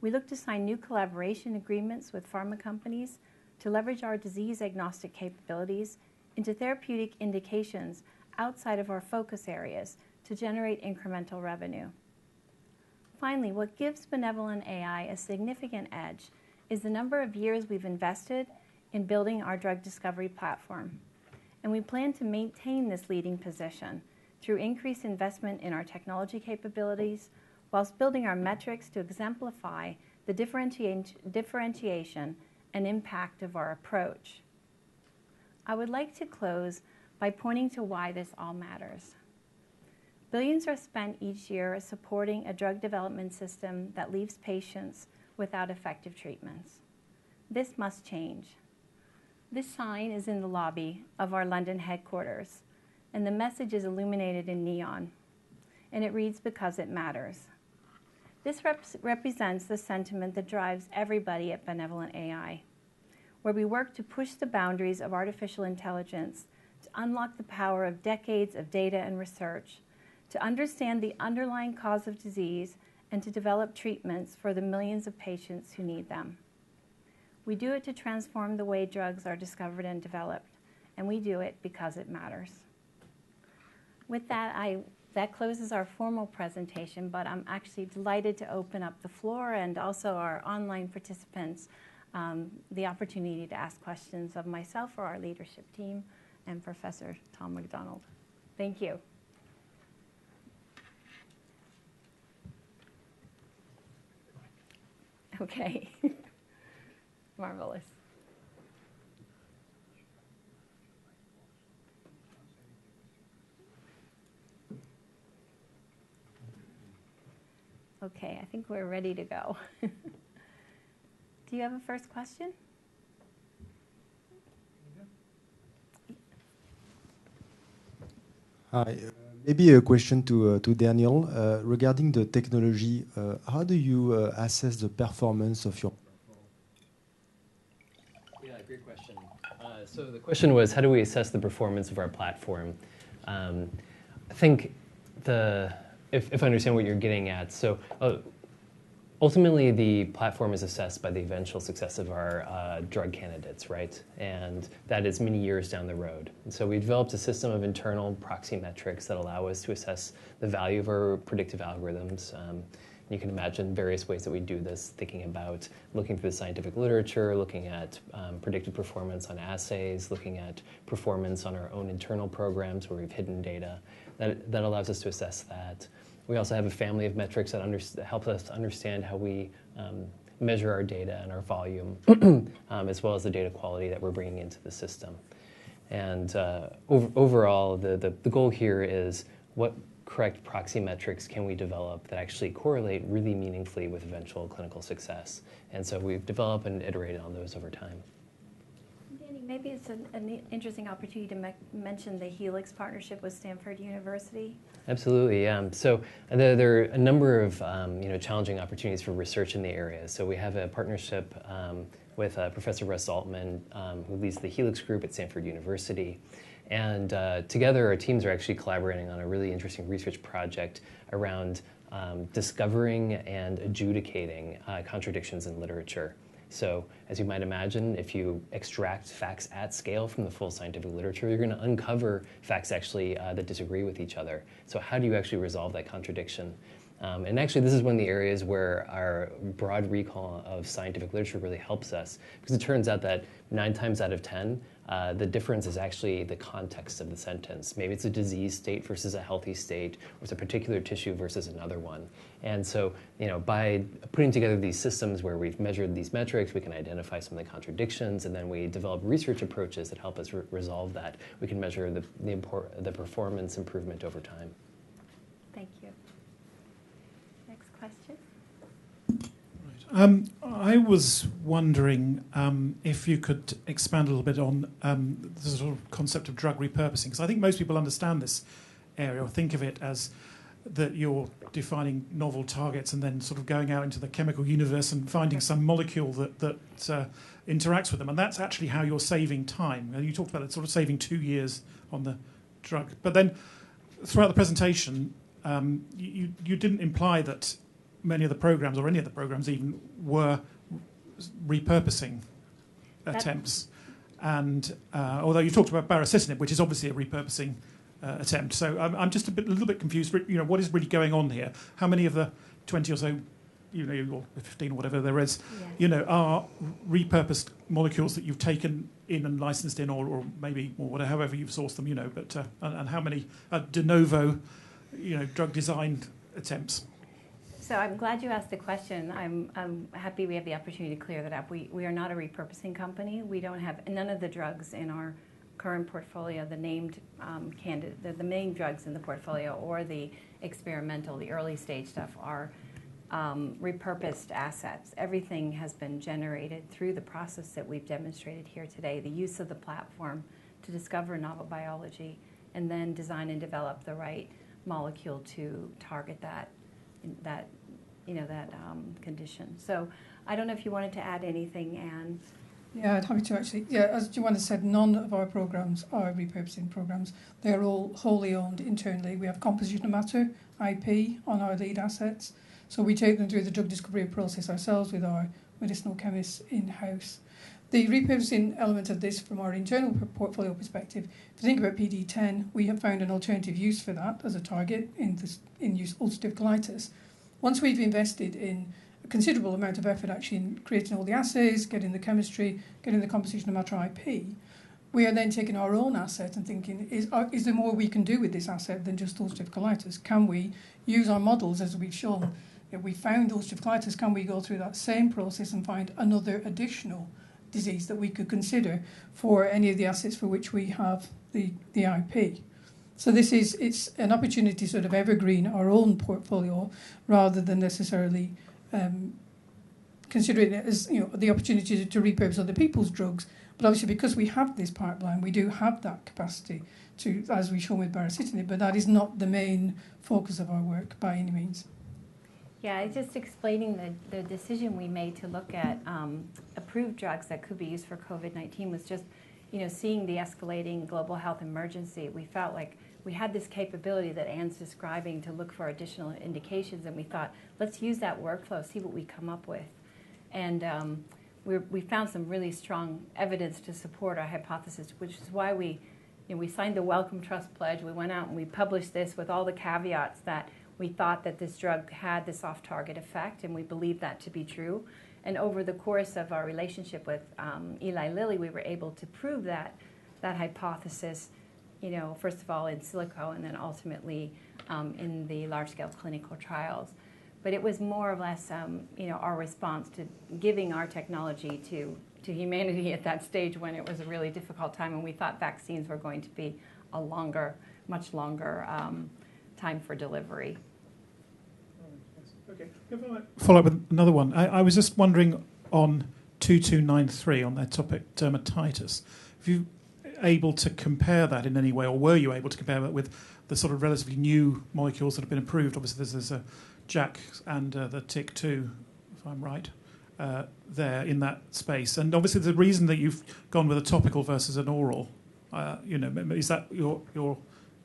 We look to sign new collaboration agreements with pharma companies to leverage our disease-agnostic capabilities into therapeutic indications outside of our focus areas to generate incremental revenue. Finally, what gives BenevolentAI a significant edge is the number of years we've invested in building our drug discovery platform, and we plan to maintain this leading position through increased investment in our technology capabilities while building our metrics to exemplify the differentiation and impact of our approach. I would like to close by pointing to why this all matters. Billions are spent each year supporting a drug development system that leaves patients without effective treatments. This must change. This sign is in the lobby of our London headquarters, and the message is illuminated in neon, and it reads, "Because it matters." This represents the sentiment that drives everybody at BenevolentAI, where we work to push the boundaries of artificial intelligence to unlock the power of decades of data and research, to understand the underlying cause of disease, and to develop treatments for the millions of patients who need them. We do it to transform the way drugs are discovered and developed, and we do it because it matters. With that closes our formal presentation, but I'm actually delighted to open up the floor and also our online participants the opportunity to ask questions of myself or our leadership team and Professor Tom MacDonald. Thank you. Okay. Marvelous. Okay, I think we're ready to go. Do you have a first question? Hi. Maybe a question to Daniel regarding the technology. How do you assess the performance of your platform? Yeah, great question. So the question was how do we assess the performance of our platform? I think if I understand what you're getting at, ultimately, the platform is assessed by the eventual success of our drug candidates, right? That is many years down the road. We've developed a system of internal proxy metrics that allow us to assess the value of our predictive algorithms. You can imagine various ways that we do this, thinking about looking through the scientific literature, looking at predicted performance on assays, looking at performance on our own internal programs where we've hidden data that allows us to assess that. We also have a family of metrics that help us understand how we measure our data and our volume, as well as the data quality that we're bringing into the system. Overall, the goal here is what correct proxy metrics can we develop that actually correlate really meaningfully with eventual clinical success. We've developed and iterated on those over time. Danny, maybe it's an interesting opportunity to mention the Helix partnership with Stanford University. Absolutely, yeah. There are a number of, you know, challenging opportunities for research in the area. We have a partnership with Professor Russ Altman, who leads the Helix group at Stanford University. Together, our teams are actually collaborating on a really interesting research project around discovering and adjudicating contradictions in literature. As you might imagine, if you extract facts at scale from the full scientific literature, you're gonna uncover facts actually that disagree with each other. How do you actually resolve that contradiction? Actually, this is one of the areas where our broad recall of scientific literature really helps us because it turns out that nine times out of 10, the difference is actually the context of the sentence. Maybe it's a disease state versus a healthy state, or it's a particular tissue versus another one. You know, by putting together these systems where we've measured these metrics, we can identify some of the contradictions, and then we develop research approaches that help us resolve that. We can measure the performance improvement over time. Thank you. Next question. Right. I was wondering if you could expand a little bit on the sort of concept of drug repurposing. Because I think most people understand this area or think of it as that you're defining novel targets and then sort of going out into the chemical universe and finding some molecule that interacts with them, and that's actually how you're saving time. Now, you talked about it sort of saving two years on the drug. Throughout the presentation, you didn't imply that many of the programs or any of the programs even were repurposing attempts. Okay. Although you talked about baricitinib, which is obviously a repurposing attempt. I'm just a bit, a little bit confused, but, you know, what is really going on here? How many of the 20 or so, you know, or 15 or whatever there is? Yeah. You know, are repurposed molecules that you've taken in and licensed in or, maybe or whatever, however you've sourced them, you know. How many are de novo, you know, drug designed attempts? I'm glad you asked the question. I'm happy we have the opportunity to clear that up. We are not a repurposing company. None of the drugs in our current portfolio, the named, the main drugs in the portfolio or the experimental, the early stage stuff are repurposed assets. Everything has been generated through the process that we've demonstrated here today, the use of the platform to discover novel biology and then design and develop the right molecule to target that, you know, that condition. I don't know if you wanted to add anything, Anne. Yeah. I'd be happy to, actually. Yeah, as Joanna said, none of our programs are repurposing programs. They're all wholly owned internally. We have composition of matter, IP on our lead assets, so we take them through the drug discovery process ourselves with our medicinal chemists in-house. The repurposing element of this from our internal portfolio perspective, if you think about PDE10, we have found an alternative use for that as a target in ulcerative colitis. Once we've invested in a considerable amount of effort actually in creating all the assays, getting the chemistry, getting the composition of matter IP, we are then taking our own asset and thinking, is there more we can do with this asset than just ulcerative colitis? Can we use our models as we've shown that we found ulcerative colitis? Can we go through that same process and find another additional disease that we could consider for any of the assets for which we have the IP? This is it's an opportunity to sort of evergreen our own portfolio rather than necessarily considering it as, you know, the opportunity to repurpose other people's drugs. Obviously because we have this pipeline, we do have that capacity to, as we've shown with baricitinib, but that is not the main focus of our work by any means. Yeah. Just explaining the decision we made to look at approved drugs that could be used for COVID-19 was just, you know, seeing the escalating global health emergency. We felt like we had this capability that Anne's describing to look for additional indications, and we thought, "Let's use that workflow, see what we come up with." We found some really strong evidence to support our hypothesis, which is why we, you know, we signed the Wellcome Trust pledge. We went out and we published this with all the caveats that we thought that this drug had this off-target effect, and we believe that to be true. Over the course of our relationship with Eli Lilly, we were able to prove that hypothesis, you know, first of all in silico and then ultimately in the large scale clinical trials. It was more or less, you know, our response to giving our technology to humanity at that stage when it was a really difficult time and we thought vaccines were going to be a longer, much longer, time for delivery. Oh, interesting. Okay. If I might follow up with another one. I was just wondering on 2293 on atopic dermatitis, if you able to compare that in any way, or were you able to compare that with the sort of relatively new molecules that have been approved? Obviously, there's JAK and the TYK2, if I'm right, there in that space. Obviously, the reason that you've gone with a topical versus an oral, you know, is that your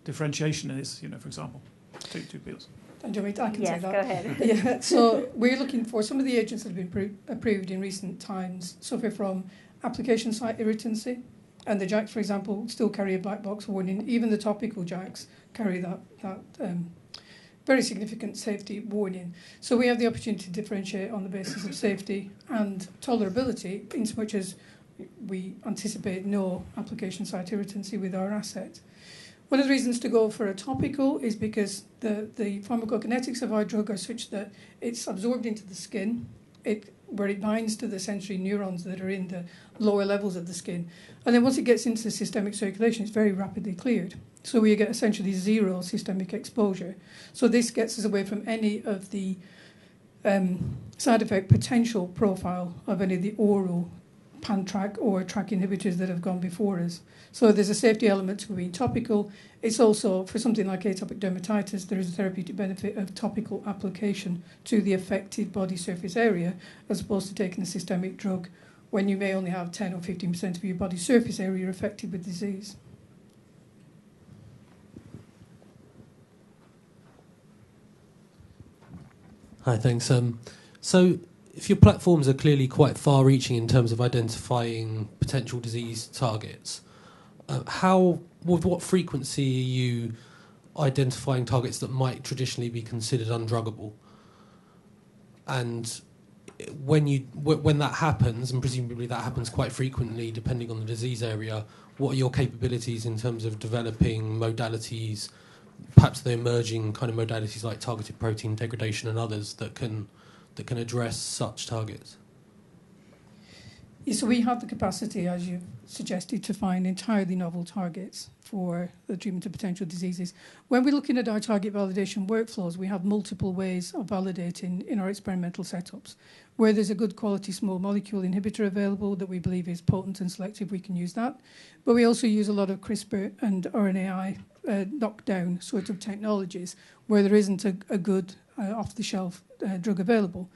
differentiation is, you know, for example, two pills. Do you want me to? I can take that. Yes, go ahead. Yeah. We're looking for some of the agents that have been approved in recent times suffer from application site irritancy, and the JAKs, for example, still carry a black box warning. Even the topical JAKs carry that very significant safety warning. We have the opportunity to differentiate on the basis of safety and tolerability, things which is we anticipate no application site irritancy with our asset. One of the reasons to go for a topical is because the pharmacokinetics of our drug are such that it's absorbed into the skin. Where it binds to the sensory neurons that are in the lower levels of the skin. And then once it gets into the systemic circulation, it's very rapidly cleared. We get essentially zero systemic exposure. This gets us away from any of the side effect potential profile of any of the oral pan-Trk or Trk inhibitors that have gone before us. There's a safety element to being topical. It's also for something like atopic dermatitis, there is a therapeutic benefit of topical application to the affected body surface area, as opposed to taking a systemic drug when you may only have 10% or 15% of your body surface area affected with disease. Hi. Thanks. If your platforms are clearly quite far reaching in terms of identifying potential disease targets, with what frequency are you identifying targets that might traditionally be considered undruggable? When that happens, and presumably that happens quite frequently depending on the disease area, what are your capabilities in terms of developing modalities, perhaps the emerging kind of modalities like targeted protein degradation and others that can address such targets? Yeah, we have the capacity, as you suggested, to find entirely novel targets for the treatment of potential diseases. When we're looking at our target validation workflows, we have multiple ways of validating in our experimental setups. Where there's a good quality small molecule inhibitor available that we believe is potent and selective, we can use that. But we also use a lot of CRISPR and RNAi knockdown sort of technologies where there isn't a good off-the-shelf drug available.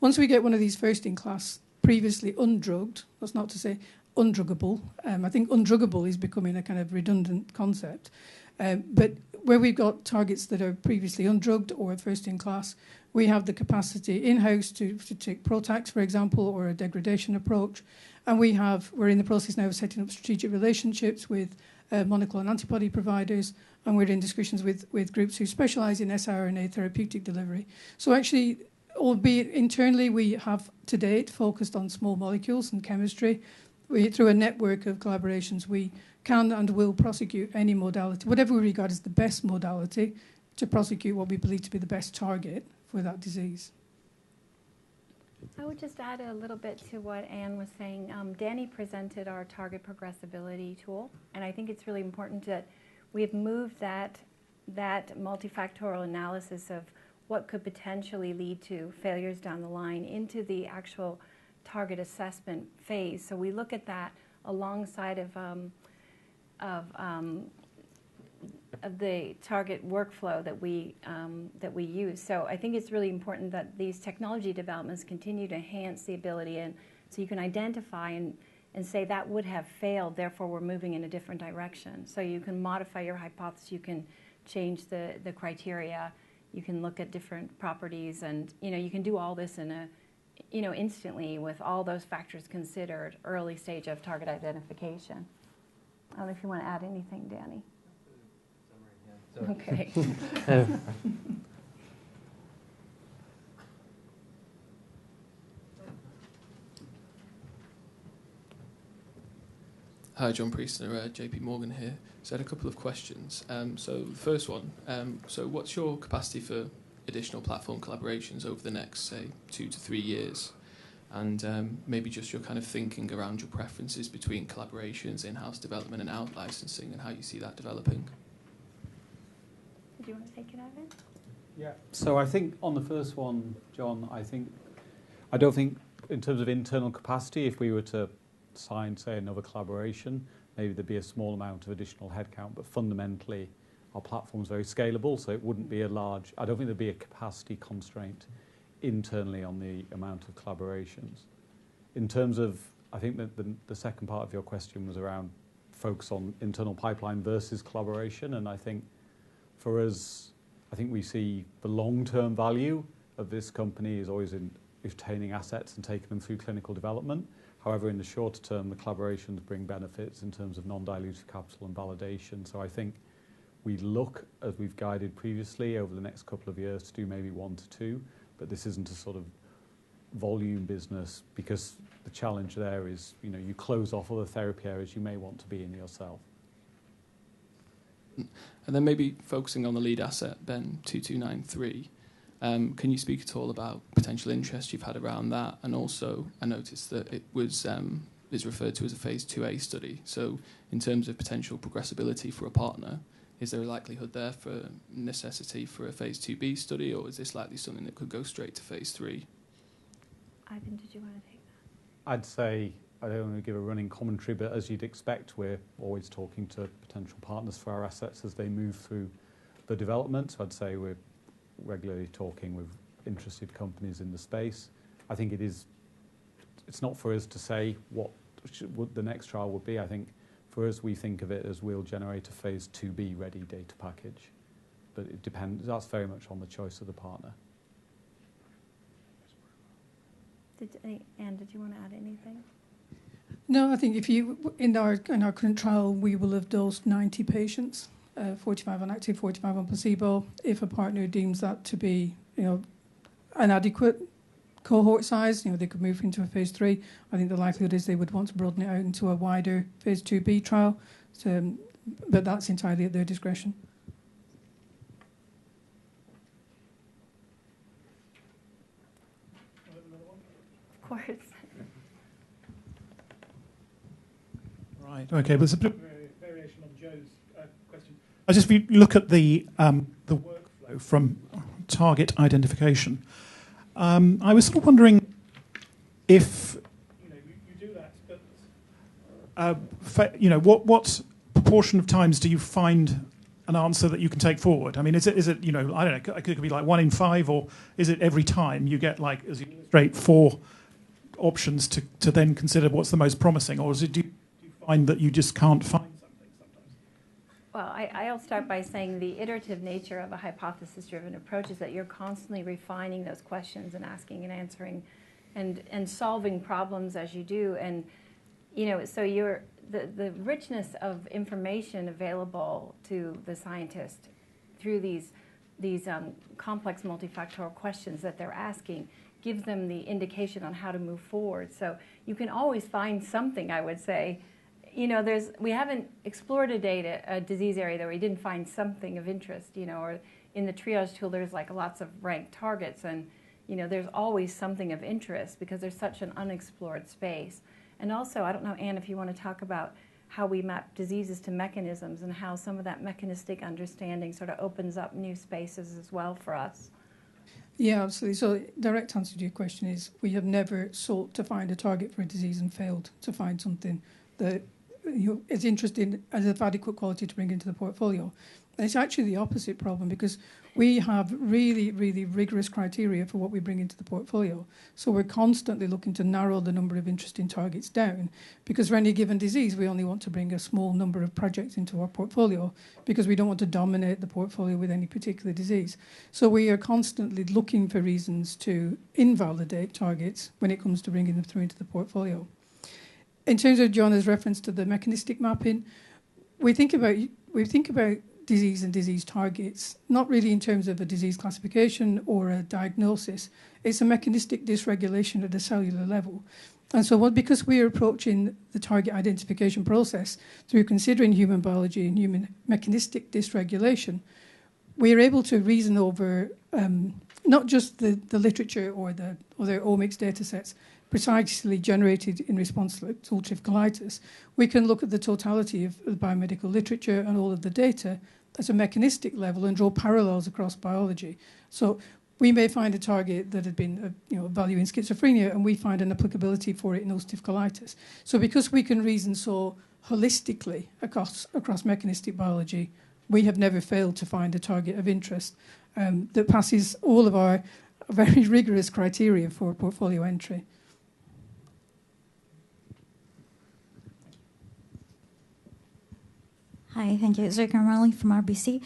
Once we get one of these first-in-class previously undrugged, that's not to say undruggable. I think undruggable is becoming a kind of redundant concept. Where we've got targets that are previously undrugged or a first-in-class, we have the capacity in-house to take PROTACs, for example, or a degradation approach, and we have. We're in the process now of setting up strategic relationships with monoclonal antibody providers, and we're in discussions with groups who specialize in siRNA therapeutic delivery. Actually, albeit internally we have to date focused on small molecules and chemistry, through a network of collaborations, we can and will prosecute any modality, whatever we regard as the best modality to prosecute what we believe to be the best target for that disease. I would just add a little bit to what Anne was saying. Danny presented our target progressibility tool, and I think it's really important that we've moved that multifactorial analysis of what could potentially lead to failures down the line into the actual target assessment phase. We look at that alongside of the target workflow that we use. I think it's really important that these technology developments continue to enhance the ability and so you can identify and say, "That would have failed, therefore we're moving in a different direction." You can modify your hypothesis, you can change the criteria, you can look at different properties and, you know, you can do all this in a, you know, instantly with all those factors considered early stage of target identification. I dunno if you wanna add anything, Danny. Okay. Hi, John Priester at JPMorgan here. I had a couple of questions. First one, what's your capacity for additional platform collaborations over the next, say, two-thre years? Maybe just your kind of thinking around your preferences between collaborations, in-house development and out-licensing, and how you see that developing. Do you wanna take it, Ivan? Yeah. I think on the first one, John, I don't think in terms of internal capacity, if we were to sign, say, another collaboration, maybe there'd be a small amount of additional headcount, but fundamentally our platform's very scalable, so I don't think there'd be a capacity constraint internally on the amount of collaborations. In terms of, I think the second part of your question was around focus on internal pipeline versus collaboration, and I think for us we see the long-term value of this company is always in obtaining assets and taking them through clinical development. However, in the shorter term, the collaborations bring benefits in terms of non-dilutive capital and validation. I think we look, as we've guided previously over the next couple of years, to do maybe one-two, but this isn't a sort of volume business because the challenge there is, you know, you close off other therapy areas you may want to be in yourself. Maybe focusing on the lead asset BEN-2293, can you speak at all about potential interest you've had around that? I noticed that it is referred to as a phase II-A study. In terms of potential progressibility for a partner, is there a likelihood there for necessity for a phase II-B study, or is this likely something that could go straight to phase III? Ivan, did you wanna take that? I'd say I don't wanna give a running commentary, but as you'd expect, we're always talking to potential partners for our assets as they move through the development. I'd say we're regularly talking with interested companies in the space. I think it's not for us to say what the next trial will be. I think for us, we think of it as we'll generate a phase II-B-ready data package. It depends. That's very much on the choice of the partner. Anne, did you wanna add anything? No, I think in our current trial, we will have dosed 90 patients, 45 on active, 45 on placebo. If a partner deems that to be, you know, an adequate cohort size, you know, they could move into a phase III. I think the likelihood is they would want to broaden it out into a wider phase II-B trial. That's entirely at their discretion. Can I have another one? Go ahead. Right. Okay. Well, it's a bit variation on John's question. I just... If you look at the workflow from target identification, I was sort of wondering if, you know, you do that, but, you know, what proportion of times do you find an answer that you can take forward? I mean, is it, you know... I don't know, could it be, like, one in five, or is it every time you get, like, as you illustrate, four options to then consider what's the most promising? Or is it... Do you find that you just can't find something sometimes? Well, I'll start by saying the iterative nature of a hypothesis-driven approach is that you're constantly refining those questions and asking and answering and solving problems as you do. The richness of information available to the scientist through these complex multifactorial questions that they're asking gives them the indication on how to move forward. You can always find something, I would say. You know, we haven't explored a disease area that we didn't find something of interest, you know. In the triage tool, there's like lots of ranked targets and, you know, there's always something of interest because there's such an unexplored space. I don't know, Anne, if you wanna talk about how we map diseases to mechanisms and how some of that mechanistic understanding sort of opens up new spaces as well for us. Yeah, absolutely. Direct answer to your question is, we have never sought to find a target for a disease and failed to find something that, you know, is interesting and of adequate quality to bring into the portfolio. It's actually the opposite problem because we have really, really rigorous criteria for what we bring into the portfolio. We're constantly looking to narrow the number of interesting targets down because for any given disease, we only want to bring a small number of projects into our portfolio because we don't want to dominate the portfolio with any particular disease. We are constantly looking for reasons to invalidate targets when it comes to bringing them through into the portfolio. In terms of John's reference to the mechanistic mapping, we think about disease and disease targets, not really in terms of a disease classification or a diagnosis. It's a mechanistic dysregulation at the cellular level. Because we are approaching the target identification process through considering human biology and human mechanistic dysregulation, we are able to reason over not just the literature or the omics data sets precisely generated in response to ulcerative colitis. We can look at the totality of biomedical literature and all of the data at a mechanistic level and draw parallels across biology. We may find a target that had been you know validated in schizophrenia, and we find an applicability for it in ulcerative colitis. Because we can reason so holistically across mechanistic biology, we have never failed to find a target of interest that passes all of our very rigorous criteria for portfolio entry. Hi. Thank you. Zoe Karamanoli from RBC.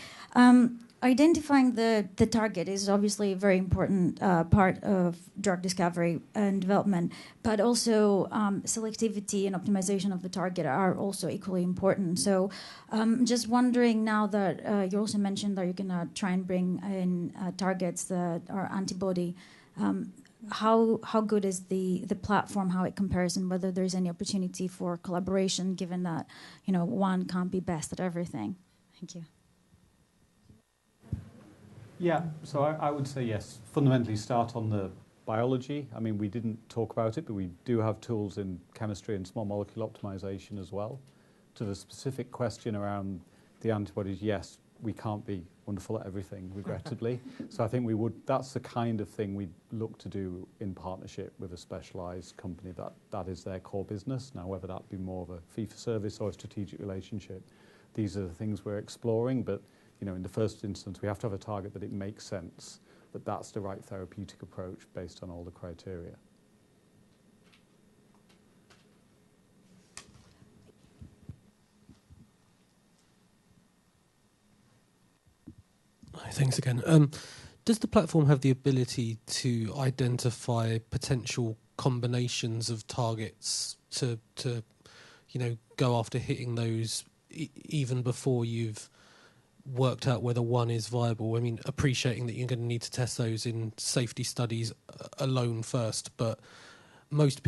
Identifying the target is obviously a very important part of drug discovery and development, but also, selectivity and optimization of the target are also equally important. Just wondering now that you also mentioned that you're gonna try and bring in targets that are antibody, how good is the platform, how it compares, and whether there is any opportunity for collaboration given that, you know, one can't be best at everything? Thank you. Yeah. I would say yes. Fundamentally start on the biology. I mean, we didn't talk about it, but we do have tools in chemistry and small molecule optimization as well. To the specific question around the antibodies, yes, we can't be wonderful at everything, regrettably. I think we would. That's the kind of thing we'd look to do in partnership with a specialized company that is their core business. Now, whether that be more of a fee for service or a strategic relationship, these are the things we're exploring. You know, in the first instance, we have to have a target that it makes sense that that's the right therapeutic approach based on all the criteria. Hi. Thanks again. Does the platform have the ability to identify potential combinations of targets to, you know, go after hitting those even before you've worked out whether one is viable? I mean, appreciating that you're gonna need to test those in safety studies alone first, but most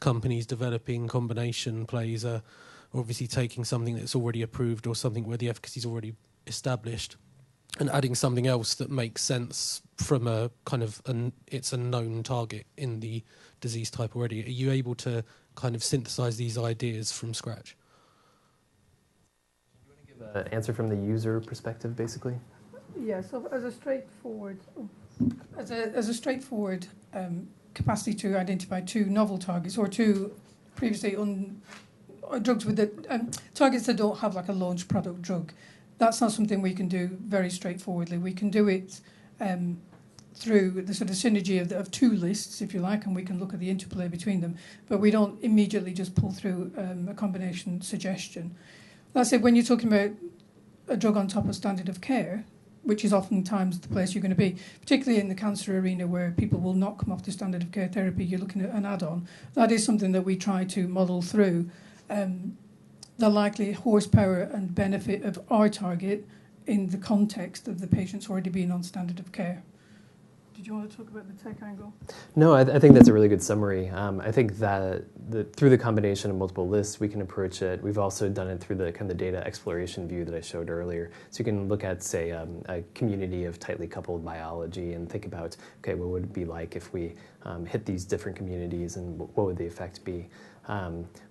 companies developing combination plays are obviously taking something that's already approved or something where the efficacy is already established and adding something else that makes sense from a kind of. It's a known target in the disease type already. Are you able to kind of synthesize these ideas from scratch? Do you wanna give an answer from the user perspective, basically? Yes. As a straightforward capacity to identify two novel targets or two previously or drugs with the targets that don't have like a launched product drug, that's not something we can do very straightforwardly. We can do it through the sort of synergy of two lists, if you like, and we can look at the interplay between them. We don't immediately just pull through a combination suggestion. That said, when you're talking about a drug on top of standard of care, which is oftentimes the place you're gonna be, particularly in the cancer arena where people will not come off the standard of care therapy, you're looking at an add-on. That is something that we try to model through, the likely horsepower and benefit of our target in the context of the patients already being on standard of care. Did you wanna talk about the tech angle? No, I think that's a really good summary. I think that through the combination of multiple lists, we can approach it. We've also done it through the kinda data exploration view that I showed earlier. You can look at, say, a community of tightly coupled biology and think about, okay, what would it be like if we hit these different communities, and what would the effect be?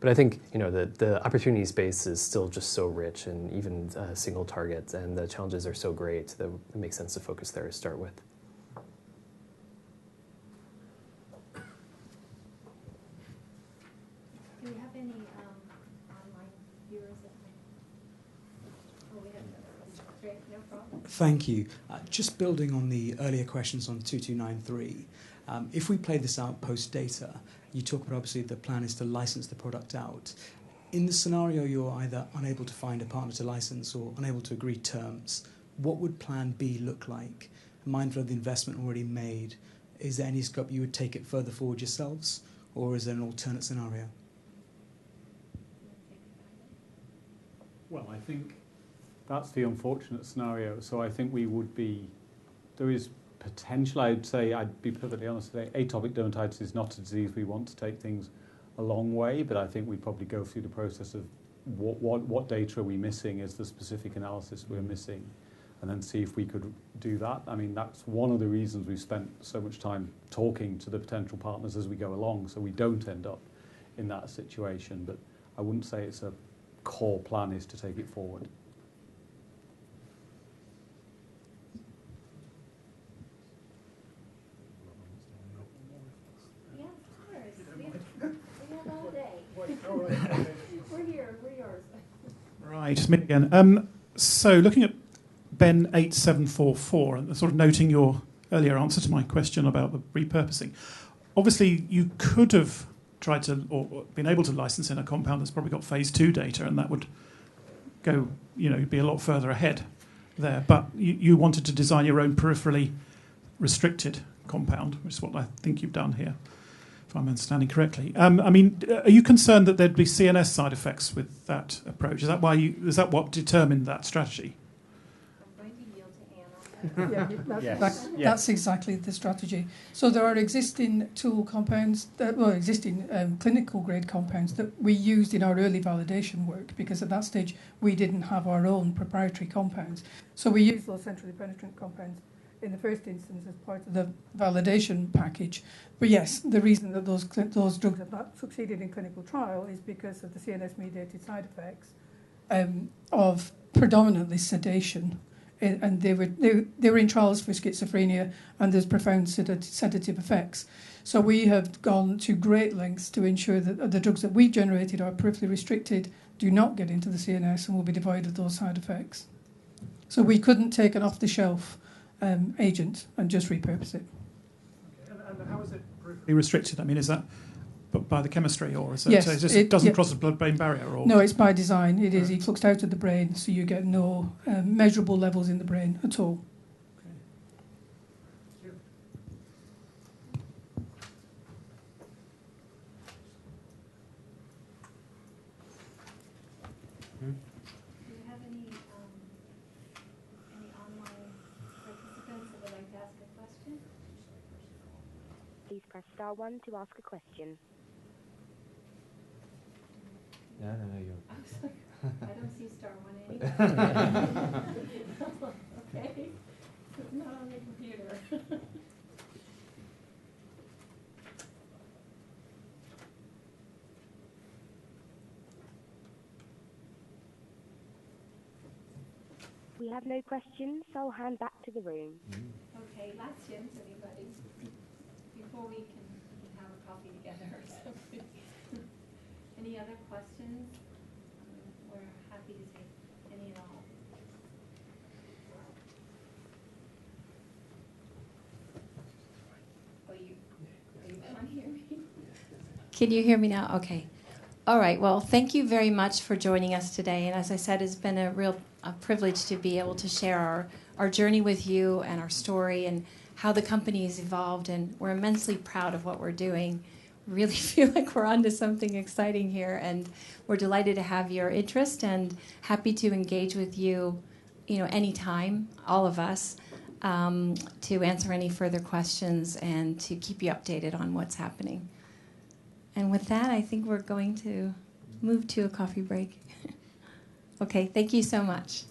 I think, you know, the opportunity space is still just so rich and even single targets, and the challenges are so great that it makes sense to focus there to start with. Do we have any online viewers? Oh, we have another one. Great. No problem. Thank you. Just building on the earlier questions on 2293, if we play this out post-data, you talk about obviously the plan is to license the product out. In the scenario you are either unable to find a partner to license or unable to agree terms, what would plan B look like? Mindful of the investment already made, is there any scope you would take it further forward yourselves or is there an alternate scenario? Well, I think that's the unfortunate scenario. There is potential, I'd say. I'd be perfectly honest today, atopic dermatitis is not a disease we want to take things a long way, but I think we probably go through the process of what data are we missing. Is there specific analysis we're missing? Then see if we could do that. I mean, that's one of the reasons we spent so much time talking to the potential partners as we go along, so we don't end up in that situation. I wouldn't say it's a core plan is to take it forward. Yeah, of course. We have all day. All right. Okay. Right. It's me again. Looking at BEN-8744, and sort of noting your earlier answer to my question about the repurposing. Obviously, you could have tried to or been able to license in a compound that's probably got phase II data, and that would go, you know, be a lot further ahead there. You wanted to design your own peripherally restricted compound, is what I think you've done here, if I'm understanding correctly. I mean, are you concerned that there'd be CNS side effects with that approach? Is that what determined that strategy? I'm going to yield to Anne on that. Yes. Yes. That's exactly the strategy. There are existing clinical-grade compounds that we used in our early validation work because at that stage, we didn't have our own proprietary compounds. We used those centrally penetrant compounds in the first instance as part of the validation package. Yes, the reason that those drugs have not succeeded in clinical trial is because of the CNS-mediated side effects of predominantly sedation. They were in trials for schizophrenia, and there's profound sedative effects. We have gone to great lengths to ensure that the drugs that we generated are peripherally restricted, do not get into the CNS and will be devoid of those side effects. We couldn't take an off-the-shelf agent and just repurpose it. How is it peripherally restricted? I mean, is that by the chemistry or is it just doesn't cross the blood-brain barrier at all? Yes. No, it's by design. It is. Right. It effluxed out of the brain, so you get no measurable levels in the brain at all. Okay. Thank you. Do we have any online participants that would like to ask a question? Please press star one to ask a question. No, no. You're okay. I was like, I don't see a star one anywhere. Okay. It's not on the computer. We have no questions, so I'll hand back to the room. Mm-hmm. Okay. Last chance, everybody. Before we can have a coffee together. Any other questions? We're happy to take any at all. Oh, you. Can you hear me? Can you hear me now? Okay. All right. Well, thank you very much for joining us today. As I said, it's been a real privilege to be able to share our journey with you and our story and how the company has evolved, and we're immensely proud of what we're doing. Really feel like we're onto something exciting here, and we're delighted to have your interest and happy to engage with you know, anytime, all of us, to answer any further questions and to keep you updated on what's happening. With that, I think we're going to move to a coffee break. Okay. Thank you so much.